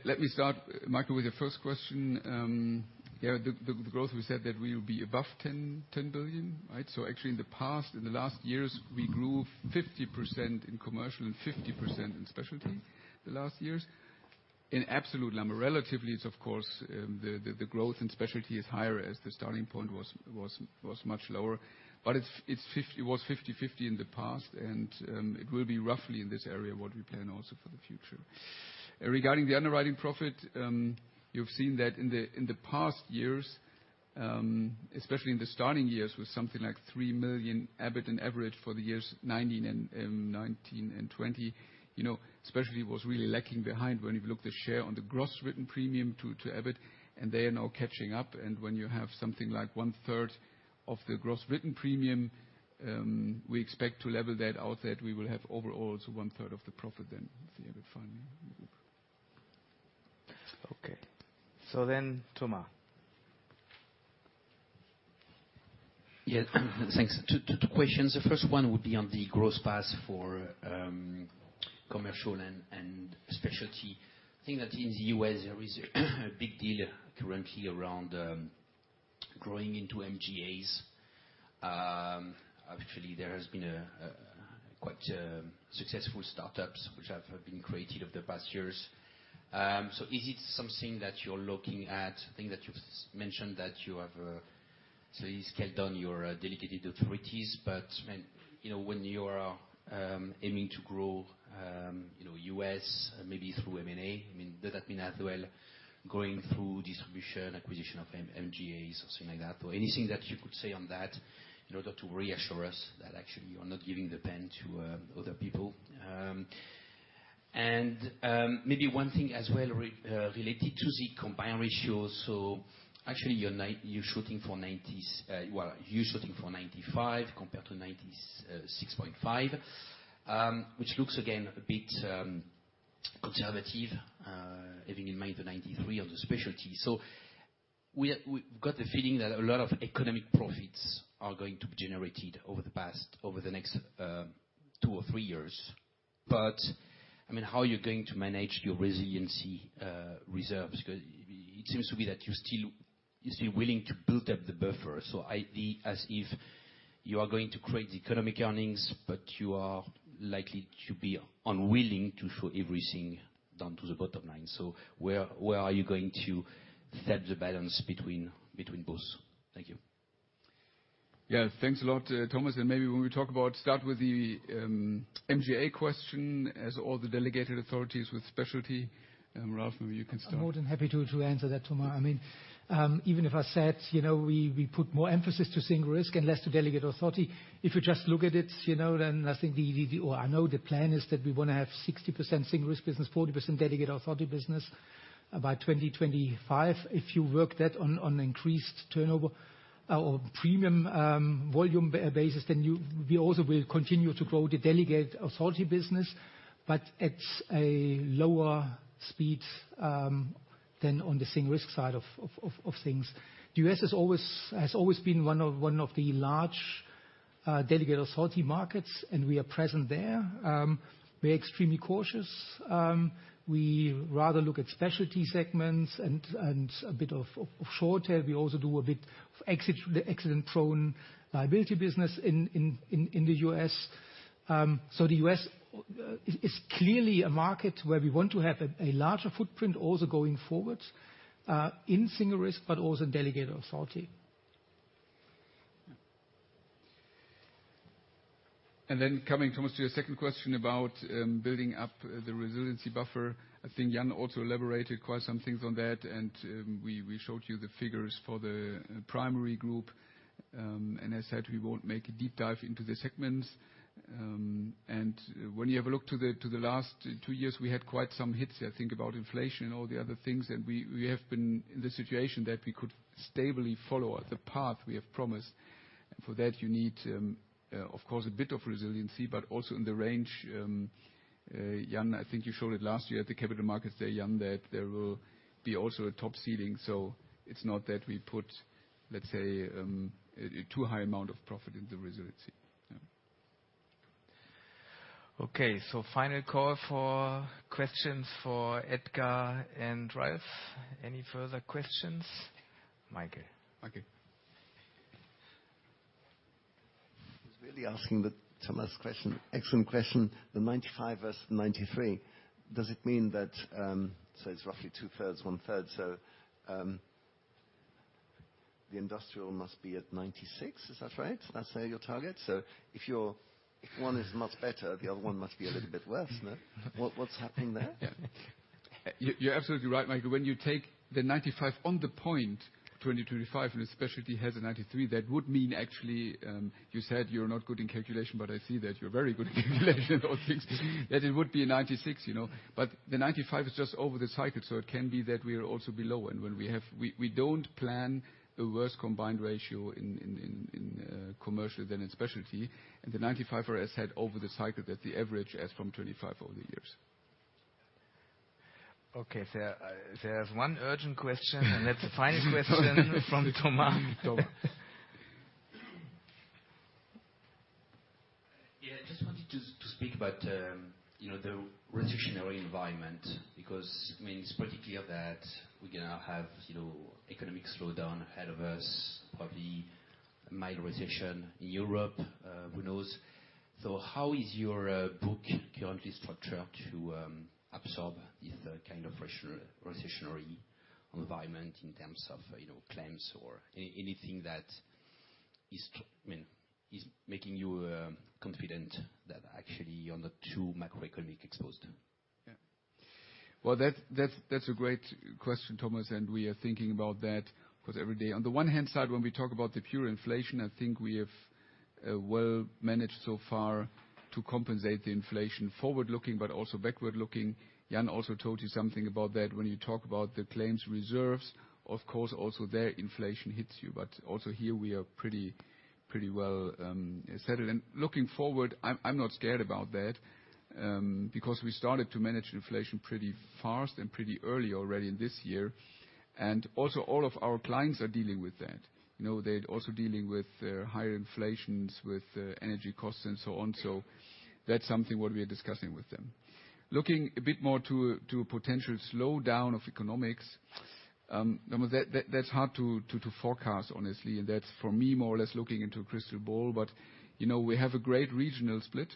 Let me start, Michael, with the first question. Yeah, the growth, we said that we will be above 10 billion, right? Actually in the past, in the last years, we grew 50% in commercial and 50% in specialty the last years. In absolute number, relatively, it's of course, the growth in specialty is higher as the starting point was much lower. It was 50/50 in the past, and it will be roughly in this area what we plan also for the future. Regarding the underwriting profit, you've seen that in the past years, especially in the starting years, with something like 3 million EBIT in average for the years 2019 and 2020, you know, specialty was really lacking behind when you've looked the share on the gross written premium to EBIT, and they are now catching up. When you have something like one-third of the gross written premium, we expect to level that out, that we will have overall to one-third of the profit then. Let's see, I did find it. Okay. Thomas. Yeah. Thanks. Two questions. The first one would be on the gross pass for commercial and specialty. Thing that in the U.S. there is a big deal currently around growing into MGAs. Actually, there has been a quite successful startups which have been created over the past years. Is it something that you're looking at? Thing that you've mentioned that you have sort of scaled down your dedicated authorities. You know, when you are aiming to grow, you know, U.S. maybe through M&A, I mean, does that mean as well going through distribution, acquisition of MGAs or something like that? Anything that you could say on that in order to reassure us that actually you are not giving the pen to other people. Maybe one thing as well related to the combined ratio. Actually, you're shooting for 90s%. Well, you're shooting for 95% compared to 96.5%, which looks again a bit conservative, having in mind the 93% on the Specialty. We've got the feeling that a lot of economic profits are going to be generated over the past, over the next two or three years. I mean, how are you going to manage your resiliency reserves? Because it seems to me that you're still willing to build up the buffer. I.e., as if you are going to create the economic earnings, but you are likely to be unwilling to show everything down to the bottom line. Where are you going to set the balance between both? Thank you. Yeah, thanks a lot, Thomas. Maybe when we start with the MGA question as all the delegated authorities with specialty. Ralph, maybe you can start. I'm more than happy to answer that, Thomas. I mean, even if I said, you know, we put more emphasis to single risk and less to delegate authority. If you just look at it, you know, then I know the plan is that we wanna have 60% single risk business, 40% delegate authority business by 2025. If you work that on increased turnover or premium volume basis, then we also will continue to grow the delegate authority business, but at a lower speed than on the single risk side of things. The U.S. has always been one of the large delegate authority markets, and we are present there. We're extremely cautious. We rather look at specialty segments and a bit of short tail. We also do a bit of exit, accident-prone liability business in the U.S. The U.S. is clearly a market where we want to have a larger footprint also going forward in single risk, but also in delegate authority. Coming, Thomas, to your second question about building up the resiliency buffer. I think Jan also elaborated quite some things on that, and we showed you the figures for the primary group. As said, we won't make a deep dive into the segments. When you have a look to the last two years, we had quite some hits. I think about inflation and all the other things, and we have been in the situation that we could stably follow the path we have promised. For that you need, of course, a bit of resiliency, but also in the range, Jan, I think you showed it last year at the capital markets day, Jan, that there will be also a top seeding. It's not that we put, let's say, a too high amount of profit in the resiliency. Yeah. Okay. Final call for questions for Edgar and Ralph. Any further questions? Michael. Michael. I was really asking the Thomas question, excellent question. The 95% versus 93%, does it mean that it's roughly 2/3, 1/3. The industrial must be at 96%. Is that right? That's your target. If your if one is much better, the other one must be a little bit worse, no? What, what's happening there? You're absolutely right, Michael. When you take the 95% on the point 2025, the Specialty has a 93%, that would mean actually, you said you're not good in calculation, but I see that you're very good in calculation on things. That it would be a 96%, you know. The 95% is just over the cycle, so it can be that we are also below. We don't plan a worse combined ratio in commercial than in Specialty. The 95%, as I said, over the cycle that the average as from 25 over the years. Okay. There's one urgent question. That's the final question from Thomas. Thomas. I just wanted to speak about, you know, the recessionary environment, because, I mean, it's pretty clear that we're gonna have, you know, economic slowdown ahead of us, probably mild recession in Europe. Who knows? How is your book currently structured to absorb this kind of recessionary environment in terms of, you know, claims or anything that is, I mean, is making you confident that actually you're not too macroeconomic exposed? Yeah. Well, that's a great question, Thomas, and we are thinking about that, of course, every day. On the one hand side, when we talk about the pure inflation, I think we have well managed so far to compensate the inflation forward-looking but also backward-looking. Jan also told you something about that when you talk about the claims reserves. Of course, also there inflation hits you, but also here we are pretty well settled. Looking forward, I'm not scared about that because we started to manage inflation pretty fast and pretty early already in this year. Also all of our clients are dealing with that. You know, they're also dealing with higher inflations, with energy costs and so on. That's something what we are discussing with them. Looking a bit more to a potential slowdown of economics, Thomas, that's hard to forecast, honestly. That's for me, more or less looking into a crystal ball. You know, we have a great regional split.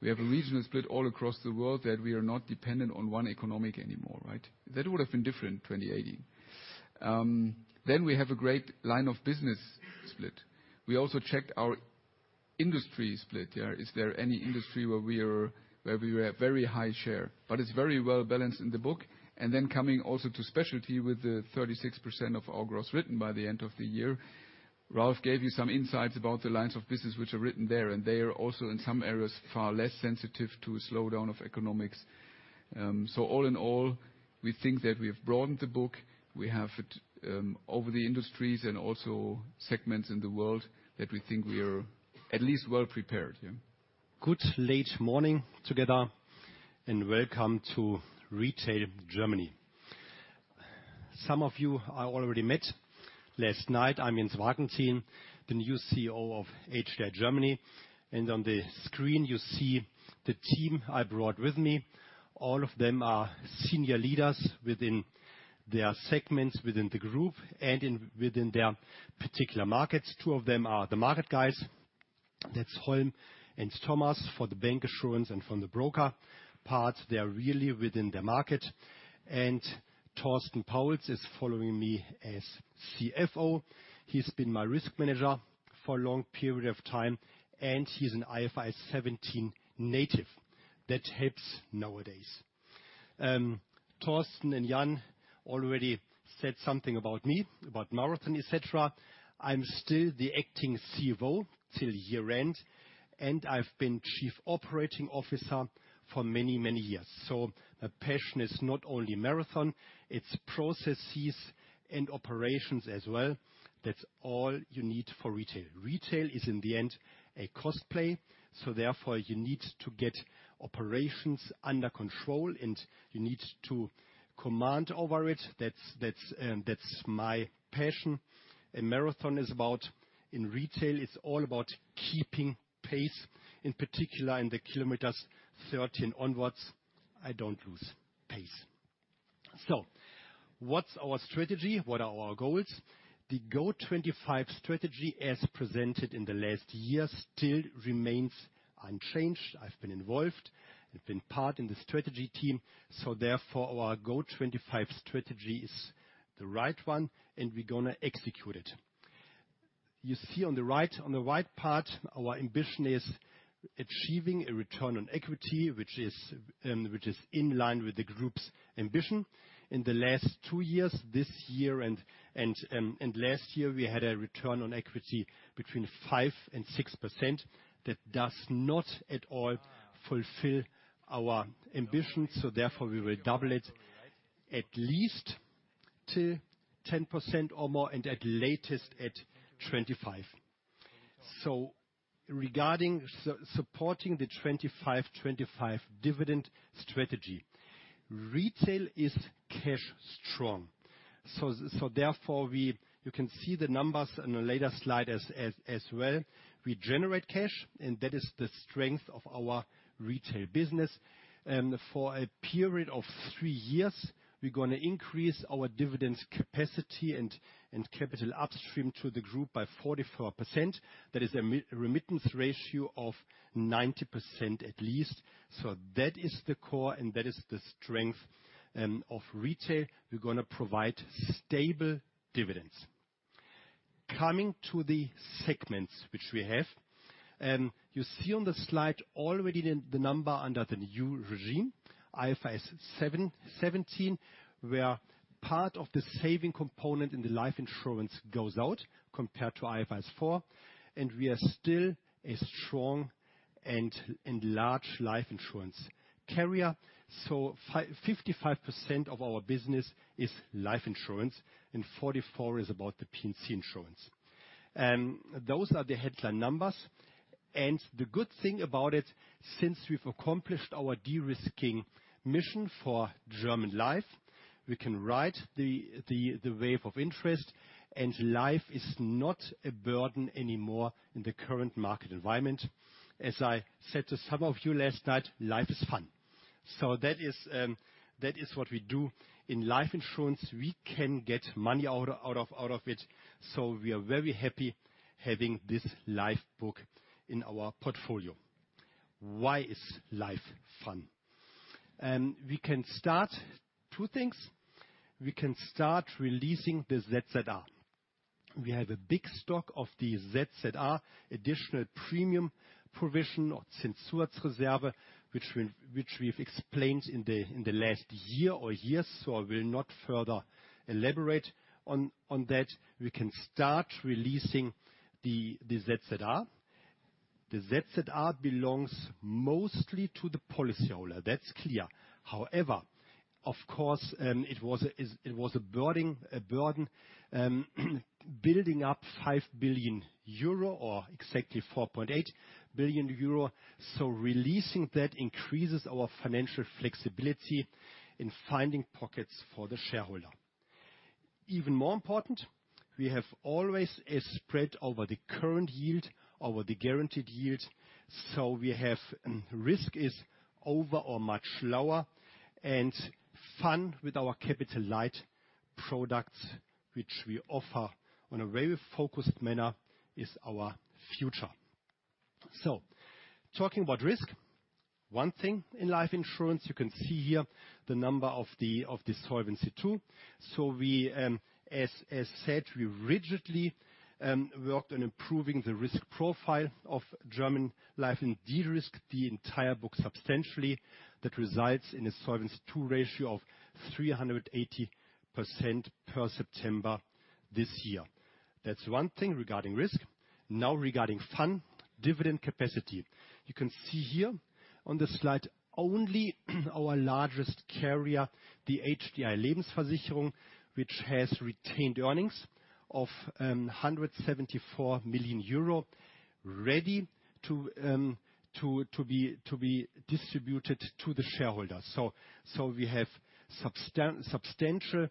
We have a regional split all across the world that we are not dependent on one economic anymore, right? That would have been different in 2018. Then we have a great line of business split. We also checked our industry split, yeah. Is there any industry where we were at very high share? It's very well balanced in the book. Then coming also to specialty with the 36% of our gross written by the end of the year. Ralph gave you some insights about the lines of business which are written there, and they are also, in some areas, far less sensitive to a slowdown of economics. All in all, we think that we have broadened the book. We have it over the industries and also segments in the world that we think we are at least well prepared, yeah. Good late morning together and welcome to Retail Germany. Some of you I already met last night. I'm Jens Warkentin, the new CEO of HDI Germany. On the screen, you see the team I brought with me. All of them are senior leaders within their segments within the group within their particular markets. Two of them are the market guys That's Holm and Thomas for the bancassurance and from the broker part, they are really within the market. Thorsten Pauls is following me as CFO. He's been my risk manager for a long period of time, and he's an IFRS 17 native. That helps nowadays. Torsten and Jan already said something about me, about marathon, et cetera. I'm still the acting CFO till year-end, and I've been chief operating officer for many, many years. My passion is not only marathon, it's processes and operations as well. That's all you need for retail. Retail is in the end, a cost play, therefore, you need to get operations under control, and you need to command over it. That's my passion. Marathon is about, in retail, it's all about keeping pace. In particular, in the 13 km onwards, I don't lose pace. What's our strategy? What are our goals? The Go25 strategy, as presented in the last year, still remains unchanged. I've been involved. I've been part in the strategy team. Therefore, our Go25 strategy is the right one, and we're gonna execute it. You see on the right, on the right part, our ambition is achieving a return on equity, which is in line with the group's ambition. In the last two years, this year and last year, we had a return on equity between 5% and 6%. That does not at all fulfill our ambition. Therefore, we will double it at least to 10% or more, and at latest, at 2025. Regarding supporting the 25, 2025 dividend strategy. Retail is cash strong. Therefore, you can see the numbers on a later slide as well. We generate cash, and that is the strength of our retail business. For a period of three years, we're gonna increase our dividends capacity and capital upstream to the group by 44%. That is a remittance ratio of 90% at least. That is the core, and that is the strength of retail. We're gonna provide stable dividends. Coming to the segments which we have. You see on the slide already the number under the new regime, IFRS 17, where part of the saving component in the life insurance goes out compared to IFRS 4, and we are still a strong and large life insurance carrier. 55% of our business is life insurance, and 44% is about the P&C insurance. Those are the headline numbers. The good thing about it, since we've accomplished our de-risking mission for German Life, we can ride the wave of interest, and life is not a burden anymore in the current market environment. As I said to some of you last night, life is fun. That is what we do. In life insurance, we can get money out of it, so we are very happy having this life book in our portfolio. Why is life fun? We can start two things. We can start releasing the ZZR. We have a big stock of the ZZR, additional premium provision or Zinszusatzreserve, which we've explained in the last year or years. I will not further elaborate on that. We can start releasing the ZZR. The ZZR belongs mostly to the policyholder, that's clear. However, of course, it was a burden, building up 5 billion euro or exactly 4.8 billion euro. Releasing that increases our financial flexibility in finding pockets for the shareholder. Even more important, we have always a spread over the current yield, over the guaranteed yield. We have risk is over or much lower. Fun with our capital-light products, which we offer in a very focused manner, is our future. Talking about risk, one thing in life insurance, you can see here the number of the, of the Solvency II. We, as said, we rigidly worked on improving the risk profile of German Life and de-risked the entire book substantially. That results in a Solvency II ratio of 380% per September this year. That's one thing regarding risk. Regarding fun, dividend capacity. You can see here on the slide only our largest carrier, the HDI Lebensversicherung AG, which has retained earnings of 174 million euro, ready to be distributed to the shareholders. We have substantial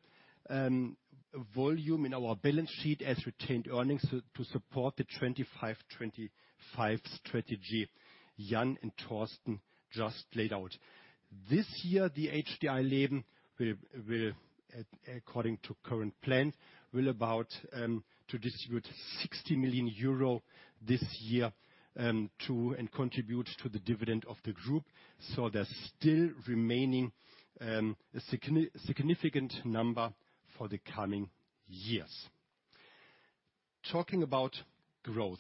volume in our balance sheet as retained earnings to support the 25, 2025 strategy Jan and Torsten just laid out. This year, the HDI Leben will according to current plan, will about to distribute 60 million euro this year and contribute to the dividend of the group. There's still remaining a significant number for the coming years. Talking about growth.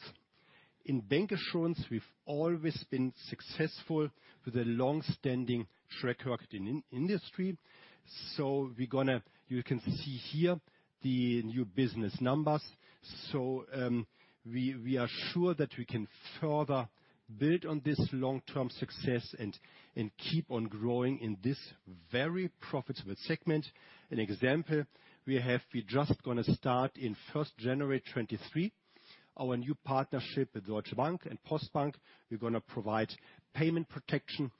In bancassurance, we've always been successful with a long-standing track record in industry. You can see here the new business numbers. We are sure that we can further build on this long-term success and keep on growing in this very profitable segment. An example we have, we're just gonna start in first January 2023, our new partnership with Deutsche Bank and Postbank. We're gonna provide payment protection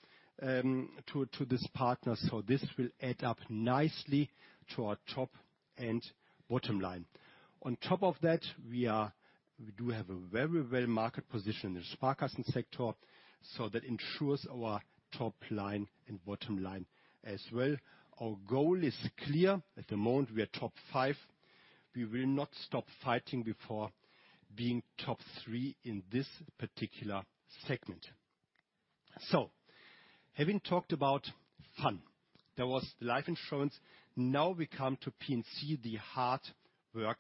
to this partner. This will add up nicely to our top and bottom line. On top of that, we do have a very well market position in the Sparkassen sector, that ensures our top line and bottom line as well. Our goal is clear. At the moment, we are top five. We will not stop fighting before being top three in this particular segment. Having talked about fun, that was life insurance. Now we come to P&C, the hard work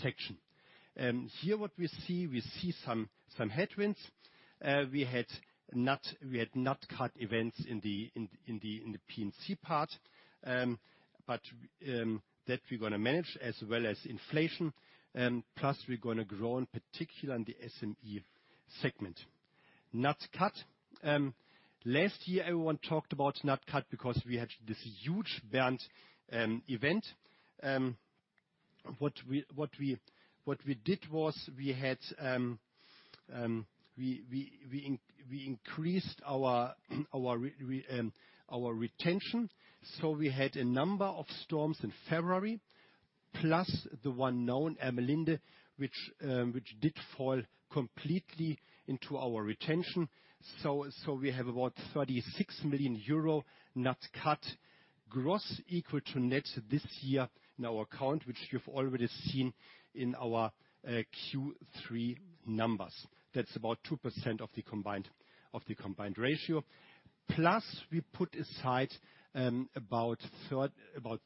section. Here what we see, we see some headwinds. We had not cut events in the P&C part. That we're gonna manage as well as inflation. Plus we're gonna grow in particular in the SME segment. NatCat, last year everyone talked about NatCat because we had this huge Bernd event. What we did was we had, we increased our retention. We had a number of storms in February, plus the one known, Antonia, which did fall completely into our retention. We have about 36 million euro NatCat gross equal to net this year in our account, which you've already seen in our Q3 numbers. That's about 2% of the combined ratio. Plus, we put aside about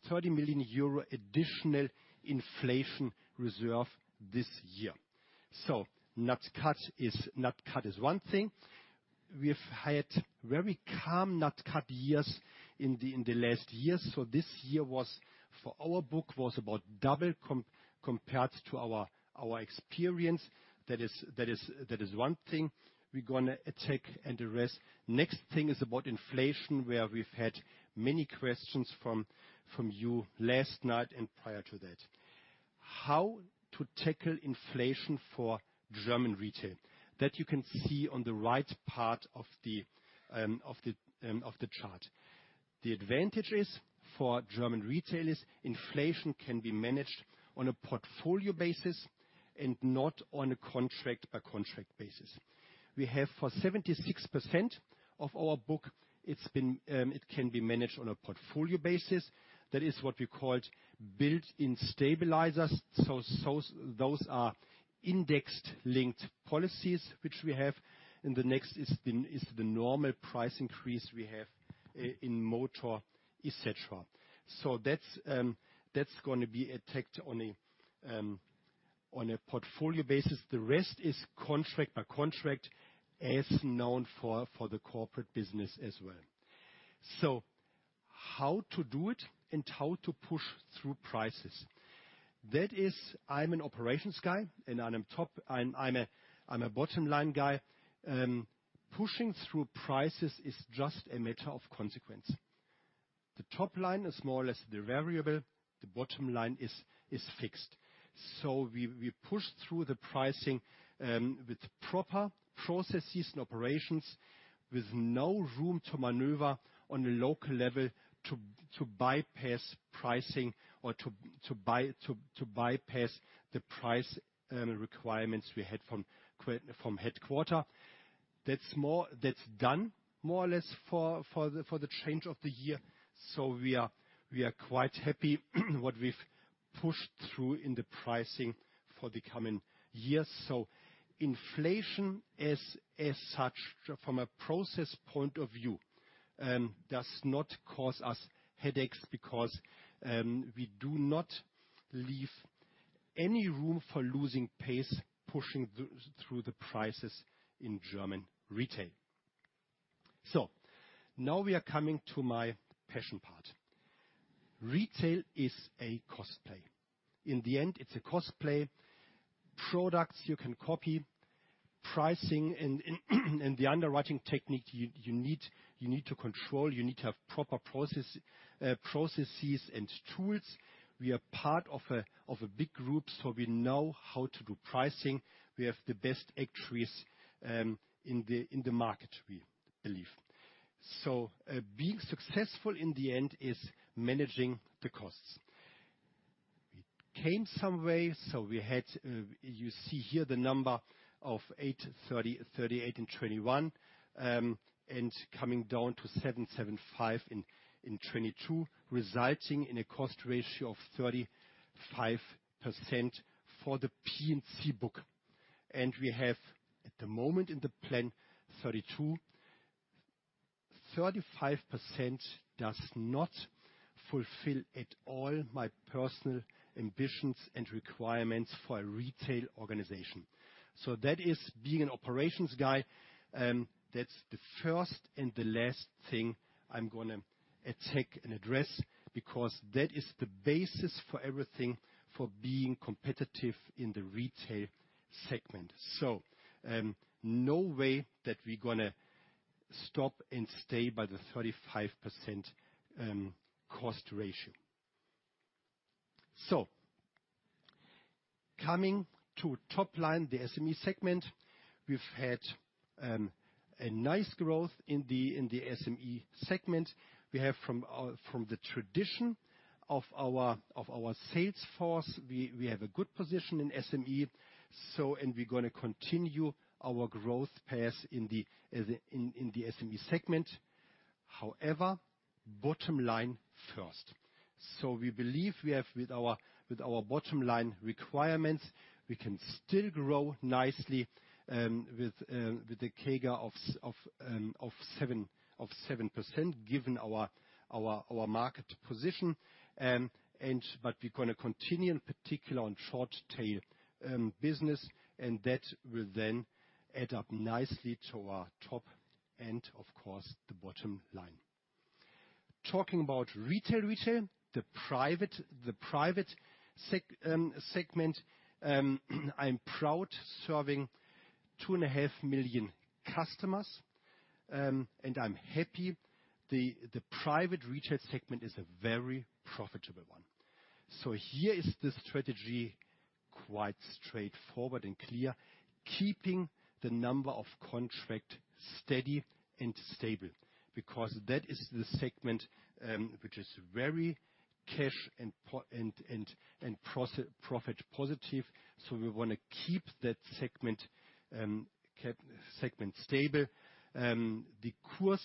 30 million euro additional inflation reserve this year. NatCat is one thing. We've had very calm NatCat years in the last years. This year was, for our book, was about double compared to our experience. That is one thing we're gonna attack and address. Next thing is about inflation, where we've had many questions from you last night and prior to that. How to tackle inflation for German Retail? That you can see on the right part of the chart. The advantage is for German Retailers, inflation can be managed on a portfolio basis and not on a contract-by-contract basis. We have for 76% of our book, it's been, it can be managed on a portfolio basis. That is what we called built-in stabilizers. Those are indexed linked policies which we have. The next is the normal price increase we have in motor, et cetera. That's, that's gonna be attacked on a portfolio basis. The rest is contract by contract as known for the corporate business as well. How to do it and how to push through prices. That is, I'm an operations guy, and I'm a bottom line guy. Pushing through prices is just a matter of consequence. The top line is more or less the variable, the bottom line is fixed. We, we push through the pricing with proper processes and operations, with no room to maneuver on a local level to bypass pricing or to bypass the price requirements we had from headquarter. That's more, that's done more or less for the, for the change of the year. We are quite happy what we've pushed through in the pricing for the coming years. Inflation as such, from a process point of view, does not cause us headaches because we do not leave any room for losing pace, pushing through the prices in German retail. Now we are coming to my passion part. Retail is a cost play. In the end, it's a cost play. Products you can copy. Pricing and the underwriting technique you need to control, you need to have proper processes and tools. We are part of a big group, so we know how to do pricing. We have the best actuaries in the market, we believe. Being successful in the end is managing the costs. Came some way, we had, you see here the number of 830, 38, and 21. Coming down to 775 in 2022, resulting in a cost ratio of 35% for the P&C book. We have at the moment in the plan 32%. 35% does not fulfill at all my personal ambitions and requirements for a retail organization. That is being an operations guy, that's the first and the last thing I'm gonna attack and address, because that is the basis for everything for being competitive in the retail segment. No way that we're gonna stop and stay by the 35% cost ratio. Coming to top line, the SME segment. We've had a nice growth in the SME segment. We have from the tradition of our sales force, we have a good position in SME, and we're gonna continue our growth path in the SME segment. However, bottom line first. We believe we have with our bottom line requirements, we can still grow nicely with a CAGR of 7% given our market position. We're gonna continue in particular on short tail business, and that will then add up nicely to our top and of course the bottom line. Talking about retail, the private segment. I'm proud serving two and a half million customers, and I'm happy the private retail segment is a very profitable one. Here is the strategy quite straightforward and clear. Keeping the number of contracts steady and stable, because that is the segment, which is very cash and profit positive. We want to keep that segment stable. The core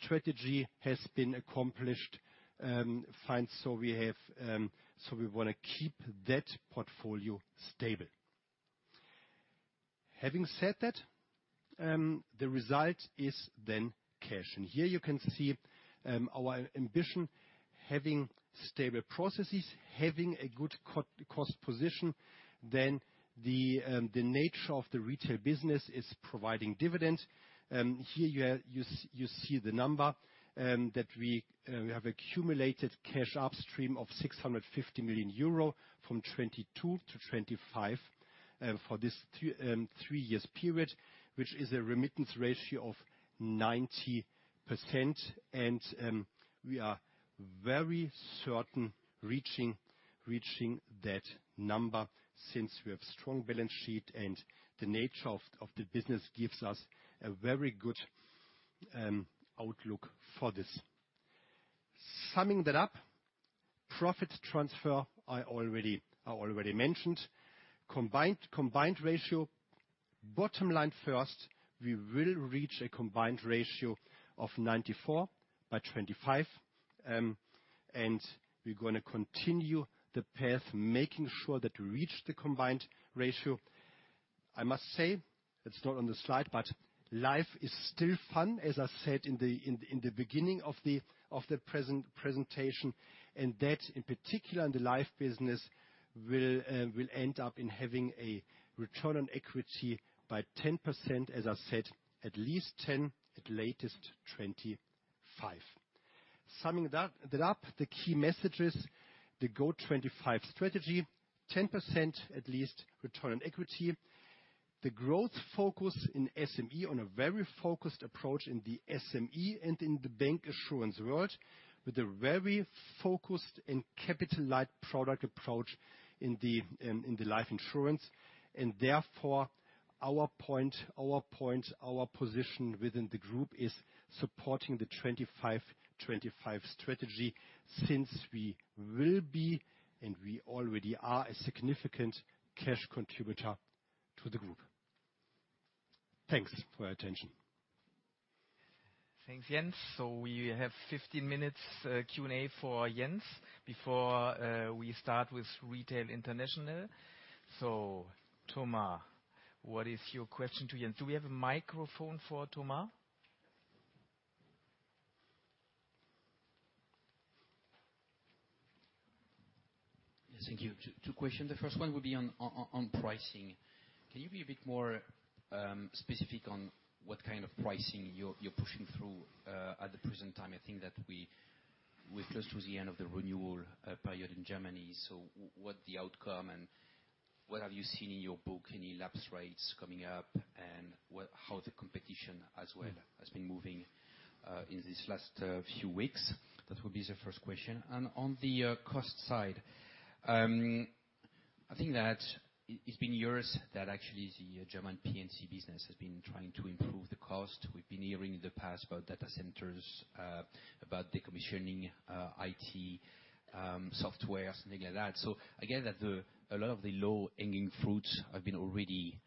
strategy has been accomplished fine. We have, we want to keep that portfolio stable. Having said that, the result is then cash. Here you can see, our ambition having stable processes, having a good cost position, then the nature of the retail business is providing dividends. Here you have, you see the number, that we have accumulated cash upstream of 650 million euro from 2022-2025, for this three years period, which is a remittance ratio of 90%. We are very certain reaching that number since we have strong balance sheet and the nature of the business gives us a very good outlook for this. Summing that up, profit transfer I already mentioned. Combined ratio. Bottom line first, we will reach a combined ratio of 94% by 2025. We're gonna continue the path making sure that we reach the combined ratio. I must say, it's not on the slide, but life is still fun, as I said in the beginning of the presentation. That in particular in the life business will end up in having a return on equity by 10%, as I said, at least 10%, at latest 2025. Summing that up, the key messages, the Go25 strategy, 10% at least return on equity. The growth focus in SME on a very focused approach in the SME and in the bancassurance world, with a very focused and capital light product approach in the in the life insurance. Therefore, our position within the group is supporting the 25, 2025 strategy since we will be, and we already are, a significant cash contributor to the group. Thanks for your attention. Thanks, Jens. We have 15 minutes, Q&A for Jens before we start with Retail International. Thomas, what is your question to Jens? Do we have a microphone for Thomas? Yes, thank you. Two questions. The first one would be on pricing. Can you be a bit more specific on what kind of pricing you're pushing through at the present time? I think that we're close to the end of the renewal period in Germany. What the outcome and what have you seen in your book? Any lapse rates coming up and how the competition as well has been moving in these last few weeks? That will be the first question. On the cost side, I think that it's been years that actually the German P&C business has been trying to improve the cost. We've been hearing in the past about data centers, about decommissioning IT software, something like that. Again, a lot of the low-hanging fruits have been already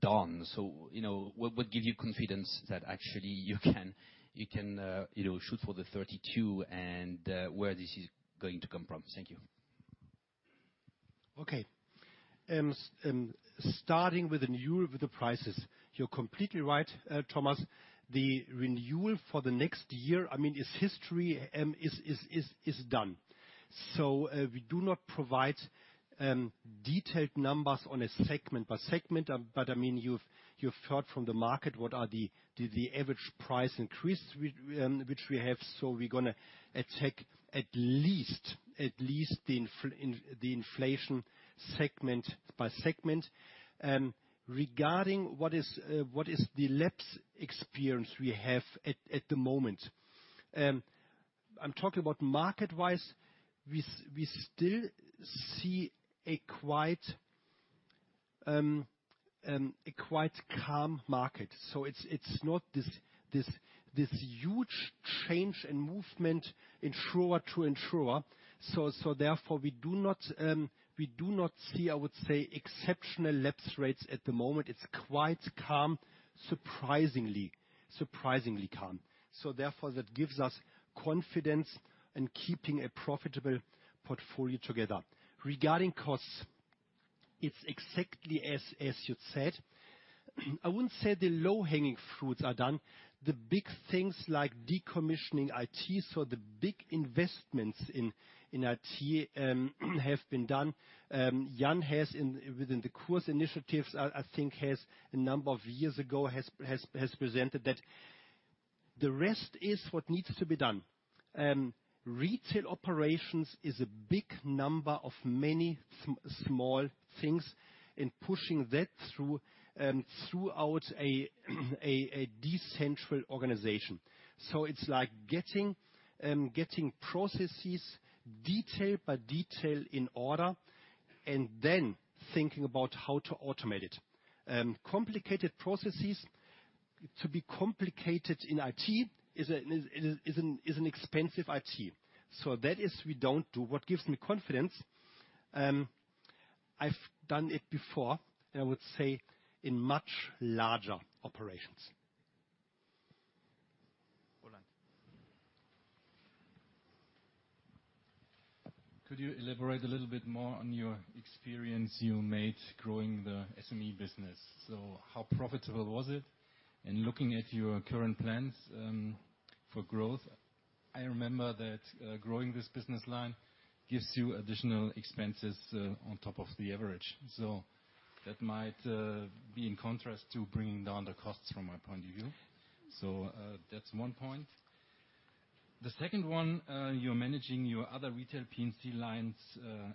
done. You know, what give you confidence that actually you can, you know, shoot for the 32%, and where this is going to come from? Thank you. Okay. Starting with the renewal of the prices. You're completely right, Thomas, the renewal for the next year, I mean, is done. We do not provide detailed numbers on a segment by segment. I mean, you've heard from the market what are the average price increase which we have. We're gonna attack at least the inflation segment by segment. Regarding what is the lapse experience we have at the moment. I'm talking about market-wise, we still see a quite calm market. It's not this huge change and movement insurer to insurer. Therefore we do not see, I would say, exceptional lapse rates at the moment. It's quite calm. Surprisingly. Surprisingly calm. Therefore, that gives us confidence in keeping a profitable portfolio together. Regarding costs, it's exactly as you'd said. I wouldn't say the low-hanging fruits are done. The big things like decommissioning IT. The big investments in IT have been done. Jan has in, within the course initiatives, I think has, a number of years ago, has presented that. The rest is what needs to be done. Retail operations is a big number of many small things, and pushing that through, throughout a decentral organization. It's like getting processes detail by detail in order, and then thinking about how to automate it. Complicated processes, to be complicated in IT is an expensive IT. That is, we don't do. What gives me confidence, I've done it before, and I would say in much larger operations. Roland. Could you elaborate a little bit more on your experience you made growing the SME business? How profitable was it? Looking at your current plans for growth, I remember that growing this business line gives you additional expenses on top of the average. That might be in contrast to bringing down the costs from my point of view. That's one point. The second one, you're managing your other Retail P&C lines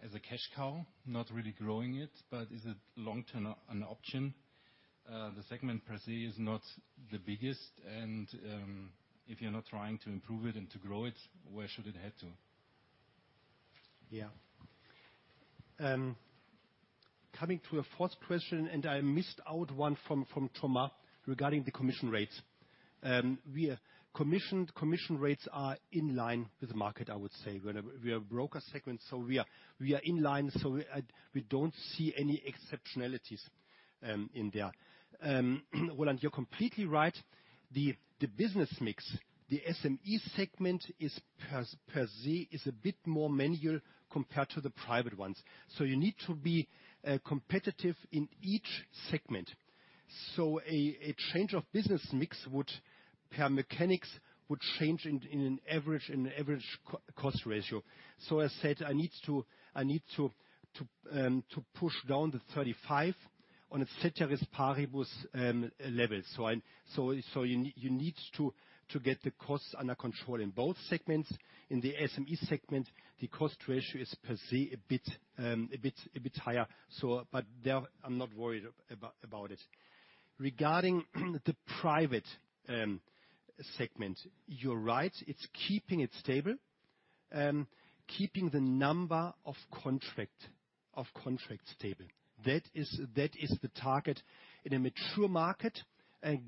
as a cash cow, not really growing it, but is it long-term an option? The segment per se is not the biggest and if you're not trying to improve it and to grow it, where should it head to? Yeah. Coming to a fourth question, I missed out one from Thomas regarding the commission rates. We, commission rates are in line with the market, I would say. We are broker segment, we are in line, we don't see any exceptionalities in there. Roland, you're completely right. The business mix, the SME segment is per se, is a bit more manual compared to the private ones. You need to be competitive in each segment. A change of business mix would, per mechanics, would change in an average cost ratio. I said I need to push down the 35% on a ceteris paribus level. You need to get the costs under control in both segments. In the SME segment, the cost ratio is per se a bit higher. There, I'm not worried about it. Regarding the private segment. You're right, it's keeping it stable. Keeping the number of contracts stable. That is the target in a mature market.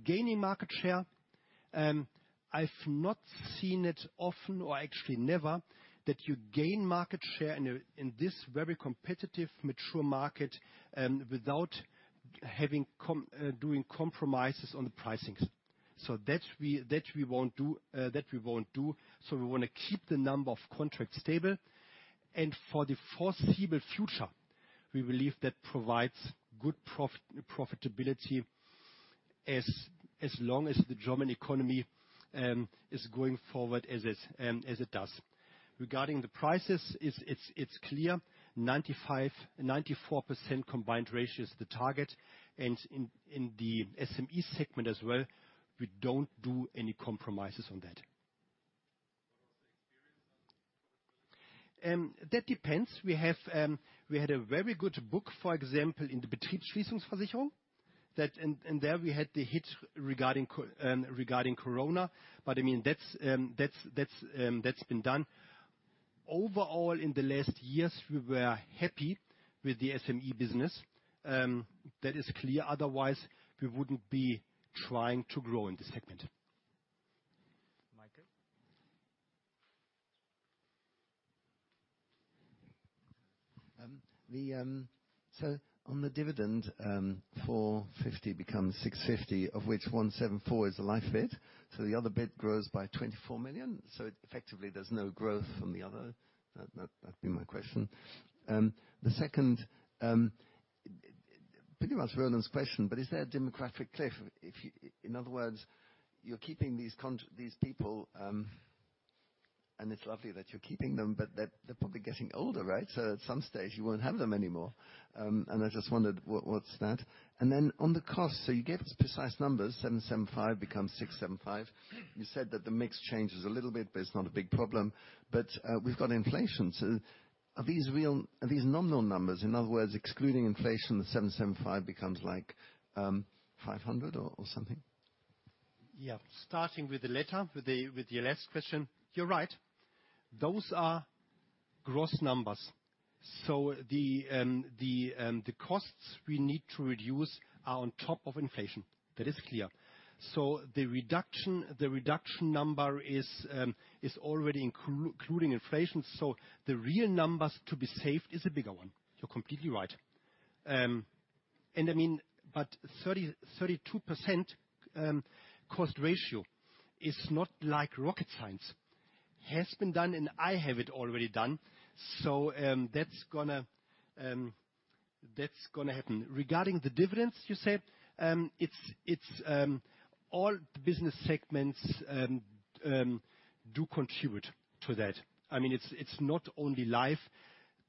Gaining market share, I've not seen it often or actually never, that you gain market share in a, in this very competitive, mature market, without doing compromises on the pricings. That we won't do. We wanna keep the number of contracts stable. For the foreseeable future, we believe that provides good profitability as long as the German economy is going forward as it as it does. Regarding the prices, it's clear, 95%, 94% combined ratio is the target. In the SME segment as well, we don't do any compromises on that. What was the experience like? That depends. We have, we had a very good book, for example, in the Betriebsschließungsversicherung, and there we had the hit regarding Corona. I mean, that's been done. Overall, in the last years, we were happy with the SME business, that is clear. Otherwise, we wouldn't be trying to grow in this segment. Michael? On the dividend, 450 becomes 650, of which 174 is the Life bit. The other bit grows by 24 million. Effectively, there's no growth from the other. That would be my question. The second, pretty much Roland's question, but is there a demographic cliff? In other words, you're keeping these people, and it's lovely that you're keeping them, but they're probably getting older, right? At some stage, you won't have them anymore. I just wondered, what's that? Then on the cost, you gave us precise numbers, 775 becomes 675. You said that the mix changes a little bit, but it's not a big problem. We've got inflation, so are these real, are these nominal numbers? In other words, excluding inflation, the 775 becomes like 500 or something. Yeah. Starting with your last question. You're right. Those are gross numbers. The costs we need to reduce are on top of inflation. That is clear. The reduction number is already including inflation. The real numbers to be safe is a bigger one. You're completely right. And I mean, but 32% cost ratio is not like rocket science. Has been done, and I have it already done. That's gonna happen. Regarding the dividends you said, it's all the business segments do contribute to that. I mean, it's not only Life.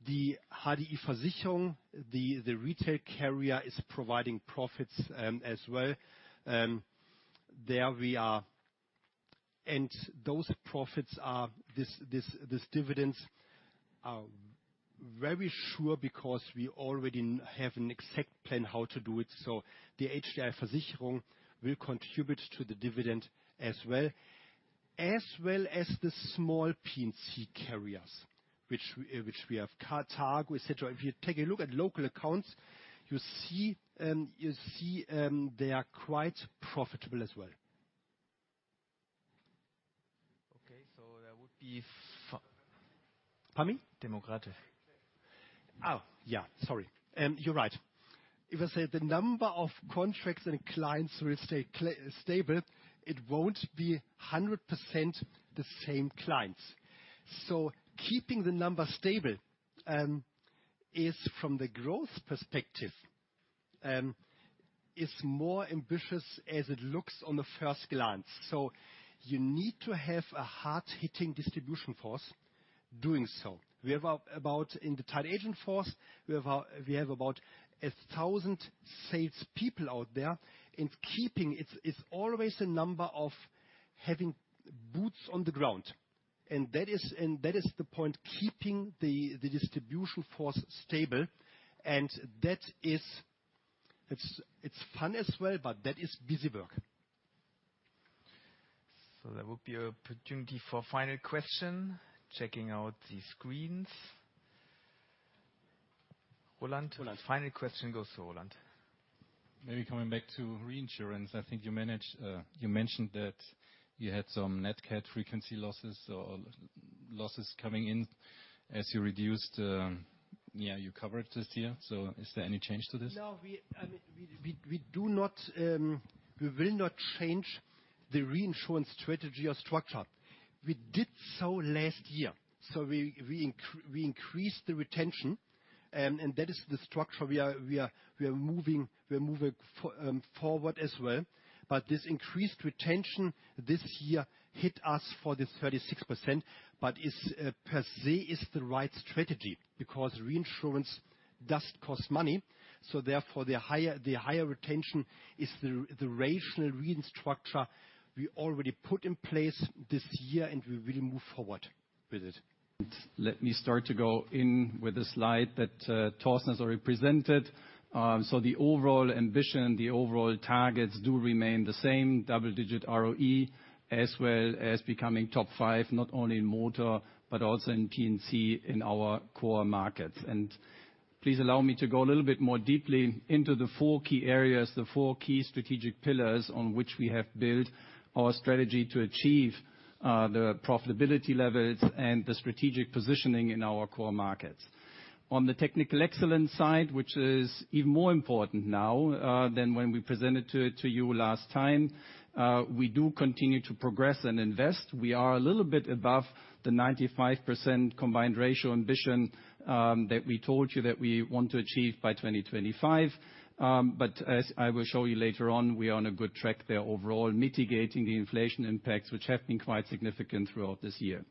The HDI Versicherung, the retail carrier is providing profits as well. There we are. Those profits are this dividends are very sure because we already have an exact plan how to do it. The HDI Versicherung will contribute to the dividend as well. As well as the small P&C carriers, which we have Targo, et cetera. If you take a look at local accounts, you see, they are quite profitable as well. Okay. That would be Pami? Demographic. Oh, yeah. Sorry. You're right. If I say the number of contracts and clients will stay stable, it won't be 100% the same clients. Keeping the numbers stable is from the growth perspective is more ambitious as it looks on the first glance. You need to have a hard-hitting distribution force doing so. We have about, in the tied agent force, we have about 1,000 salespeople out there. Keeping, it's always a number of having boots on the ground. That is the point, keeping the distribution force stable. That is, it's fun as well, but that is busy work. There will be opportunity for final question. Checking out the screens. Roland. Final question goes to Roland. Maybe coming back to reinsurance. I think you managed, you mentioned that you had some NatCat frequency losses or losses coming in as you reduced, you covered this year. Is there any change to this? No, we, I mean, we do not, we will not change the reinsurance strategy or structure. We did so last year. We increased the retention, and that is the structure we are, we are moving forward as well. This increased retention this year hit us for this 36%, but is per se is the right strategy because reinsurance does cost money. Therefore, the higher retention is the rational reinstructure we already put in place this year, and we will move forward with it. Let me start to go in with the slide that Torsten has already presented. The overall ambition, the overall targets do remain the same. Double-digit ROE, as well as becoming top five, not only in motor, but also in P&C in our core markets. Please allow me to go a little bit more deeply into the four key areas, the four key strategic pillars on which we have built our strategy to achieve the profitability levels and the strategic positioning in our core markets. On the technical excellence side, which is even more important now than when we presented to you last time, we do continue to progress and invest. We are a little bit above the 95% combined ratio ambition that we told you that we want to achieve by 2025. As I will show you later on, we are on a good track there overall, mitigating the inflation impacts, which have been quite significant throughout this year.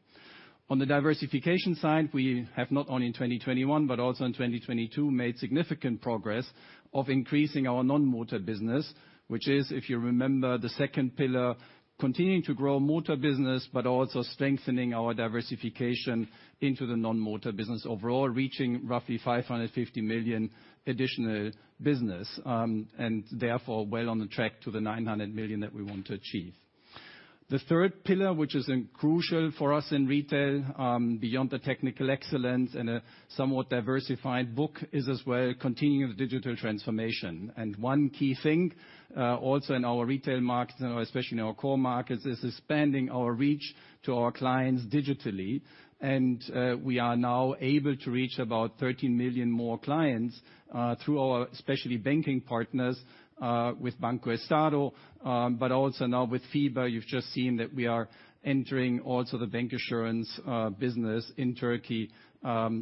On the diversification side, we have not only in 2021, but also in 2022, made significant progress of increasing our non-motor business. Which is, if you remember, the second pillar, continuing to grow motor business, but also strengthening our diversification into the non-motor business overall, reaching roughly 550 million additional business, Therefore, well on the track to the 900 million that we want to achieve. The third pillar, which is crucial for us in retail, beyond the technical excellence and a somewhat diversified book, is as well continuing the digital transformation. One key thing, also in our retail markets and especially in our core markets, is expanding our reach to our clients digitally. We are now able to reach about 30 million more clients through our specialty banking partners with BancoEstado, but also now with FIBA. You've just seen that we are entering also the bank insurance business in Turkey,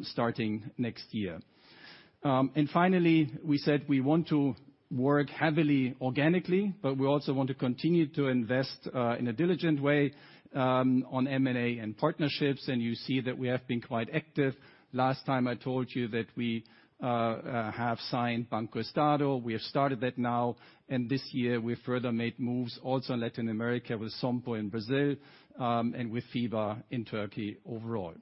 starting next year. Finally, we said we want to work heavily organically, but we also want to continue to invest in a diligent way on M&A and partnerships, and you see that we have been quite active. Last time I told you that we have signed BancoEstado. We have started that now. This year we've further made moves also in Latin America with Sompo in Brazil, and with FIBA in Turkey overall.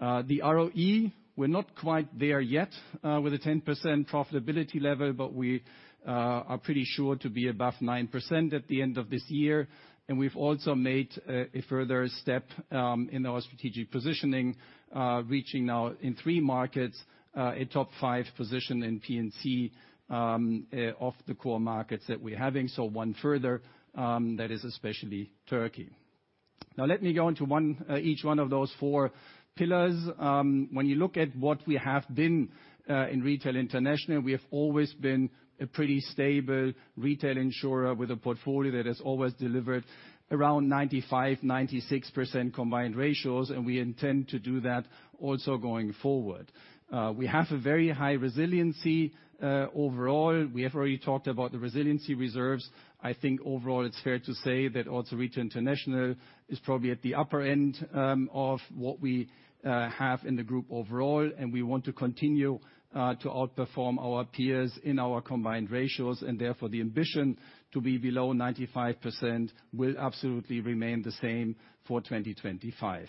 The ROE, we're not quite there yet, with a 10% profitability level, but we are pretty sure to be above 9% at the end of this year. We've also made a further step in our strategic positioning, reaching now in three markets, a top five position in P&C of the core markets that we're having. One further, that is especially Turkey. Let me go into one each one of those four pillars. When you look at what we have been in retail internationally, we have always been a pretty stable retail insurer with a portfolio that has always delivered around 95%, 96% combined ratios, and we intend to do that also going forward. We have a very high resiliency overall. We have already talked about the resiliency reserves. I think overall it's fair to say that also Retail International is probably at the upper end of what we have in the group overall, and we want to continue to outperform our peers in our combined ratios, and therefore the ambition to be below 95% will absolutely remain the same for 2025.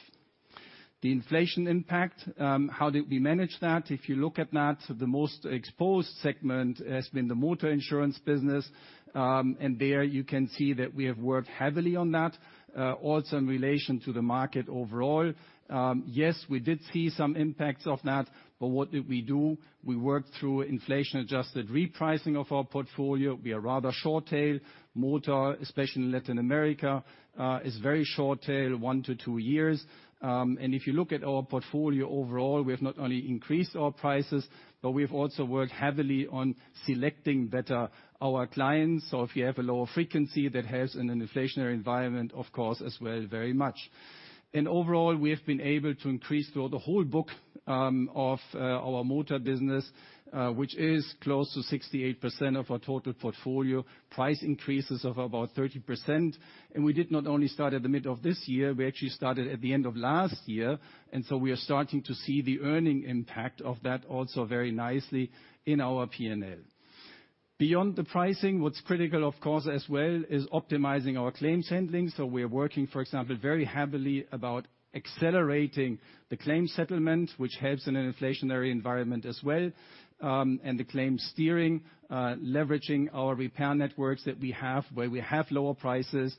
The inflation impact, how did we manage that? If you look at that, the most exposed segment has been the motor insurance business. There you can see that we have worked heavily on that, also in relation to the market overall. Yes, we did see some impacts of that, but what did we do? We worked through inflation-adjusted repricing of our portfolio. We are rather short tail. Motor, especially in Latin America, is very short tail, one to two years. If you look at our portfolio overall, we have not only increased our prices, but we've also worked heavily on selecting better our clients. If you have a lower frequency, that helps in an inflationary environment, of course, as well very much. Overall, we have been able to increase through the whole book of our motor business, which is close to 68% of our total portfolio, price increases of about 30%. We did not only start at the middle of this year, we actually started at the end of last year, and so we are starting to see the earning impact of that also very nicely in our P&L. Beyond the pricing, what's critical, of course, as well, is optimizing our claims handling. We are working, for example, very heavily about accelerating the claim settlement, which helps in an inflationary environment as well. The claim steering, leveraging our repair networks that we have, where we have lower prices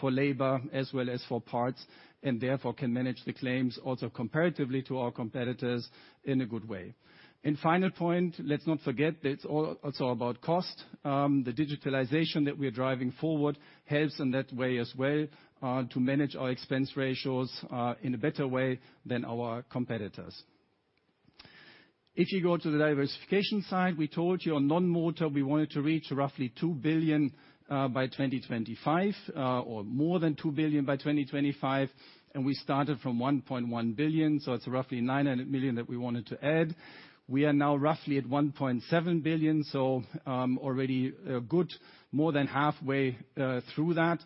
for labor as well as for parts, and therefore can manage the claims also comparatively to our competitors in a good way. Final point, let's not forget that it's all also about cost. The digitalization that we are driving forward helps in that way as well, to manage our expense ratios in a better way than our competitors. If you go to the diversification side, we told you on non-motor, we wanted to reach roughly 2 billion by 2025, or more than 2 billion by 2025. We started from 1.1 billion. It's roughly 900 million that we wanted to add. We are now roughly at 1.7 billion, already a good more than halfway through that,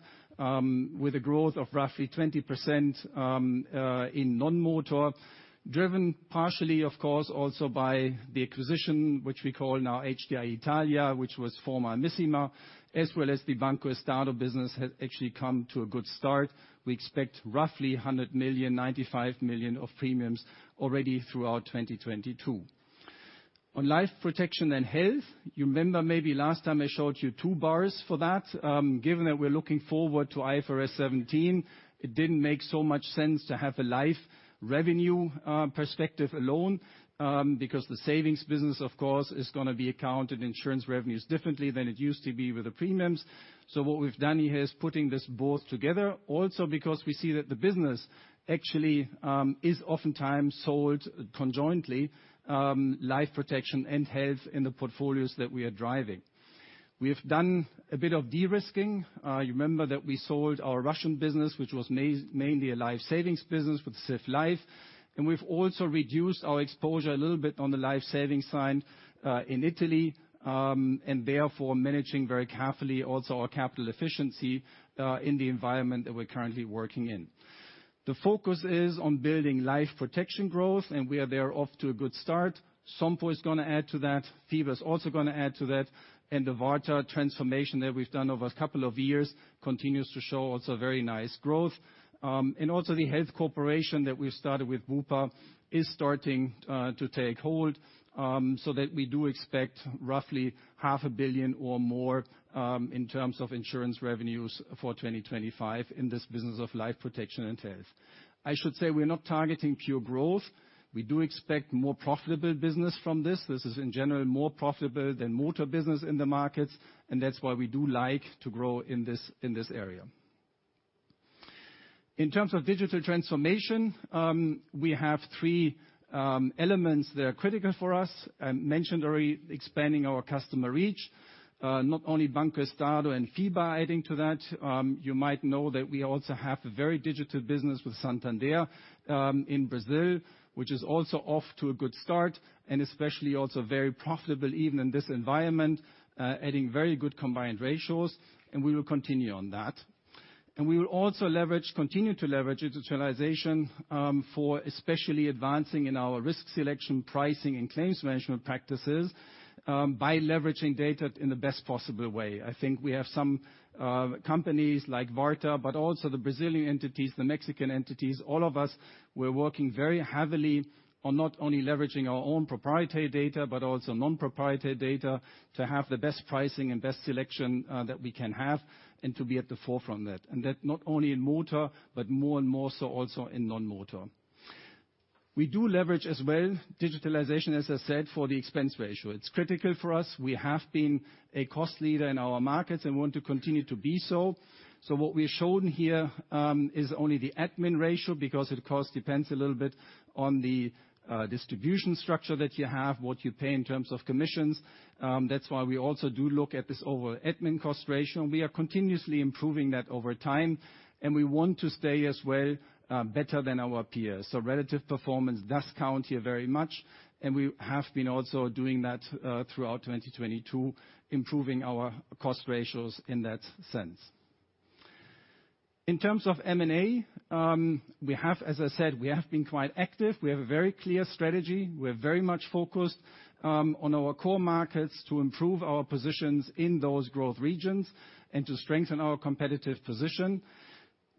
with a growth of roughly 20% in non-motor. Driven partially, of course, also by the acquisition, which we call now HDI Italia, which was former Amissima, as well as the BancoEstado business has actually come to a good start. We expect roughly 100 million, 95 million of premiums already throughout 2022. On life protection and health, you remember maybe last time I showed you two bars for that. Given that we're looking forward to IFRS 17, it didn't make so much sense to have a life revenue perspective alone, because the savings business, of course, is gonna be accounted insurance revenues differently than it used to be with the premiums. What we've done here is putting this both together, also because we see that the business actually is oftentimes sold conjointly, life protection and health in the portfolios that we are driving. We have done a bit of de-risking. You remember that we sold our Russian business, which was mainly a life savings business with CiV Life. We've also reduced our exposure a little bit on the life savings side in Italy, and therefore managing very carefully also our capital efficiency in the environment that we're currently working in. The focus is on building life protection growth. We are there off to a good start. Sompo is gonna add to that. FIBA is also gonna add to that. The Warta transformation that we've done over a couple of years continues to show also very nice growth. Also the health cooperation that we've started with Bupa is starting to take hold, so that we do expect roughly half a billion or more in terms of insurance revenues for 2025 in this business of life protection and health. I should say we're not targeting pure growth. We do expect more profitable business from this. This is in general more profitable than motor business in the markets, and that's why we do like to grow in this, in this area. In terms of digital transformation, we have three elements that are critical for us. I mentioned already expanding our customer reach, not only BancoEstado and FIBA adding to that. You might know that we also have a very digital business with Santander in Brazil, which is also off to a good start, and especially also very profitable even in this environment, adding very good combined ratios, and we will continue on that. We will also leverage, continue to leverage digitalization, for especially advancing in our risk selection, pricing, and claims management practices, by leveraging data in the best possible way. I think we have some companies like Warta, also the Brazilian entities, the Mexican entities. All of us, we're working very heavily on not only leveraging our own proprietary data, but also non-proprietary data to have the best pricing and best selection that we can have and to be at the forefront of that. That not only in motor, but more and more so also in non-motor. We do leverage as well digitalization, as I said, for the expense ratio. It's critical for us. We have been a cost leader in our markets and want to continue to be so. What we've shown here is only the admin ratio because it, of course, depends a little bit on the distribution structure that you have, what you pay in terms of commissions. That's why we also do look at this overall admin cost ratio, and we are continuously improving that over time, and we want to stay as well, better than our peers. So relative performance does count here very much, and we have been also doing that, throughout 2022, improving our cost ratios in that sense. In terms of M&A, as I said, we have been quite active. We have a very clear strategy. We're very much focused, on our core markets to improve our positions in those growth regions and to strengthen our competitive position.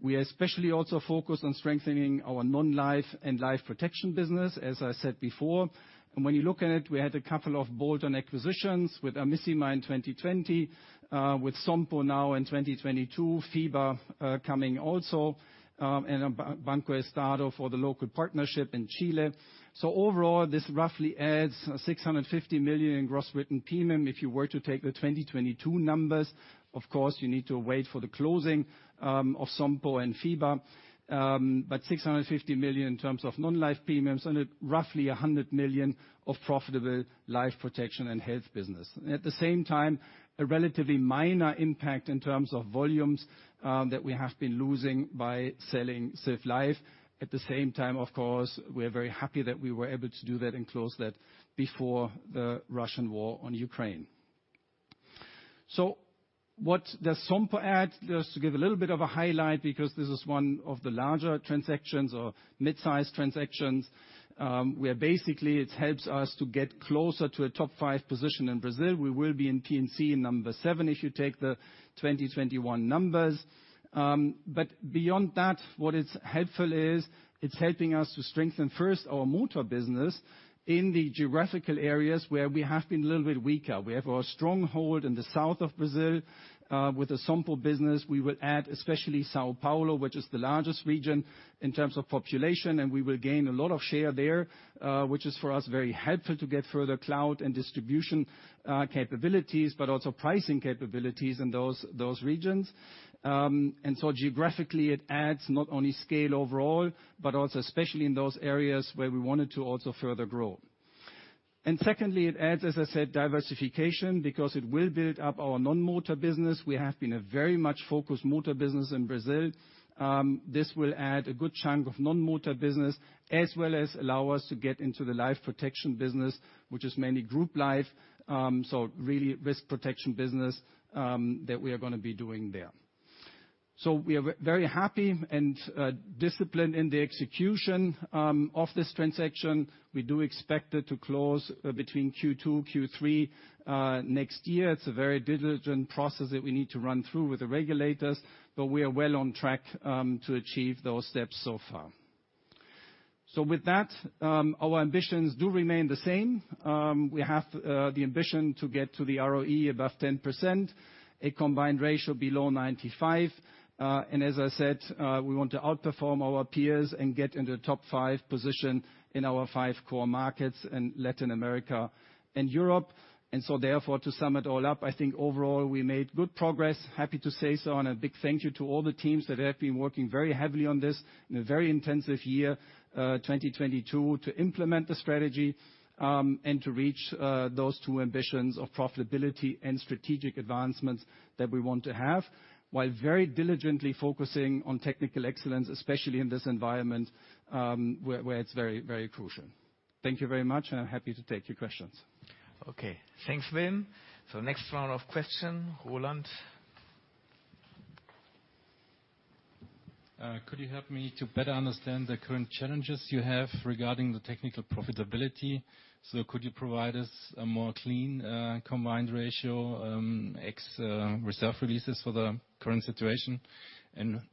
We are especially also focused on strengthening our non-life and life protection business, as I said before. When you look at it, we had a couple of bolt-on acquisitions with Amissima in 2020, with Sompo now in 2022, FIBA coming also, and BancoEstado for the local partnership in Chile. Overall, this roughly adds 650 million in gross written premium if you were to take the 2022 numbers. Of course, you need to wait for the closing of Sompo and FIBA. 650 million in terms of non-life premiums and roughly 100 million of profitable life protection and health business. At the same time, a relatively minor impact in terms of volumes that we have been losing by selling CiV Life. At the same time, of course, we are very happy that we were able to do that and close that before the Russian war on Ukraine. What does Sompo add? Just to give a little bit of a highlight because this is one of the larger transactions or midsize transactions, where basically it helps us to get closer to a top five position in Brazil. We will be in P&C number seven if you take the 2021 numbers. Beyond that, what is helpful is it's helping us to strengthen first our motor business in the geographical areas where we have been a little bit weaker. We have our stronghold in the south of Brazil with the Sompo business. We will add especially São Paulo, which is the largest region in terms of population, and we will gain a lot of share there, which is for us very helpful to get further cloud and distribution capabilities, but also pricing capabilities in those regions. Geographically, it adds not only scale overall, but also especially in those areas where we wanted to also further grow. Secondly, it adds, as I said, diversification because it will build up our non-motor business. We have been a very much focused motor business in Brazil. This will add a good chunk of non-motor business as well as allow us to get into the life protection business, which is mainly group life. So really risk protection business that we are gonna be doing there. We are very happy and disciplined in the execution of this transaction. We do expect it to close between Q2, Q3 next year. It's a very diligent process that we need to run through with the regulators, but we are well on track to achieve those steps so far. Our ambitions do remain the same. We have the ambition to get to the ROE above 10%, a combined ratio below 95. As I said, we want to outperform our peers and get into the top 5 position in our 5 core markets in Latin America and Europe. To sum it all up, I think overall we made good progress. Happy to say so, and a big thank you to all the teams that have been working very heavily on this in a very intensive year, 2022, to implement the strategy and to reach those two ambitions of profitability and strategic advancements that we want to have, while very diligently focusing on technical excellence, especially in this environment, where it's very, very crucial. Thank you very much, and I'm happy to take your questions. Okay. Thanks, Wilm. Next round of question, Roland. Could you help me to better understand the current challenges you have regarding the technical profitability? Could you provide us a more clean combined ratio ex reserve releases for the current situation?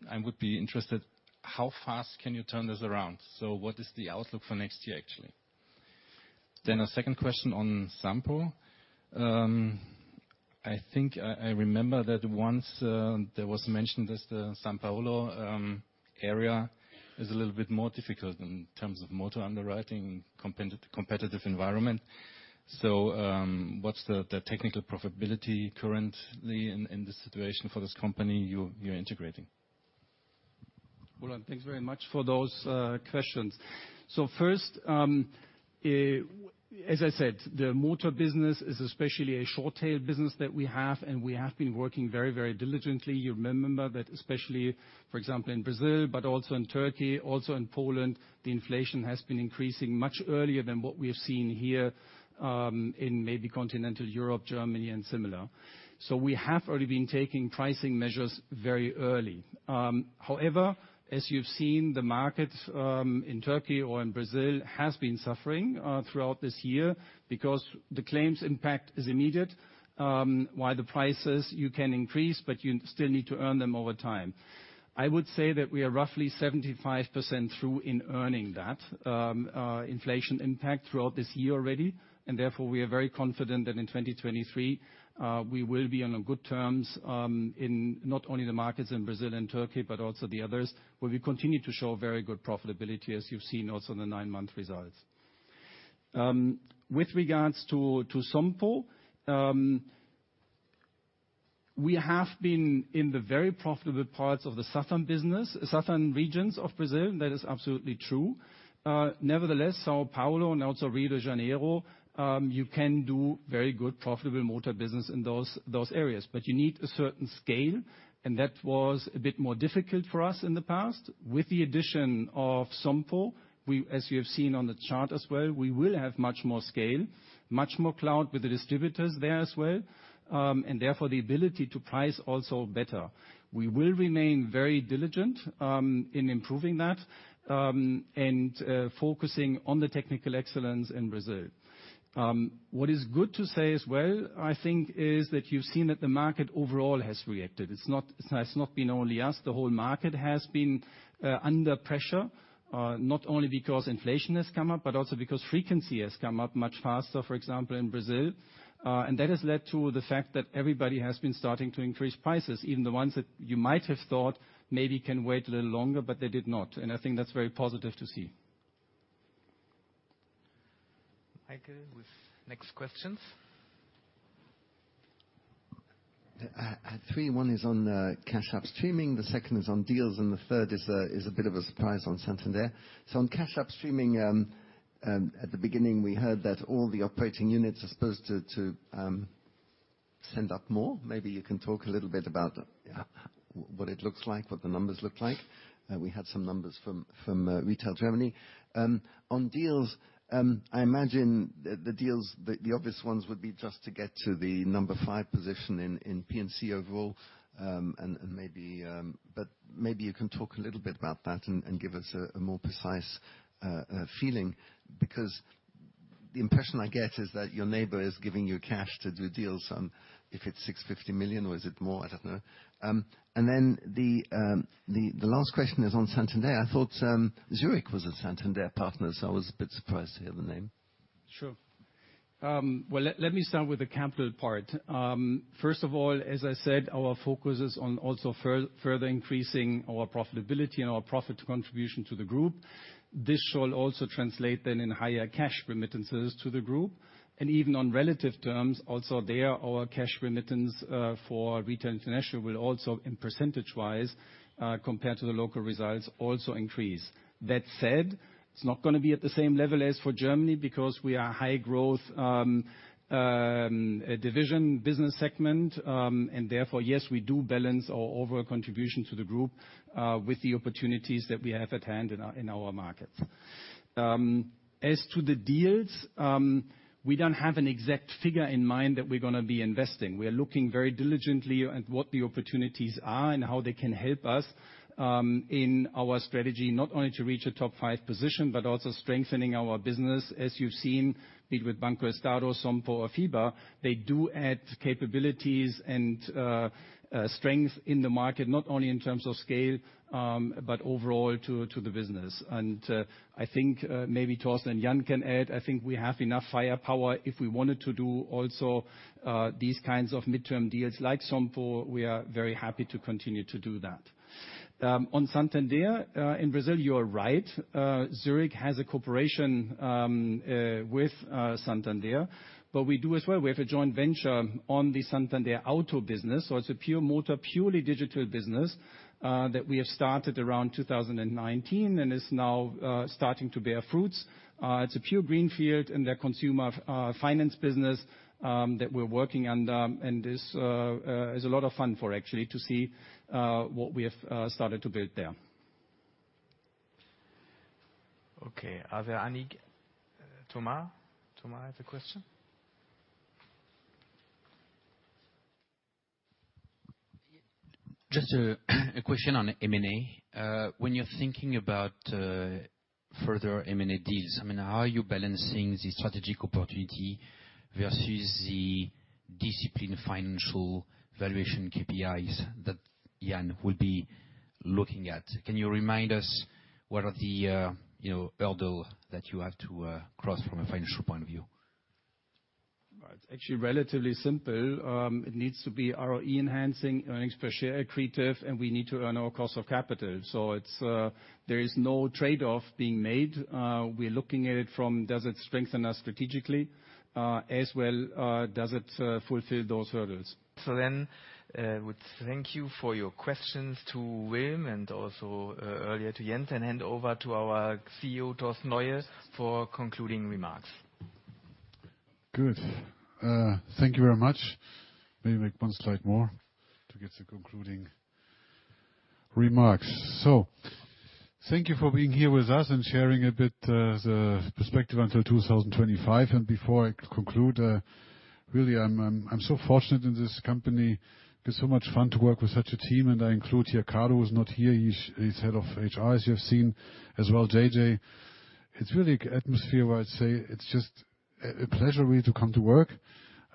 I would be interested, how fast can you turn this around? What is the outlook for next year, actually? A second question on Sompo. I think I remember that once there was mentioned as the São Paulo area is a little bit more difficult in terms of motor underwriting competitive environment. What's the technical profitability currently in this situation for this company you're integrating? Roland, thanks very much for those questions. First, as I said, the motor business is especially a short-tailed business that we have, and we have been working very, very diligently. You remember that especially, for example, in Brazil, but also in Turkey, also in Poland, the inflation has been increasing much earlier than what we have seen here in maybe continental Europe, Germany, and similar. We have already been taking pricing measures very early. However, as you've seen, the markets in Turkey or in Brazil has been suffering throughout this year because the claims impact is immediate, while the prices you can increase, but you still need to earn them over time. I would say that we are roughly 75% through in earning that inflation impact throughout this year already. Therefore, we are very confident that in 2023, we will be on good terms in not only the markets in Brazil and Turkey, but also the others, where we continue to show very good profitability, as you've seen also in the nine-month results. With regards to Sompo, we have been in the very profitable parts of the southern business, southern regions of Brazil. That is absolutely true. Nevertheless, São Paulo and also Rio de Janeiro, you can do very good profitable motor business in those areas, but you need a certain scale. That was a bit more difficult for us in the past. With the addition of Sompo, we, as you have seen on the chart as well, we will have much more scale, much more clout with the distributors there as well, and therefore, the ability to price also better. We will remain very diligent in improving that and focusing on the technical excellence in Brazil. What is good to say as well, I think, is that you've seen that the market overall has reacted. It has not been only us. The whole market has been under pressure, not only because inflation has come up, but also because frequency has come up much faster, for example, in Brazil. That has led to the fact that everybody has been starting to increase prices, even the ones that you might have thought maybe can wait a little longer, but they did not. I think that's very positive to see. Michael, with next questions. I have three. One is on cash upstreaming, the second is on deals, and the third is a bit of a surprise on Santander. On cash upstreaming, at the beginning, we heard that all the operating units are supposed to send up more. Maybe you can talk a little bit about how what it looks like, what the numbers look like. We had some numbers from Retail Germany. On deals, I imagine the deals, the obvious ones would be just to get to the number five position in P&C overall. Maybe, but maybe you can talk a little bit about that and give us a more precise feeling. Because the impression I get is that your neighbor is giving you cash to do deals. If it's 650 million or is it more? I don't know. The last question is on Santander. I thought Zurich was a Santander partner, I was a bit surprised to hear the name. Sure. Well, let me start with the capital part. First of all, as I said, our focus is on also further increasing our profitability and our profit contribution to the group. This shall also translate then in higher cash remittances to the group. Even on relative terms, also there, our cash remittance, for Retail International will also, in percentage-wise, compared to the local results, also increase. That said, it's not gonna be at the same level as for Germany because we are a high-growth, division business segment. Therefore, yes, we do balance our overall contribution to the group, with the opportunities that we have at hand in our, in our markets. As to the deals, we don't have an exact figure in mind that we're gonna be investing. We are looking very diligently at what the opportunities are and how they can help us in our strategy, not only to reach a top five position, but also strengthening our business. As you've seen, be it with BancoEstado, Sompo or FIBA, they do add capabilities and strength in the market, not only in terms of scale, but overall to the business. I think maybe Torsten and Jan can add. I think we have enough firepower if we wanted to do also these kinds of midterm deals like Sompo. We are very happy to continue to do that. On Santander in Brazil, you are right. Zurich has a cooperation with Santander. We do as well. We have a joint venture on the Santander auto business, so it's a pure motor, purely digital business, that we have started around 2019 and is now, starting to bear fruits. It's a pure greenfield in their consumer, finance business, that we're working under, and this, is a lot of fun for actually to see, what we have, started to build there. Okay. Are there any... Thomas? Thomas has a question. Just a question on M&A. When you're thinking about further M&A deals, I mean, how are you balancing the strategic opportunity versus the disciplined financial valuation KPIs that Jan will be looking at? Can you remind us what are the, you know, hurdle that you have to cross from a financial point of view? It's actually relatively simple. It needs to be ROE enhancing, earnings per share accretive, and we need to earn our cost of capital. There is no trade-off being made. We're looking at it from does it strengthen us strategically, as well, does it fulfill those hurdles? With thank you for your questions to Wilm and also, earlier to Jens, and hand over to our CEO, Torsten Leue, for concluding remarks. Good. Thank you very much. Let me make one slide more to get to concluding remarks. Thank you for being here with us and sharing a bit the perspective until 2025. Before I conclude, really I'm so fortunate in this company. It's so much fun to work with such a team, and I include here Carlo, who's not here. He's head of HR, as you have seen. As well, JJ. It's really atmosphere where I'd say it's just a pleasure really to come to work.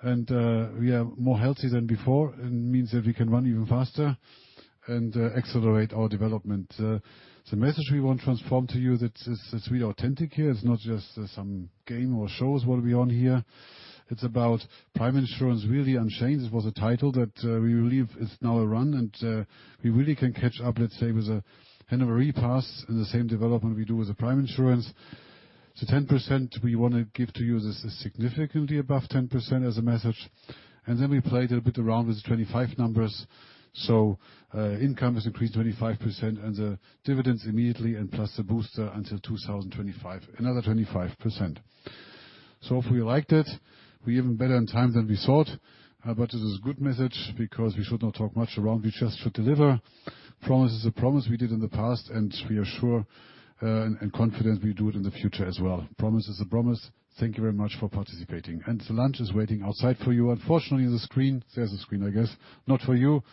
We are more healthy than before. It means that we can run even faster and accelerate our development. The message we want to transform to you that it's really authentic here. It's not just some game or shows what we own here. It's about prime insurance, really unchained. It was a title that we believe is now a run. We really can catch up, let's say, with a Henry Pass in the same development we do with the prime insurance. The 10% we wanna give to you is significantly above 10% as a message. We played a bit around with the 25 numbers. Income has increased 25% and the dividends immediately and plus the booster until 2025, another 25%. If we liked it, we're even better in time than we thought. This is good message because we should not talk much around. We just should deliver. Promise is a promise we did in the past, and we are sure and confident we do it in the future as well. Promise is a promise. Thank you very much for participating. The lunch is waiting outside for you. Unfortunately, the screen, there's a screen I guess, not for you.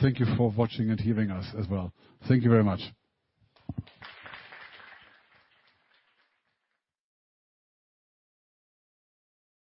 Thank you for watching and hearing us as well. Thank you very much.